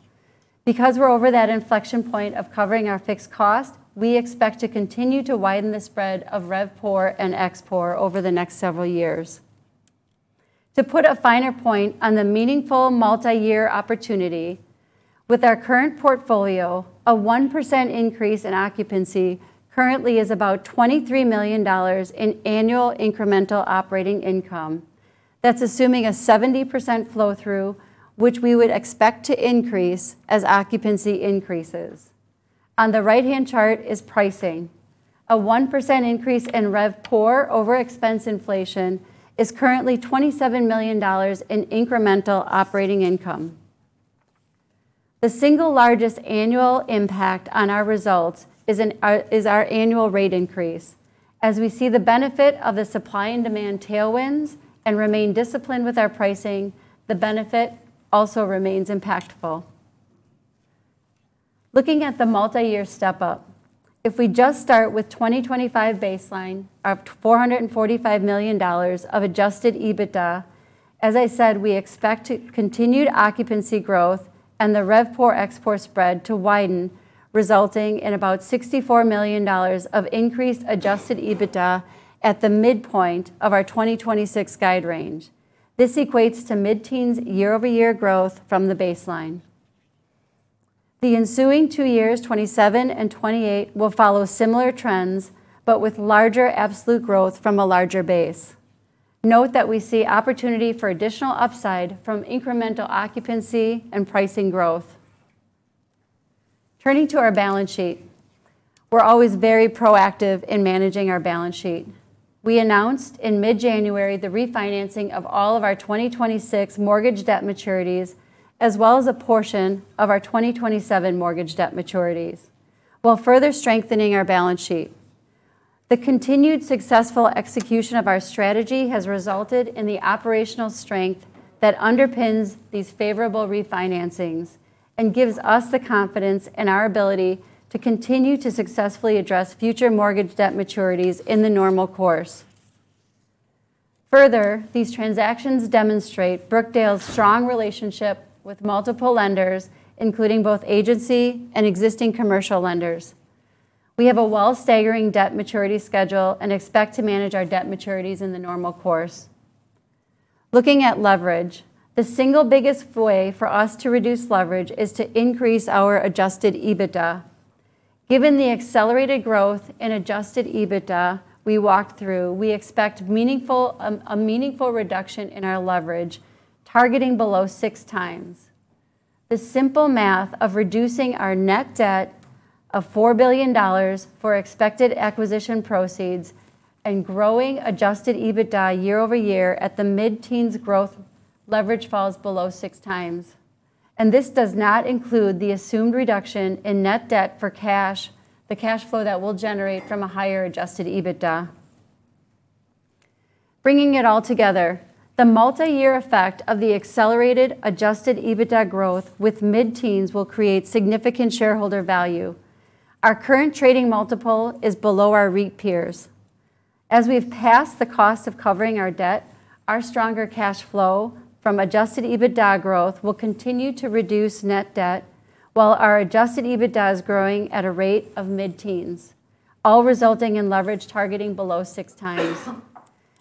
Because we're over that inflection point of covering our fixed cost, we expect to continue to widen the spread of RevPOR and ExPOR over the next several years. To put a finer point on the meaningful multi-year opportunity, with our current portfolio, a 1% increase in occupancy currently is about $23 million in annual incremental operating income. That's assuming a 70% flow through, which we would expect to increase as occupancy increases. On the right-hand chart is pricing. A 1% increase in RevPOR over expense inflation is currently $27 million in incremental operating income. The single largest annual impact on our results is our annual rate increase. As we see the benefit of the supply and demand tailwinds and remain disciplined with our pricing, the benefit also remains impactful. Looking at the multi-year step-up, if we just start with 2025 baseline of $445 million of adjusted EBITDA, as I said, we expect to continued occupancy growth and the RevPOR-ExPOR spread to widen, resulting in about $64 million of increased adjusted EBITDA at the midpoint of our 2026 guide range. This equates to mid-teens year-over-year growth from the baseline. The ensuing two years, 2027 and 2028, will follow similar trends, but with larger absolute growth from a larger base. Note that we see opportunity for additional upside from incremental occupancy and pricing growth. Turning to our balance sheet, we're always very proactive in managing our balance sheet. We announced in mid-January the refinancing of all of our 2026 mortgage debt maturities, as well as a portion of our 2027 mortgage debt maturities, while further strengthening our balance sheet. The continued successful execution of our strategy has resulted in the operational strength that underpins these favorable refinancings and gives us the confidence in our ability to continue to successfully address future mortgage debt maturities in the normal course. Further, these transactions demonstrate Brookdale's strong relationship with multiple lenders, including both agency and existing commercial lenders. We have a well-staggered debt maturity schedule and expect to manage our debt maturities in the normal course. Looking at leverage, the single biggest way for us to reduce leverage is to increase our adjusted EBITDA. Given the accelerated growth in adjusted EBITDA we walked through, we expect meaningful, a meaningful reduction in our leverage, targeting below 6x. The simple math of reducing our net debt of $4 billion for expected acquisition proceeds and growing adjusted EBITDA year-over-year at the mid-teens growth leverage falls below 6x, and this does not include the assumed reduction in net debt for cash, the cash flow that we'll generate from a higher adjusted EBITDA. Bringing it all together, the multi-year effect of the accelerated adjusted EBITDA growth with mid-teens will create significant shareholder value. Our current trading multiple is below our REIT peers. As we've passed the cost of covering our debt, our stronger cash flow from adjusted EBITDA growth will continue to reduce net debt, while our adjusted EBITDA is growing at a rate of mid-teens, all resulting in leverage targeting below 6x.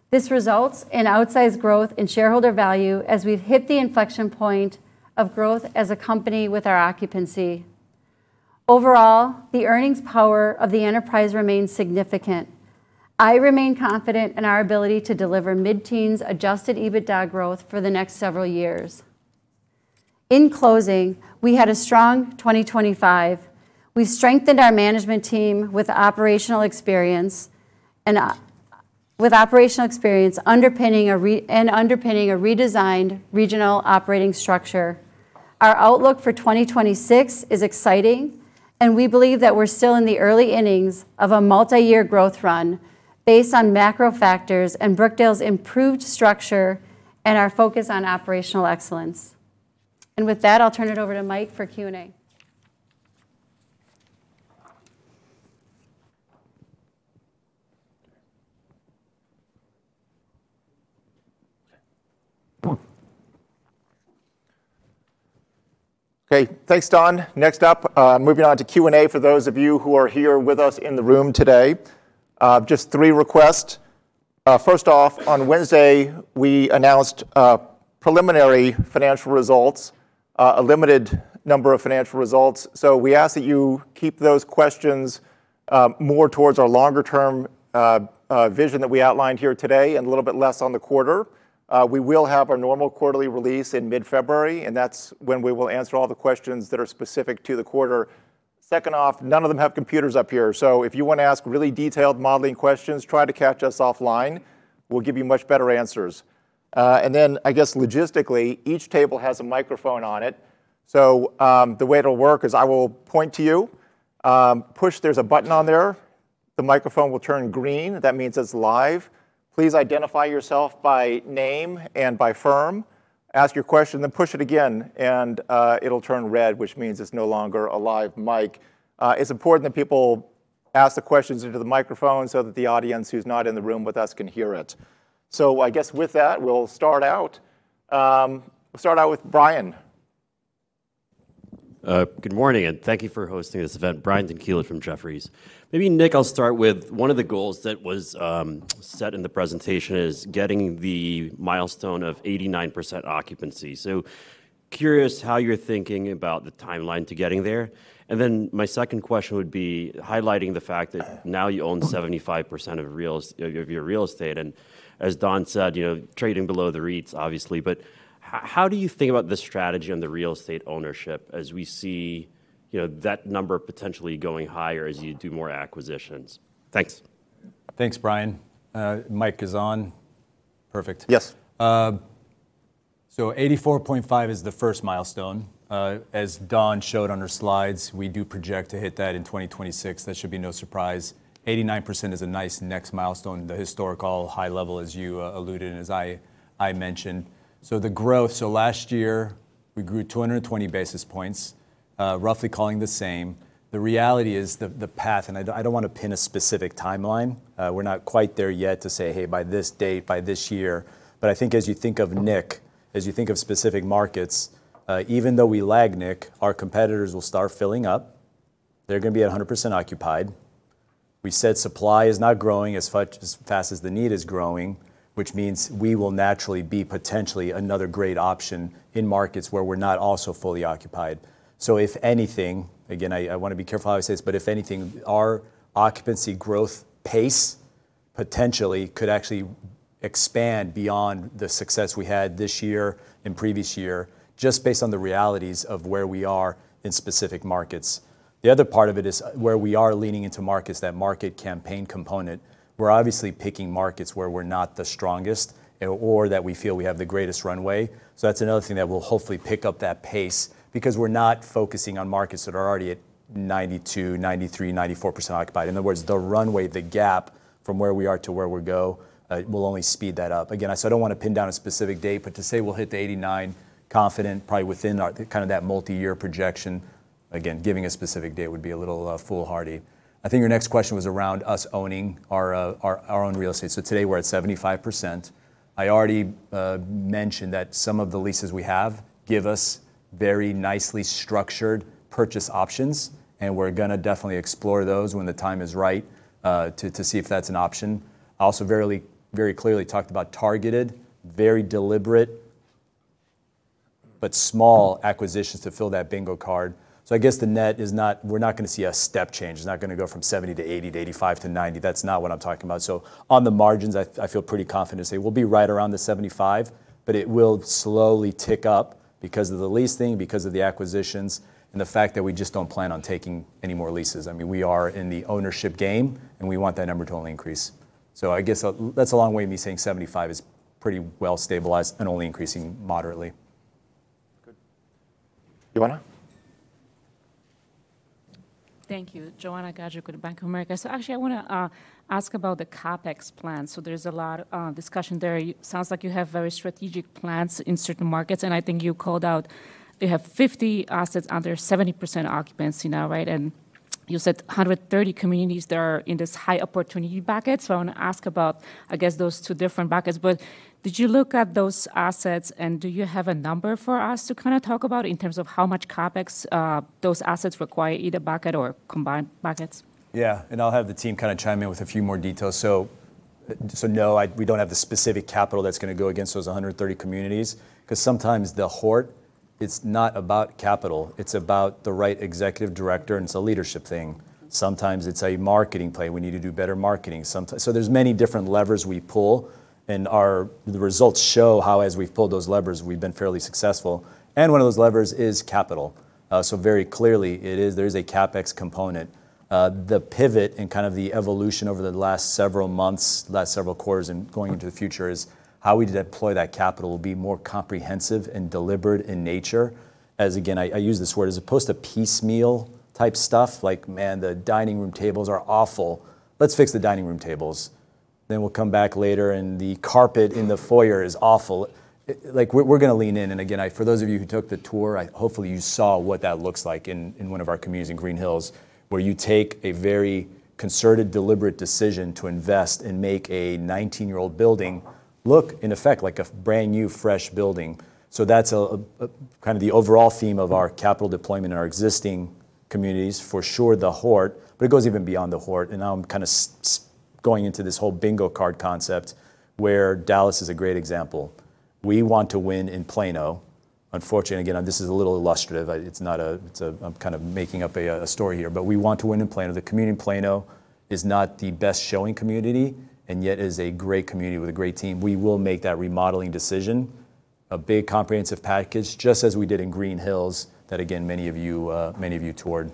This results in outsized growth in shareholder value as we've hit the inflection point of growth as a company with our occupancy. Overall, the earnings power of the enterprise remains significant. I remain confident in our ability to deliver mid-teens adjusted EBITDA growth for the next several years. In closing, we had a strong 2025. We've strengthened our management team with operational experience underpinning a redesigned regional operating structure. Our outlook for 2026 is exciting, and we believe that we're still in the early innings of a multi-year growth run based on macro factors and Brookdale's improved structure and our focus on operational excellence. And with that, I'll turn it over to Mike for Q&A. Okay, thanks, Dawn. Next up, moving on to Q&A. For those of you who are here with us in the room today, just three requests. First off, on Wednesday, we announced preliminary financial results, a limited number of financial results. So we ask that you keep those questions more towards our longer-term vision that we outlined here today and a little bit less on the quarter. We will have our normal quarterly release in mid-February, and that's when we will answer all the questions that are specific to the quarter. Second off, none of them have computers up here, so if you want to ask really detailed modeling questions, try to catch us offline. We'll give you much better answers. And then I guess logistically, each table has a microphone on it. So, the way it'll work is I will point to you. Push. There's a button on there. The microphone will turn green. That means it's live. Please identify yourself by name and by firm, ask your question, then push it again, and it'll turn red, which means it's no longer a live mic. It's important that people ask the questions into the microphone so that the audience who's not in the room with us can hear it. So I guess with that, we'll start out. We'll start out with Brian. Good morning, and thank you for hosting this event. Brian Tanquilut from Jefferies. Maybe Nick, I'll start with one of the goals that was set in the presentation is getting the milestone of 89% occupancy. So curious how you're thinking about the timeline to getting there. And then my second question would be highlighting the fact that now you own 75% of your real estate, and as Dawn said, you know, trading below the REITs, obviously. But how do you think about the strategy on the real estate ownership as we see, you know, that number potentially going higher as you do more acquisitions? Thanks. Thanks, Brian. Mic is on? Perfect. Yes. So 84.5 is the first milestone. As Dawn showed on her slides, we do project to hit that in 2026. That should be no surprise. 89% is a nice next milestone, the historical high level, as you alluded and as I mentioned. So the growth, so last year, we grew 220 basis points, roughly calling the same. The reality is the path, and I don't want to pin a specific timeline. We're not quite there yet to say, "Hey, by this date, by this year." But I think as you think of NIC, as you think of specific markets, even though we lag NIC, our competitors will start filling up. They're going to be at 100% occupied. We said supply is not growing as much-- as fast as the need is growing, which means we will naturally be potentially another great option in markets where we're not also fully occupied. So if anything, again, I want to be careful how I say this, but if anything, our occupancy growth pace potentially could actually expand beyond the success we had this year and previous year, just based on the realities of where we are in specific markets. The other part of it is where we are leaning into markets, that market campaign component. We're obviously picking markets where we're not the strongest or that we feel we have the greatest runway. So that's another thing that will hopefully pick up that pace because we're not focusing on markets that are already at 92%, 93%, 94% occupied. In other words, the runway, the gap from where we are to where we go, will only speed that up. Again, so I don't want to pin down a specific date, but to say we'll hit the 89, confident, probably within our - kind of that multi-year projection. Again, giving a specific date would be a little foolhardy. I think your next question was around us owning our own real estate. So today we're at 75%. I already mentioned that some of the leases we have give us very nicely structured purchase options, and we're going to definitely explore those when the time is right, to see if that's an option. I also very clearly talked about targeted, very deliberate, but small acquisitions to fill that bingo card. So I guess the net is not—we're not going to see a step change. It's not going to go from 70 to 80 to 85 to 90. That's not what I'm talking about. So on the margins, I, I feel pretty confident to say we'll be right around the 75, but it will slowly tick up because of the lease thing, because of the acquisitions, and the fact that we just don't plan on taking any more leases. I mean, we are in the ownership game, and we want that number to only increase. So I guess that's a long way of me saying 75 is pretty well stabilized and only increasing moderately. Good. Joanna? Thank you. Joanna Gajuk with Bank of America. So actually, I want to ask about the CapEx plan. So there's a lot of discussion there. It sounds like you have very strategic plans in certain markets, and I think you called out you have 50 assets under 70% occupancy now, right? And you said 130 communities that are in this high opportunity bucket. So I want to ask about, I guess, those two different buckets. But did you look at those assets, and do you have a number for us to kind of talk about in terms of how much CapEx those assets require, either bucket or combined buckets? Yeah, and I'll have the team kind of chime in with a few more details. So no, we don't have the specific capital that's going to go against those 130 communities, because sometimes the HORT, it's not about capital, it's about the right executive director, and it's a leadership thing. Sometimes it's a marketing play. We need to do better marketing. Sometimes, so there's many different levers we pull, and our, the results show how, as we've pulled those levers, we've been fairly successful, and one of those levers is capital. So very clearly, it is, there is a CapEx component. The pivot and kind of the evolution over the last several months, last several quarters, and going into the future is how we deploy that capital will be more comprehensive and deliberate in nature. Again, I use this word, as opposed to piecemeal type stuff, like, "Man, the dining room tables are awful. Let's fix the dining room tables." Then we'll come back later, and the carpet in the foyer is awful. Like, we're going to lean in, and again, for those of you who took the tour, hopefully, you saw what that looks like in one of our communities in Green Hills, where you take a very concerted, deliberate decision to invest and make a 19-year-old building look, in effect, like a brand-new, fresh building. So that's kind of the overall theme of our capital deployment in our existing communities, for sure, the HORT, but it goes even beyond the HORT, and now I'm kind of going into this whole bingo card concept, where Dallas is a great example. We want to win in Plano. Unfortunately, again, this is a little illustrative. It's a, I'm kind of making up a, a story here, but we want to win in Plano. The community in Plano is not the best-showing community, and yet is a great community with a great team. We will make that remodeling decision, a big comprehensive package, just as we did in Green Hills, that again, many of you, many of you toured.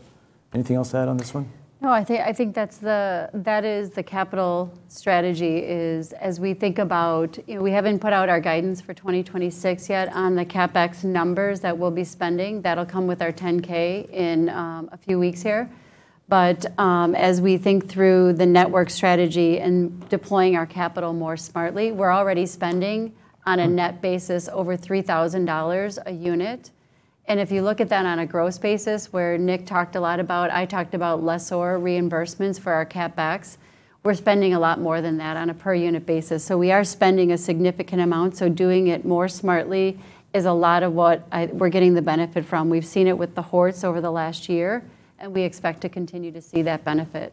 Anything else to add on this one? No, I think that's the capital strategy, as we think about... You know, we haven't put out our guidance for 2026 yet on the CapEx numbers that we'll be spending. That'll come with our 10-K in a few weeks here. But as we think through the network strategy and deploying our capital more smartly, we're already spending on a net basis over $3,000 a unit. And if you look at that on a gross basis, where Nick talked a lot about, I talked about lessor reimbursements for our CapEx, we're spending a lot more than that on a per-unit basis. So we are spending a significant amount. So doing it more smartly is a lot of what we're getting the benefit from. We've seen it with the HORTs over the last year, and we expect to continue to see that benefit....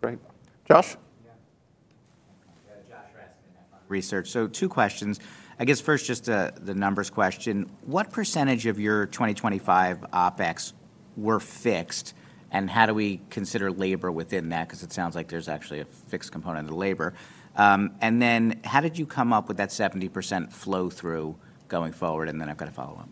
Great. Josh? Yeah. Yeah, Josh Raskin, Nephron Research. So two questions. I guess first, just, the numbers question: What percentage of your 2025 OpEx were fixed, and how do we consider labor within that? Because it sounds like there's actually a fixed component of the labor. And then how did you come up with that 70% flow-through going forward? And then I've got a follow-up.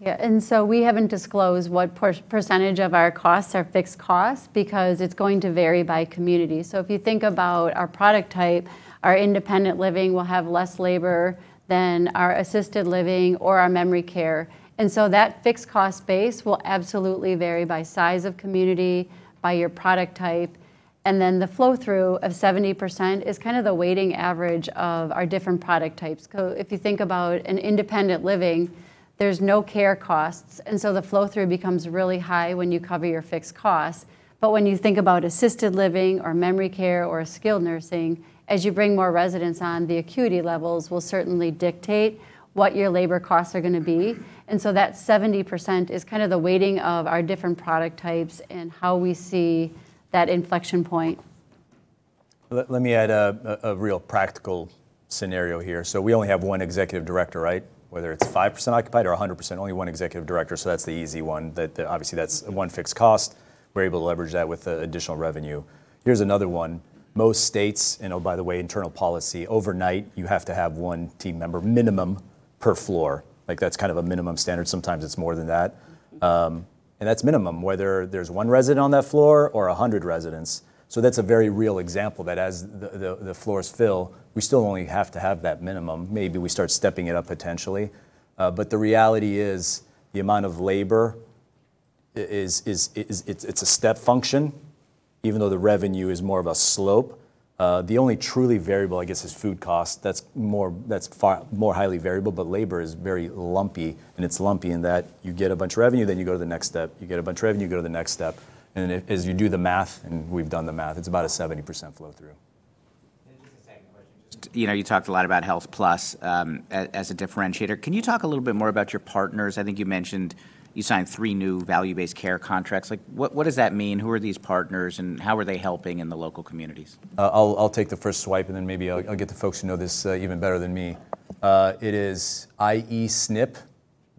Yeah, and so we haven't disclosed what percentage of our costs are fixed costs, because it's going to vary by community. So if you think about our product type, our independent living will have less labor than our assisted living or memory care. And so that fixed cost base will absolutely vary by size of community, by your product type, and then the flow-through of 70% is kind of the weighted average of our different product types. So if you think about an independent living, there's no care costs, and so the flow-through becomes really high when you cover your fixed costs. But when you think about assisted living memory care or skilled nursing, as you bring more residents on, the acuity levels will certainly dictate what your labor costs are going to be. And so that 70% is kind of the weighting of our different product types and how we see that inflection point. Let me add a real practical scenario here. So we only have one executive director, right? Whether it's 5% occupied or 100%, only one executive director, so that's the easy one. That, obviously, that's one fixed cost. We're able to leverage that with additional revenue. Here's another one: Most states, and oh, by the way, internal policy, overnight, you have to have one team member, minimum, per floor. Like, that's kind of a minimum standard. Sometimes it's more than that. And that's minimum, whether there's one resident on that floor or 100 residents. So that's a very real example, that as the floors fill, we still only have to have that minimum. Maybe we start stepping it up, potentially. But the reality is, the amount of labor is... It's a step function, even though the revenue is more of a slope. The only truly variable, I guess, is food cost. That's more, that's far more highly variable, but labor is very lumpy, and it's lumpy in that you get a bunch of revenue, then you go to the next step. You get a bunch of revenue, you go to the next step, and as you do the math, and we've done the math, it's about a 70% flow-through. Just a second question. You know, you talked a lot about HealthPlus as a differentiator. Can you talk a little bit more about your partners? I think you mentioned you signed 3 new value-based care contracts. Like, what does that mean? Who are these partners, and how are they helping in the local communities? I'll, I'll take the first swipe, and then maybe I'll, I'll get the folks who know this, even better than me. It is I-SNP,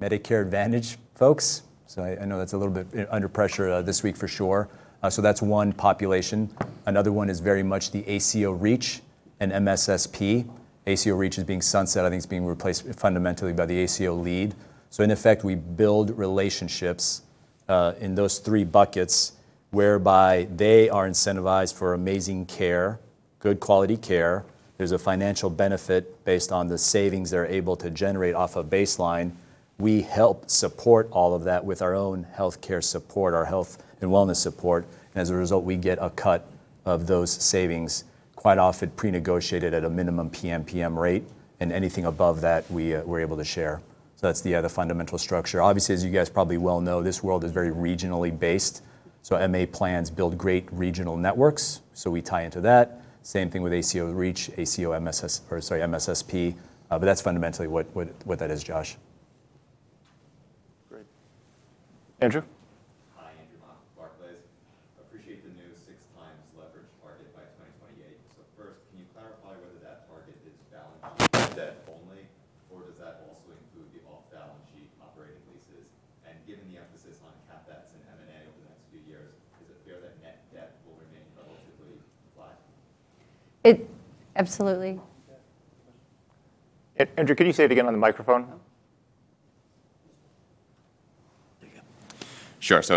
Medicare Advantage folks, so I, I know that's a little bit under pressure, this week, for sure. So that's one population. Another one is very much the ACO REACH and MSSP. ACO REACH is being sunset. I think it's being replaced fundamentally by the ACO LEAD. So in effect, we build relationships, in those three buckets, whereby they are incentivized for amazing care, good quality care. There's a financial benefit based on the savings they're able to generate off a baseline. We help support all of that with our own healthcare support, our health and wellness support, and as a result, we get a cut of those savings, quite often pre-negotiated at a minimum PMPM rate, and anything above that, we, we're able to share. So that's the fundamental structure. Obviously, as you guys probably well know, this world is very regionally based, so MA plans build great regional networks, so we tie into that. Same thing with ACO REACH, ACO, or sorry, MSSP, but that's fundamentally what that is, Josh. Great. Andrew? Hi, Andrew Mok from Barclays.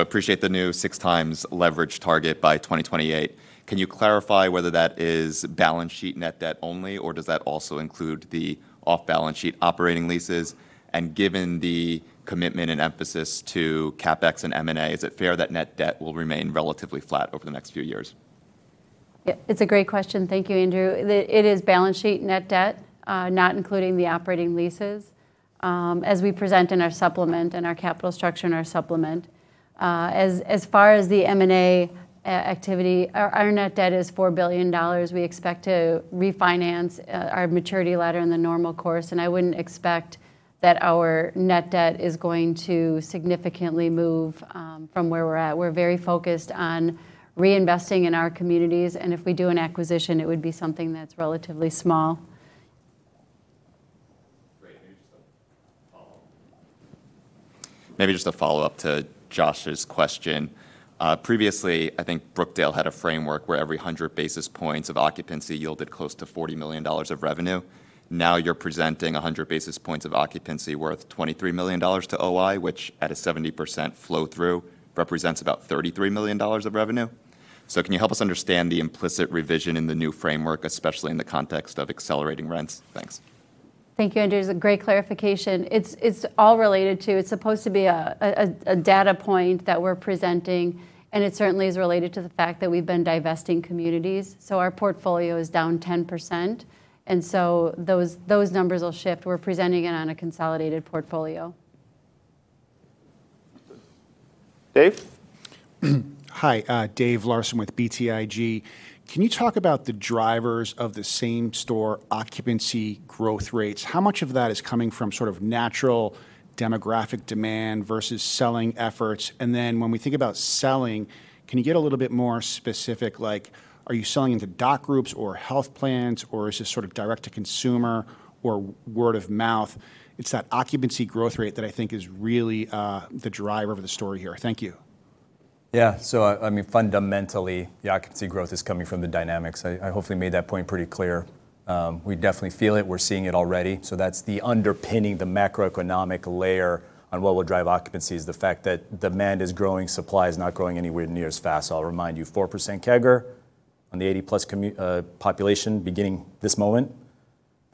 Appreciate the new 6x leverage target by 2028. So first, can you clarify whether that target is balance sheet debt only, or does that also include the off-balance sheet operating leases? And given the emphasis on CapEx and M&A over the next few years, is it fair that net debt will remain relatively flat? It... Absolutely. Andrew, could you say it again on the microphone? There you go. Sure. So I appreciate the new 6x leverage target by 2028. Can you clarify whether that is balance sheet net debt only, or does that also include the off-balance sheet operating leases? And given the commitment and emphasis to CapEx and M&A, is it fair that net debt will remain relatively flat over the next few years? Yeah, it's a great question. Thank you, Andrew. It is balance sheet net debt, not including the operating leases, as we present in our supplement, in our capital structure and our supplement. As far as the M&A activity, our net debt is $4 billion. We expect to refinance our maturity ladder in the normal course, and I wouldn't expect that our net debt is going to significantly move from where we're at. We're very focused on reinvesting in our communities, and if we do an acquisition, it would be something that's relatively small. Great. Maybe just a follow-up. Maybe just a follow-up to Josh's question. Previously, I think Brookdale had a framework where every 100 basis points of occupancy yielded close to $40 million of revenue. Now, you're presenting 100 basis points of occupancy worth $23 million to NOI, which, at a 70% flow-through, represents about $33 million of revenue. So can you help us understand the implicit revision in the new framework, especially in the context of accelerating rents? Thanks. Thank you, Andrew. It's a great clarification. It's all related to... It's supposed to be a data point that we're presenting, and it certainly is related to the fact that we've been divesting communities, so our portfolio is down 10%, and so those numbers will shift. We're presenting it on a consolidated portfolio.... Dave? Hi, David Larsen with BTIG. Can you talk about the drivers of the same-store occupancy growth rates? How much of that is coming from sort of natural demographic demand versus selling efforts? And then when we think about selling, can you get a little bit more specific, like, are you selling to doc groups or health plans, or is this sort of direct to consumer or word of mouth? It's that occupancy growth rate that I think is really, the driver of the story here. Thank you. Yeah. So, I mean, fundamentally, the occupancy growth is coming from the dynamics. I hopefully made that point pretty clear. We definitely feel it. We're seeing it already, so that's the underpinning, the macroeconomic layer on what will drive occupancy is the fact that demand is growing, supply is not growing anywhere near as fast. I'll remind you, 4% CAGR on the 80+ population beginning this moment,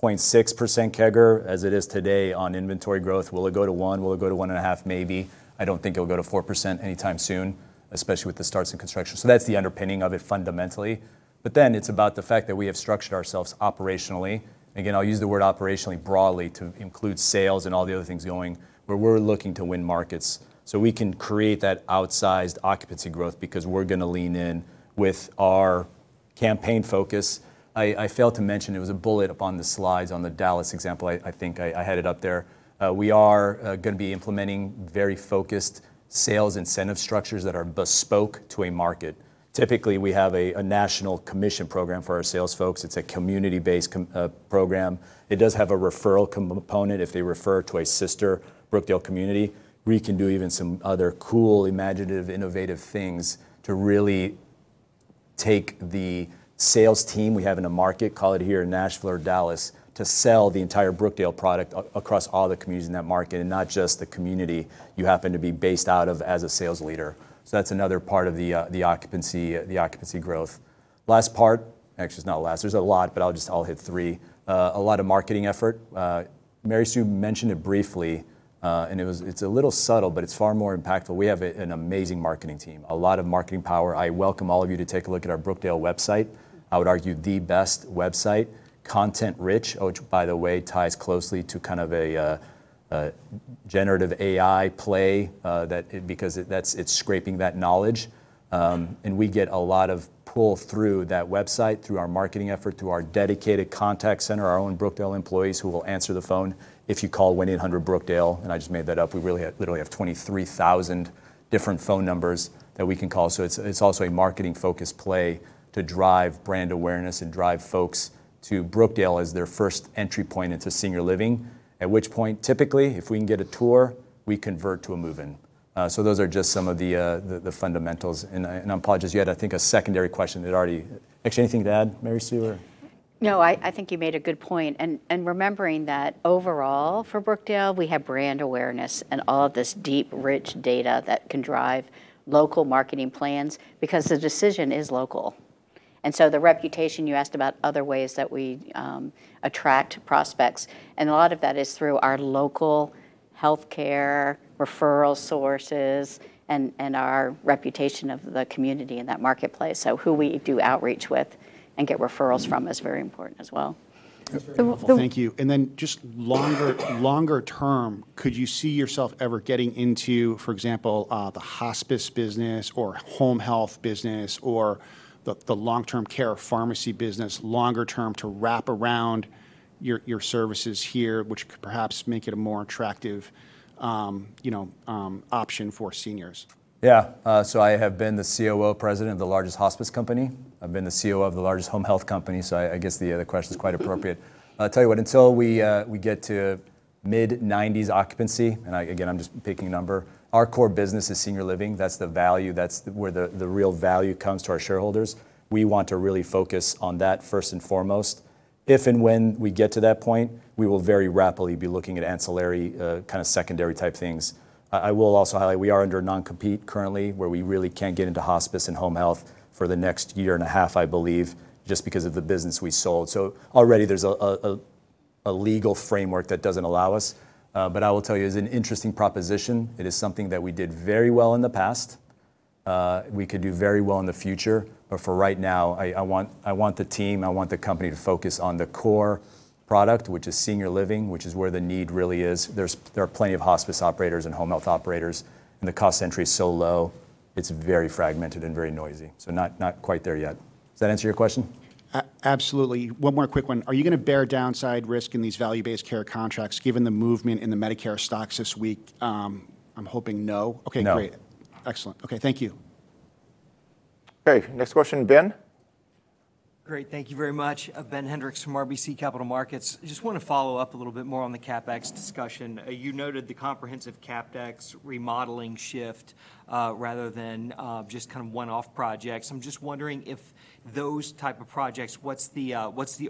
0.6% CAGR as it is today on inventory growth. Will it go to 1? Will it go to 1.5? Maybe. I don't think it'll go to 4% anytime soon, especially with the starts in construction. So that's the underpinning of it fundamentally, but then it's about the fact that we have structured ourselves operationally. Again, I'll use the word operationally broadly to include sales and all the other things going, where we're looking to win markets, so we can create that outsized occupancy growth because we're gonna lean in with our campaign focus. I failed to mention, it was a bullet up on the slides on the Dallas example. I think I had it up there. We are gonna be implementing very focused sales incentive structures that are bespoke to a market. Typically, we have a national commission program for our sales folks. It's a community-based program. It does have a referral component if they refer to a sister Brookdale community. We can do even some other cool, imaginative, innovative things to really take the sales team we have in a market, call it here in Nashville or Dallas, to sell the entire Brookdale product across all the communities in that market, and not just the community you happen to be based out of as a sales leader. So that's another part of the occupancy, the occupancy growth. Last part. Actually, it's not last. There's a lot, but I'll just hit three. A lot of marketing effort. Mary Sue mentioned it briefly, and it's a little subtle, but it's far more impactful. We have an amazing marketing team, a lot of marketing power. I welcome all of you to take a look at our Brookdale website. I would argue the best website, content-rich, which, by the way, ties closely to kind of a generative AI play, that... because it, that's, it's scraping that knowledge. And we get a lot of pull through that website, through our marketing effort, through our dedicated contact center, our own Brookdale employees, who will answer the phone if you call 1-800-BROOKDALE, and I just made that up. We really have, literally have 23,000 different phone numbers that we can call. So it's, it's also a marketing-focused play to drive brand awareness and drive folks to Brookdale as their first entry point into senior living. At which point, typically, if we can get a tour, we convert to a move-in. So those are just some of the, the fundamentals, and I, and I apologize, you had, I think, a secondary question that already... Actually, anything to add, Mary Sue, or? No, I think you made a good point, and remembering that overall, for Brookdale, we have brand awareness and all of this deep, rich data that can drive local marketing plans because the decision is local. And so the reputation, you asked about other ways that we attract prospects, and a lot of that is through our local healthcare referral sources and our reputation of the community in that marketplace. So who we do outreach with and get referrals from is very important as well. That's very helpful. Thank you. So- And then, just longer term, could you see yourself ever getting into, for example, the hospice business or home health business or the long-term care pharmacy business, longer term, to wrap around your services here, which could perhaps make it a more attractive, you know, option for seniors? Yeah, so I have been the COO president of the largest hospice company. I've been the COO of the largest home health company, so I guess the question is quite appropriate. I'll tell you what, until we get to mid-90s occupancy, and I, again, I'm just picking a number, our core business is senior living. That's the value. That's where the real value comes to our shareholders. We want to really focus on that first and foremost. If and when we get to that point, we will very rapidly be looking at ancillary kind of secondary-type things. I will also highlight, we are under non-compete currently, where we really can't get into hospice and home health for the next year and a half, I believe, just because of the business we sold. So already there's a legal framework that doesn't allow us. But I will tell you, it's an interesting proposition. It is something that we did very well in the past, we could do very well in the future, but for right now, I want the team, I want the company to focus on the core product, which is senior living, which is where the need really is. There are plenty of hospice operators and home health operators, and the cost entry is so low, it's very fragmented and very noisy, so not quite there yet. Does that answer your question? Absolutely. One more quick one. Are you gonna bear downside risk in these value-based care contracts, given the movement in the Medicare stocks this week? I'm hoping no. No. Okay, great. Excellent. Okay, thank you. Okay, next question, Ben? Great. Thank you very much. Ben Hendrix from RBC Capital Markets. Just want to follow up a little bit more on the CapEx discussion. You noted the comprehensive CapEx remodeling shift, rather than just kind of one-off projects. I'm just wondering if those type of projects, what's the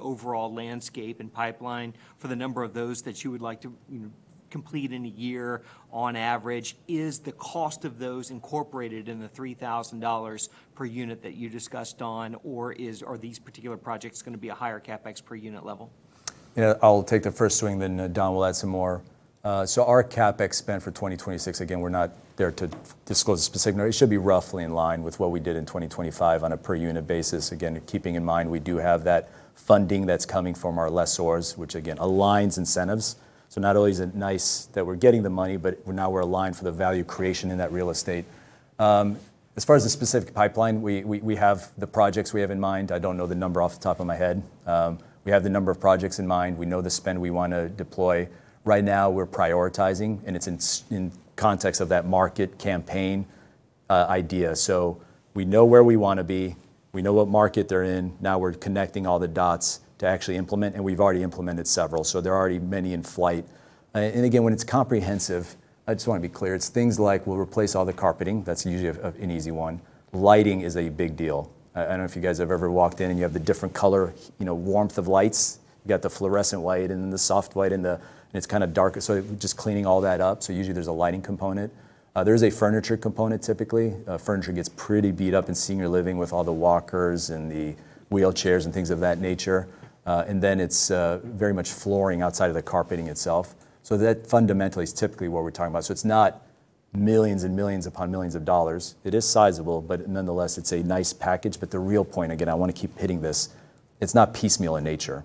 overall landscape and pipeline for the number of those that you would like to, you know, complete in a year on average? Is the cost of those incorporated in the $3,000 per unit that you discussed on, or is... are these particular projects gonna be a higher CapEx per unit level? Yeah, I'll take the first swing, then, Dawn will add some more. So our CapEx spend for 2026, again, we're not there to disclose a specific number. It should be roughly in line with what we did in 2025 on a per unit basis. Again, keeping in mind, we do have that funding that's coming from our lessors, which again, aligns incentives. So not only is it nice that we're getting the money, but now we're aligned for the value creation in that real estate. As far as the specific pipeline, we have the projects we have in mind. I don't know the number off the top of my head. We have the number of projects in mind. We know the spend we wanna deploy. Right now, we're prioritizing, and it's in context of that market campaign idea. So we know where we wanna be. We know what market they're in. Now, we're connecting all the dots to actually implement, and we've already implemented several, so there are already many in flight. And again, when it's comprehensive, I just wanna be clear, it's things like we'll replace all the carpeting. That's usually an easy one. Lighting is a big deal. I don't know if you guys have ever walked in, and you have the different color, you know, warmth of lights. You got the fluorescent light, and then the soft white, and the... And it's kind of dark, so just cleaning all that up, so usually there's a lighting component. There's a furniture component, typically. Furniture gets pretty beat up in senior living with all the walkers and the wheelchairs and things of that nature. And then it's very much flooring outside of the carpeting itself. So that fundamentally is typically what we're talking about. So it's not millions and millions upon millions of dollars. It is sizable, but nonetheless, it's a nice package. But the real point, again, I wanna keep hitting this, it's not piecemeal in nature.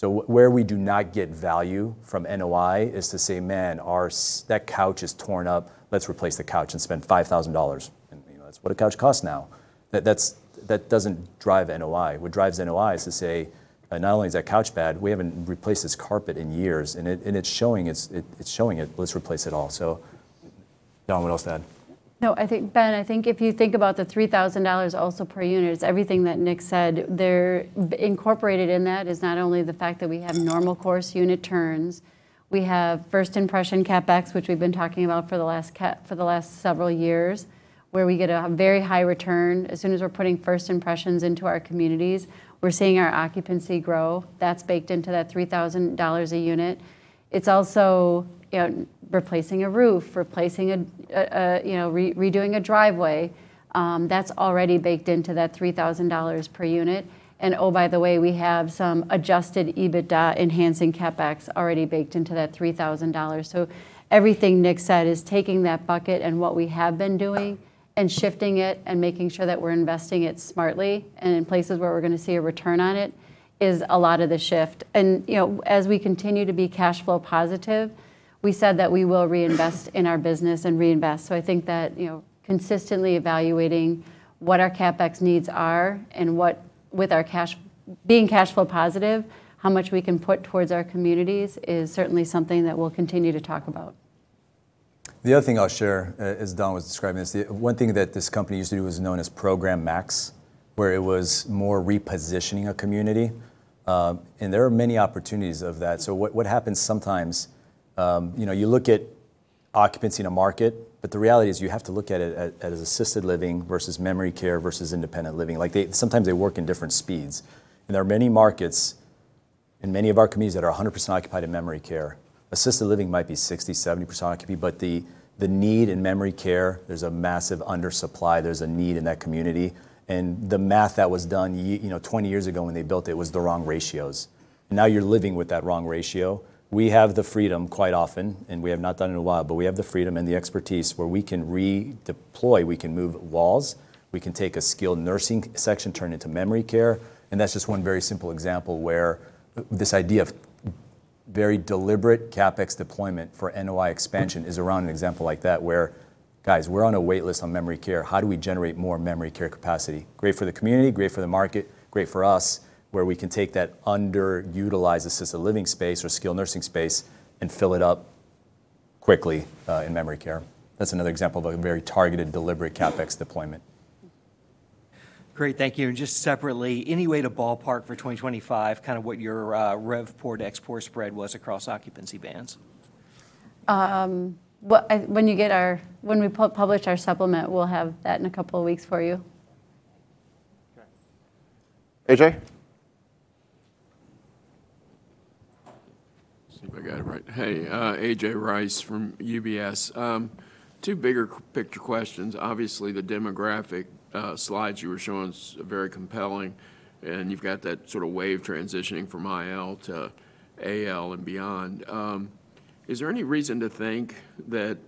So where we do not get value from NOI is to say, "Man, our that couch is torn up. Let's replace the couch and spend $5,000." And, you know, that's what a couch costs now. That doesn't drive NOI. What drives NOI is to say, "Not only is that couch bad, we haven't replaced this carpet in years, and it's showing. It's showing it. Let's replace it all." So Dawn, what else to add? No, I think, Ben, I think if you think about the $3,000 also per unit, it's everything that Nick said. Incorporated in that is not only the fact that we have normal course unit turns, we have First Impressions CapEx, which we've been talking about for the last several years, where we get a very high return. As soon as we're putting First Impressions into our communities, we're seeing our occupancy grow. That's baked into that $3,000 a unit. It's also, you know, replacing a roof, you know, redoing a driveway. That's already baked into that $3,000 per unit, and oh, by the way, we have some adjusted EBITDA-enhancing CapEx already baked into that $3,000. So everything Nick said is taking that bucket and what we have been doing, and shifting it, and making sure that we're investing it smartly and in places where we're gonna see a return on it, is a lot of the shift. And, you know, as we continue to be cash flow positive, we said that we will reinvest in our business and reinvest. So I think that, you know, consistently evaluating what our CapEx needs are and what, with our cash being cash flow positive, how much we can put towards our communities, is certainly something that we'll continue to talk about. The other thing I'll share, as Dawn was describing, is the one thing that this company used to do was known as Program Max, where it was more repositioning a community. And there are many opportunities of that. So what, what happens sometimes, you know, you look at occupancy in a market, but the reality is, you have to look at it as, as assisted living memory care versus independent living. Like, they, sometimes they work in different speeds, and there are many markets and many of our communities that are 100% occupied memory care. Assisted living might be 60%-70% occupancy, but the, the need memory care, there's a massive undersupply. There's a need in that community, and the math that was done you know, 20 years ago when they built it, it was the wrong ratios. Now, you're living with that wrong ratio. We have the freedom quite often, and we have not done it in a while, but we have the freedom and the expertise where we can redeploy. We can move walls. We can take a skilled nursing section, turn it to memory care, and that's just one very simple example where this idea of very deliberate CapEx deployment for NOI expansion is around an example like that, where, "Guys, we're on a wait list on memory care. How do we generate more memory care capacity?" Great for the community, great for the market, great for us, where we can take that underutilized assisted living space or skilled nursing space and fill it up quickly in memory care. That's another example of a very targeted, deliberate CapEx deployment. Great, thank you. And just separately, any way to ballpark for 2025, kind of what your RevPOR, ExPOR spread was across occupancy bands? Well, when we publish our supplement, we'll have that in a couple of weeks for you. Okay. A.J.? See if I got it right. Hey, A.J. Rice from UBS. Two bigger-picture questions: obviously, the demographic slides you were showing is very compelling, and you've got that sort of wave transitioning from IL to AL and beyond. Is there any reason to think that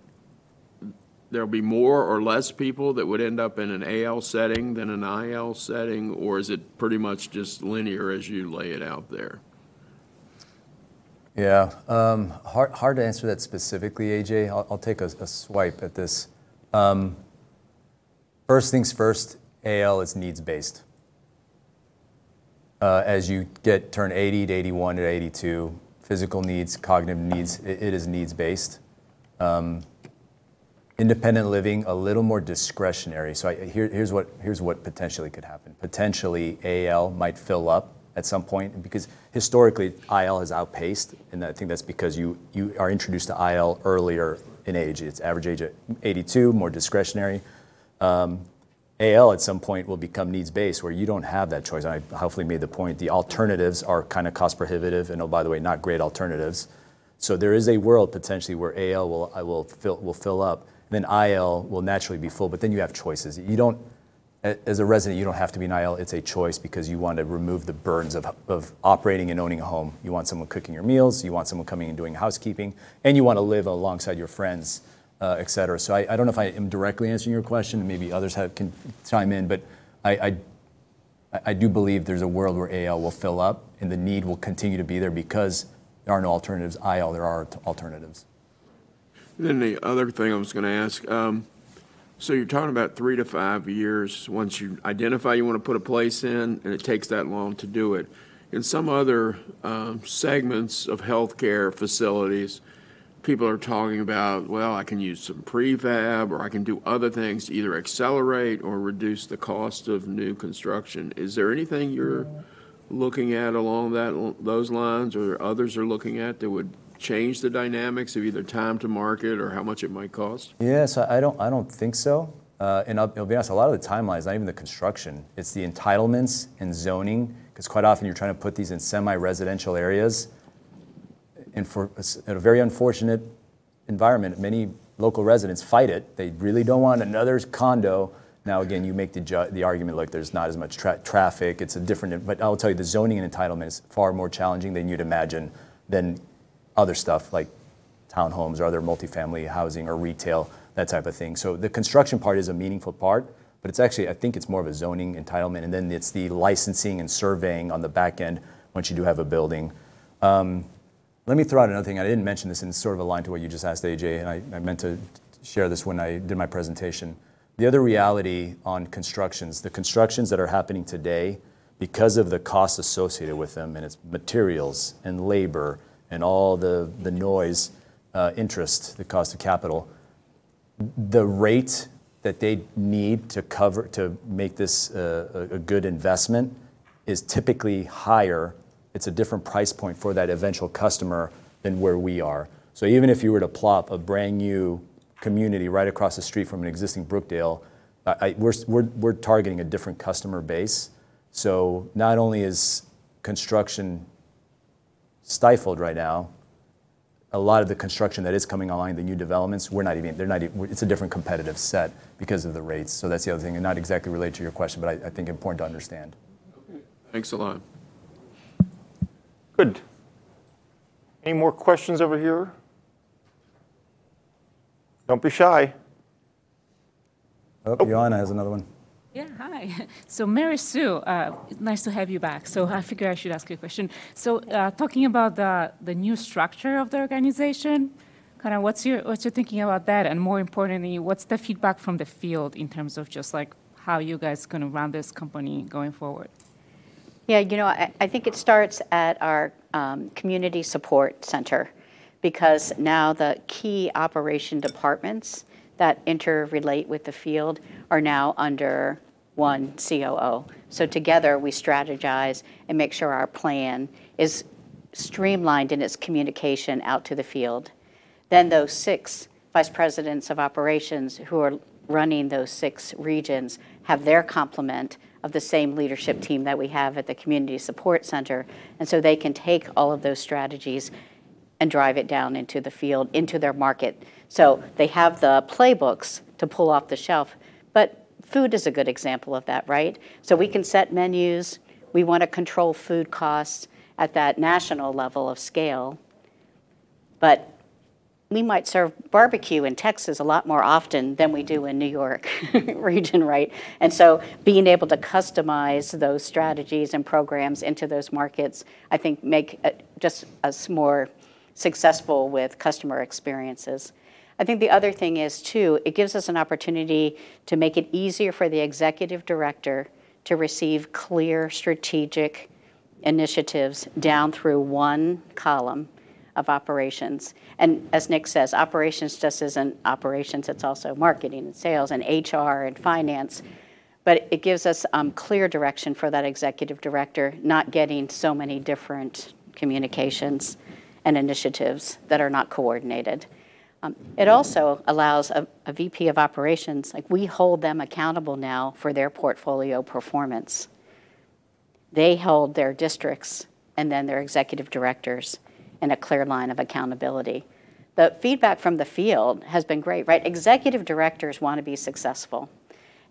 there'll be more or less people that would end up in an AL setting than an IL setting, or is it pretty much just linear as you lay it out there? Yeah. Hard to answer that specifically, A.J. I'll take a swipe at this. First things first, AL is needs-based. As you get turn 80 to 81 to 82, physical needs, cognitive needs, it is needs-based. Independent living, a little more discretionary. So here's what potentially could happen. Potentially, AL might fill up at some point because historically, IL has outpaced, and I think that's because you are introduced to IL earlier in age. Its average age, 82, more discretionary. AL, at some point, will become needs-based, where you don't have that choice. I hopefully made the point the alternatives are kind of cost prohibitive, and oh, by the way, not great alternatives. So there is a world potentially where AL will fill up, then IL will naturally be full, but then you have choices. You don't – as a resident, you don't have to be in IL. It's a choice because you want to remove the burdens of operating and owning a home. You want someone cooking your meals. You want someone coming and doing housekeeping, and you want to live alongside your friends, et cetera. So I don't know if I am directly answering your question, and maybe others have – can chime in, but I do believe there's a world where AL will fill up, and the need will continue to be there because there are no alternatives. IL, there are alternatives. Then the other thing I was gonna ask, so you're talking about three to five years once you identify you want to put a place in, and it takes that long to do it. In some other segments of healthcare facilities, people are talking about, "Well, I can use some prefab, or I can do other things to either accelerate or reduce the cost of new construction." Is there anything you're looking at along those lines or others are looking at, that would change the dynamics of either time to market or how much it might cost? Yes, I don't, I don't think so. And I'll be honest, a lot of the timeline is not even the construction; it's the entitlements and zoning, 'cause quite often, you're trying to put these in semi-residential areas. And for a very unfortunate environment, many local residents fight it. They really don't want another condo. Now, again, you make the judgment, the argument, like, there's not as much traffic, it's a different. But I will tell you, the zoning and entitlement is far more challenging than you'd imagine, than other stuff like townhomes or other multifamily housing or retail, that type of thing. So the construction part is a meaningful part, but it's actually, I think it's more of a zoning entitlement, and then it's the licensing and surveying on the back end once you do have a building. Let me throw out another thing. I didn't mention this, and it's sort of aligned to what you just asked, A.J., and I meant to share this when I did my presentation. The other reality on constructions, the constructions that are happening today, because of the costs associated with them, and it's materials and labor and all the, the noise, interest, the cost of capital, the rate that they need to cover to make this a good investment is typically higher. It's a different price point for that eventual customer than where we are. So even if you were to plop a brand-new community right across the street from an existing Brookdale, we're targeting a different customer base. So not only is construction stifled right now, a lot of the construction that is coming online, the new developments, we're not even-they're not even-it's a different competitive set because of the rates. So that's the other thing, and not exactly related to your question, but I, I think important to understand. Okay. Thanks a lot. Good. Any more questions over here? Don't be shy. Oh, Joanna has another one. Yeah, hi. So Mary Sue, nice to have you back. So I figure I should ask you a question. So, talking about the new structure of the organization, kind of what's your thinking about that? And more importantly, what's the feedback from the field in terms of just, like, how you guys are gonna run this company going forward? Yeah, you know, I think it starts at our Community Support Center, because now the key operation departments that interrelate with the field are now under one COO. So together, we strategize and make sure our plan is streamlined in its communication out to the field. Then those six vice presidents of operations, who are running those six regions, have their complement of the same leadership team that we have at the Community Support Center, and so they can take all of those strategies and drive it down into the field, into their market. So they have the playbooks to pull off the shelf, but food is a good example of that, right? So we can set menus. We want to control food costs at that national level of scale. But we might serve barbecue in Texas a lot more often than we do in New York region, right? And so being able to customize those strategies and programs into those markets, I think, make just us more successful with customer experiences. I think the other thing is, too, it gives us an opportunity to make it easier for the executive director to receive clear strategic initiatives down through one column of operations. And as Nick says, operations just isn't operations, it's also marketing, and sales, and HR, and finance. But it gives us clear direction for that executive director, not getting so many different communications and initiatives that are not coordinated. It also allows a VP of operations... Like, we hold them accountable now for their portfolio performance. They hold their districts and then their executive directors in a clear line of accountability. The feedback from the field has been great, right? Executive directors want to be successful,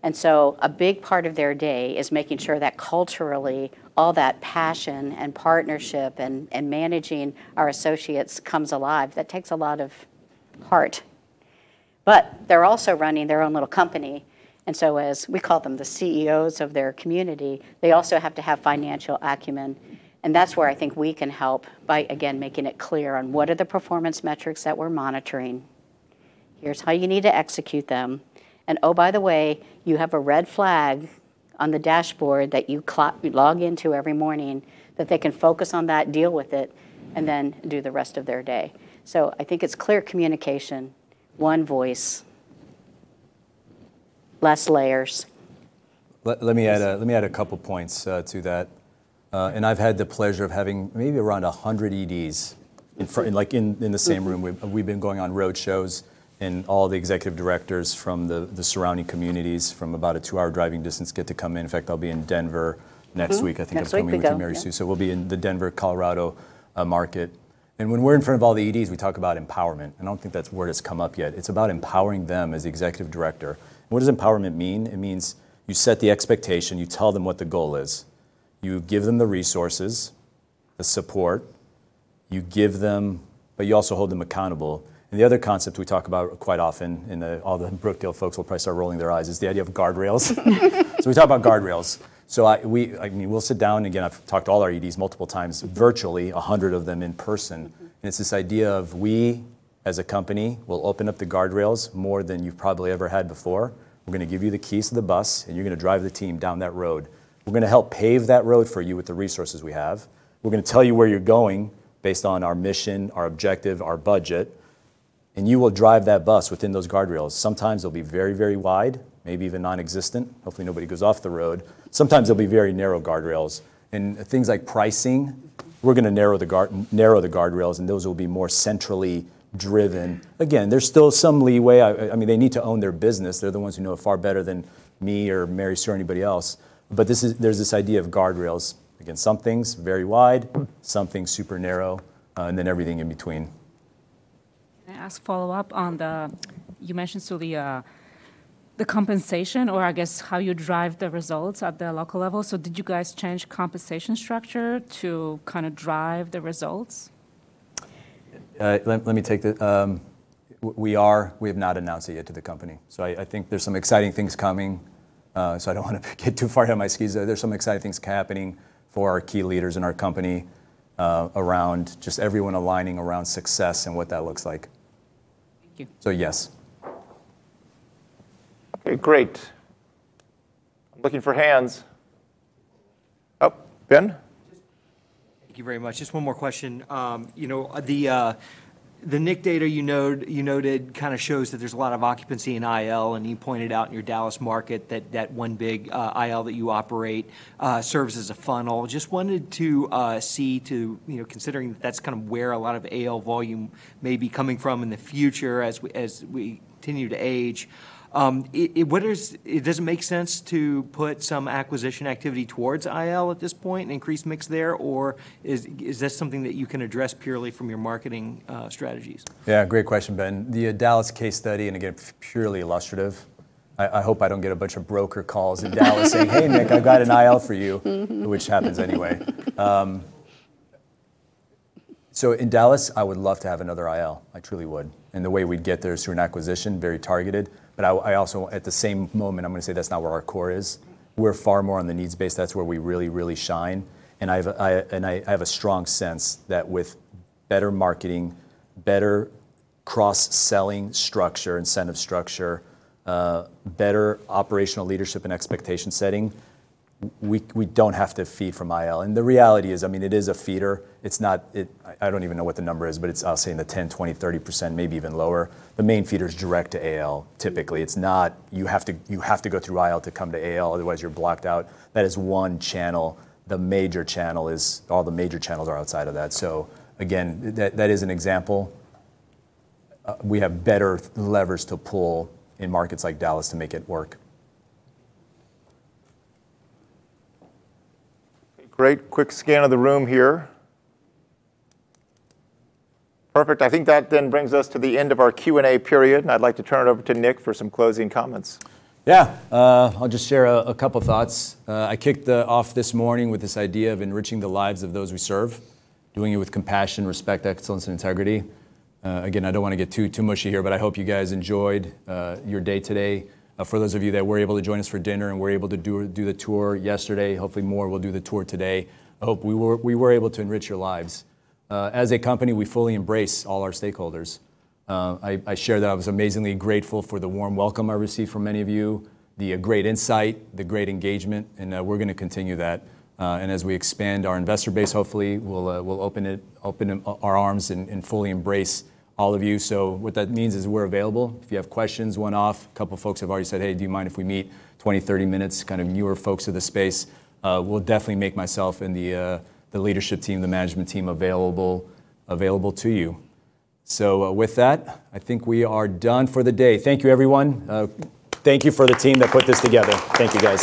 and so a big part of their day is making sure that culturally, all that passion and partnership and managing our associates comes alive. That takes a lot of heart. But they're also running their own little company, and so as we call them, the CEOs of their community, they also have to have financial acumen. And that's where I think we can help by, again, making it clear on what are the performance metrics that we're monitoring. Here's how you need to execute them. And oh, by the way, you have a red flag on the dashboard that you log into every morning, that they can focus on that, deal with it, and then do the rest of their day. So I think it's clear communication, one voice, less layers. Let me add a couple points to that. And I've had the pleasure of having maybe around 100 EDs in the same room. We've been going on road shows, and all the executive directors from the surrounding communities from about a two-hour driving distance get to come in. In fact, I'll be in Denver next week- Mm-hmm. Next week, yeah.... I think I'm coming with you, Mary Sue, so we'll be in the Denver, Colorado market. And when we're in front of all the EDs, we talk about empowerment, and I don't think that word has come up yet. It's about empowering them as executive director. What does empowerment mean? It means you set the expectation, you tell them what the goal is. You give them the resources, the support- you give them, but you also hold them accountable. And the other concept we talk about quite often, and all the Brookdale folks will probably start rolling their eyes, is the idea of guardrails. So we talk about guardrails. So, I mean, we'll sit down, again, I've talked to all our EDs multiple times virtually, 100 of them in person. Mm-hmm. It's this idea of we, as a company, will open up the guardrails more than you've probably ever had before. We're going to give you the keys to the bus, and you're going to drive the team down that road. We're going to help pave that road for you with the resources we have. We're going to tell you where you're going based on our mission, our objective, our budget, and you will drive that bus within those guardrails. Sometimes they'll be very, very wide, maybe even non-existent. Hopefully, nobody goes off the road. Sometimes they'll be very narrow guardrails. And things like pricing, we're going to narrow the guardrails, and those will be more centrally driven. Again, there's still some leeway. I mean, they need to own their business. They're the ones who know it far better than me or Mary Sue or anybody else. But this is. There's this idea of guardrails. Again, some things very wide, some things super narrow, and then everything in between. Can I ask follow-up on the... You mentioned, so the, the compensation or I guess, how you drive the results at the local level. So did you guys change compensation structure to kind of drive the results? Let me take that. We have not announced it yet to the company, so I think there's some exciting things coming. So I don't want to get too far out of my skis. There's some exciting things happening for our key leaders in our company, around just everyone aligning around success and what that looks like. Thank you. So, yes. Okay, great. I'm looking for hands. Oh, Ben? Thank you very much. Just one more question. You know, the NIC data you know you noted kind of shows that there's a lot of occupancy in IL, and you pointed out in your Dallas market that that one big IL that you operate serves as a funnel. Just wanted to see to you know, considering that that's kind of where a lot of AL volume may be coming from in the future as we as we continue to age. What does it make sense to put some acquisition activity towards IL at this point, an increased mix there, or is this something that you can address purely from your marketing strategies? Yeah, great question, Ben. The Dallas case study, and again, purely illustrative, I hope I don't get a bunch of broker calls in Dallas saying, "Hey, Nick, I've got an IL for you," which happens anyway. So in Dallas, I would love to have another IL, I truly would, and the way we'd get there is through an acquisition, very targeted. But I also, at the same moment, I'm going to say that's not where our core is. We're far more on the needs-base. That's where we really, really shine, and I have a strong sense that with better marketing, better cross-selling structure, incentive structure, better operational leadership and expectation setting, we don't have to feed from IL. And the reality is, I mean, it is a feeder. It's not, it... I don't even know what the number is, but it's, I'll say, in the 10%-30%, maybe even lower. The main feeder is direct to AL, typically. It's not, you have to, you have to go through IL to come to AL, otherwise, you're blocked out. That is one channel. The major channel is- all the major channels are outside of that. So again, that, that is an example. We have better levers to pull in markets like Dallas to make it work. Great quick scan of the room here. Perfect. I think that then brings us to the end of our Q&A period, and I'd like to turn it over to Nick for some closing comments. Yeah, I'll just share a couple thoughts. I kicked off this morning with this idea of enriching the lives of those we serve, doing it with compassion, respect, excellence, and integrity. Again, I don't want to get too mushy here, but I hope you guys enjoyed your day today. For those of you that were able to join us for dinner and were able to do the tour yesterday, hopefully more will do the tour today. I hope we were able to enrich your lives. As a company, we fully embrace all our stakeholders. I share that I was amazingly grateful for the warm welcome I received from many of you, the great insight, the great engagement, and we're going to continue that. And as we expand our investor base, hopefully we'll open up our arms and fully embrace all of you. So what that means is we're available. If you have questions, one-off, a couple of folks have already said, "Hey, do you mind if we meet 20, 30 minutes?" Kind of newer folks to the space. We'll definitely make myself and the leadership team, the management team, available to you. So with that, I think we are done for the day. Thank you, everyone. Thank you for the team that put this together. Thank you, guys.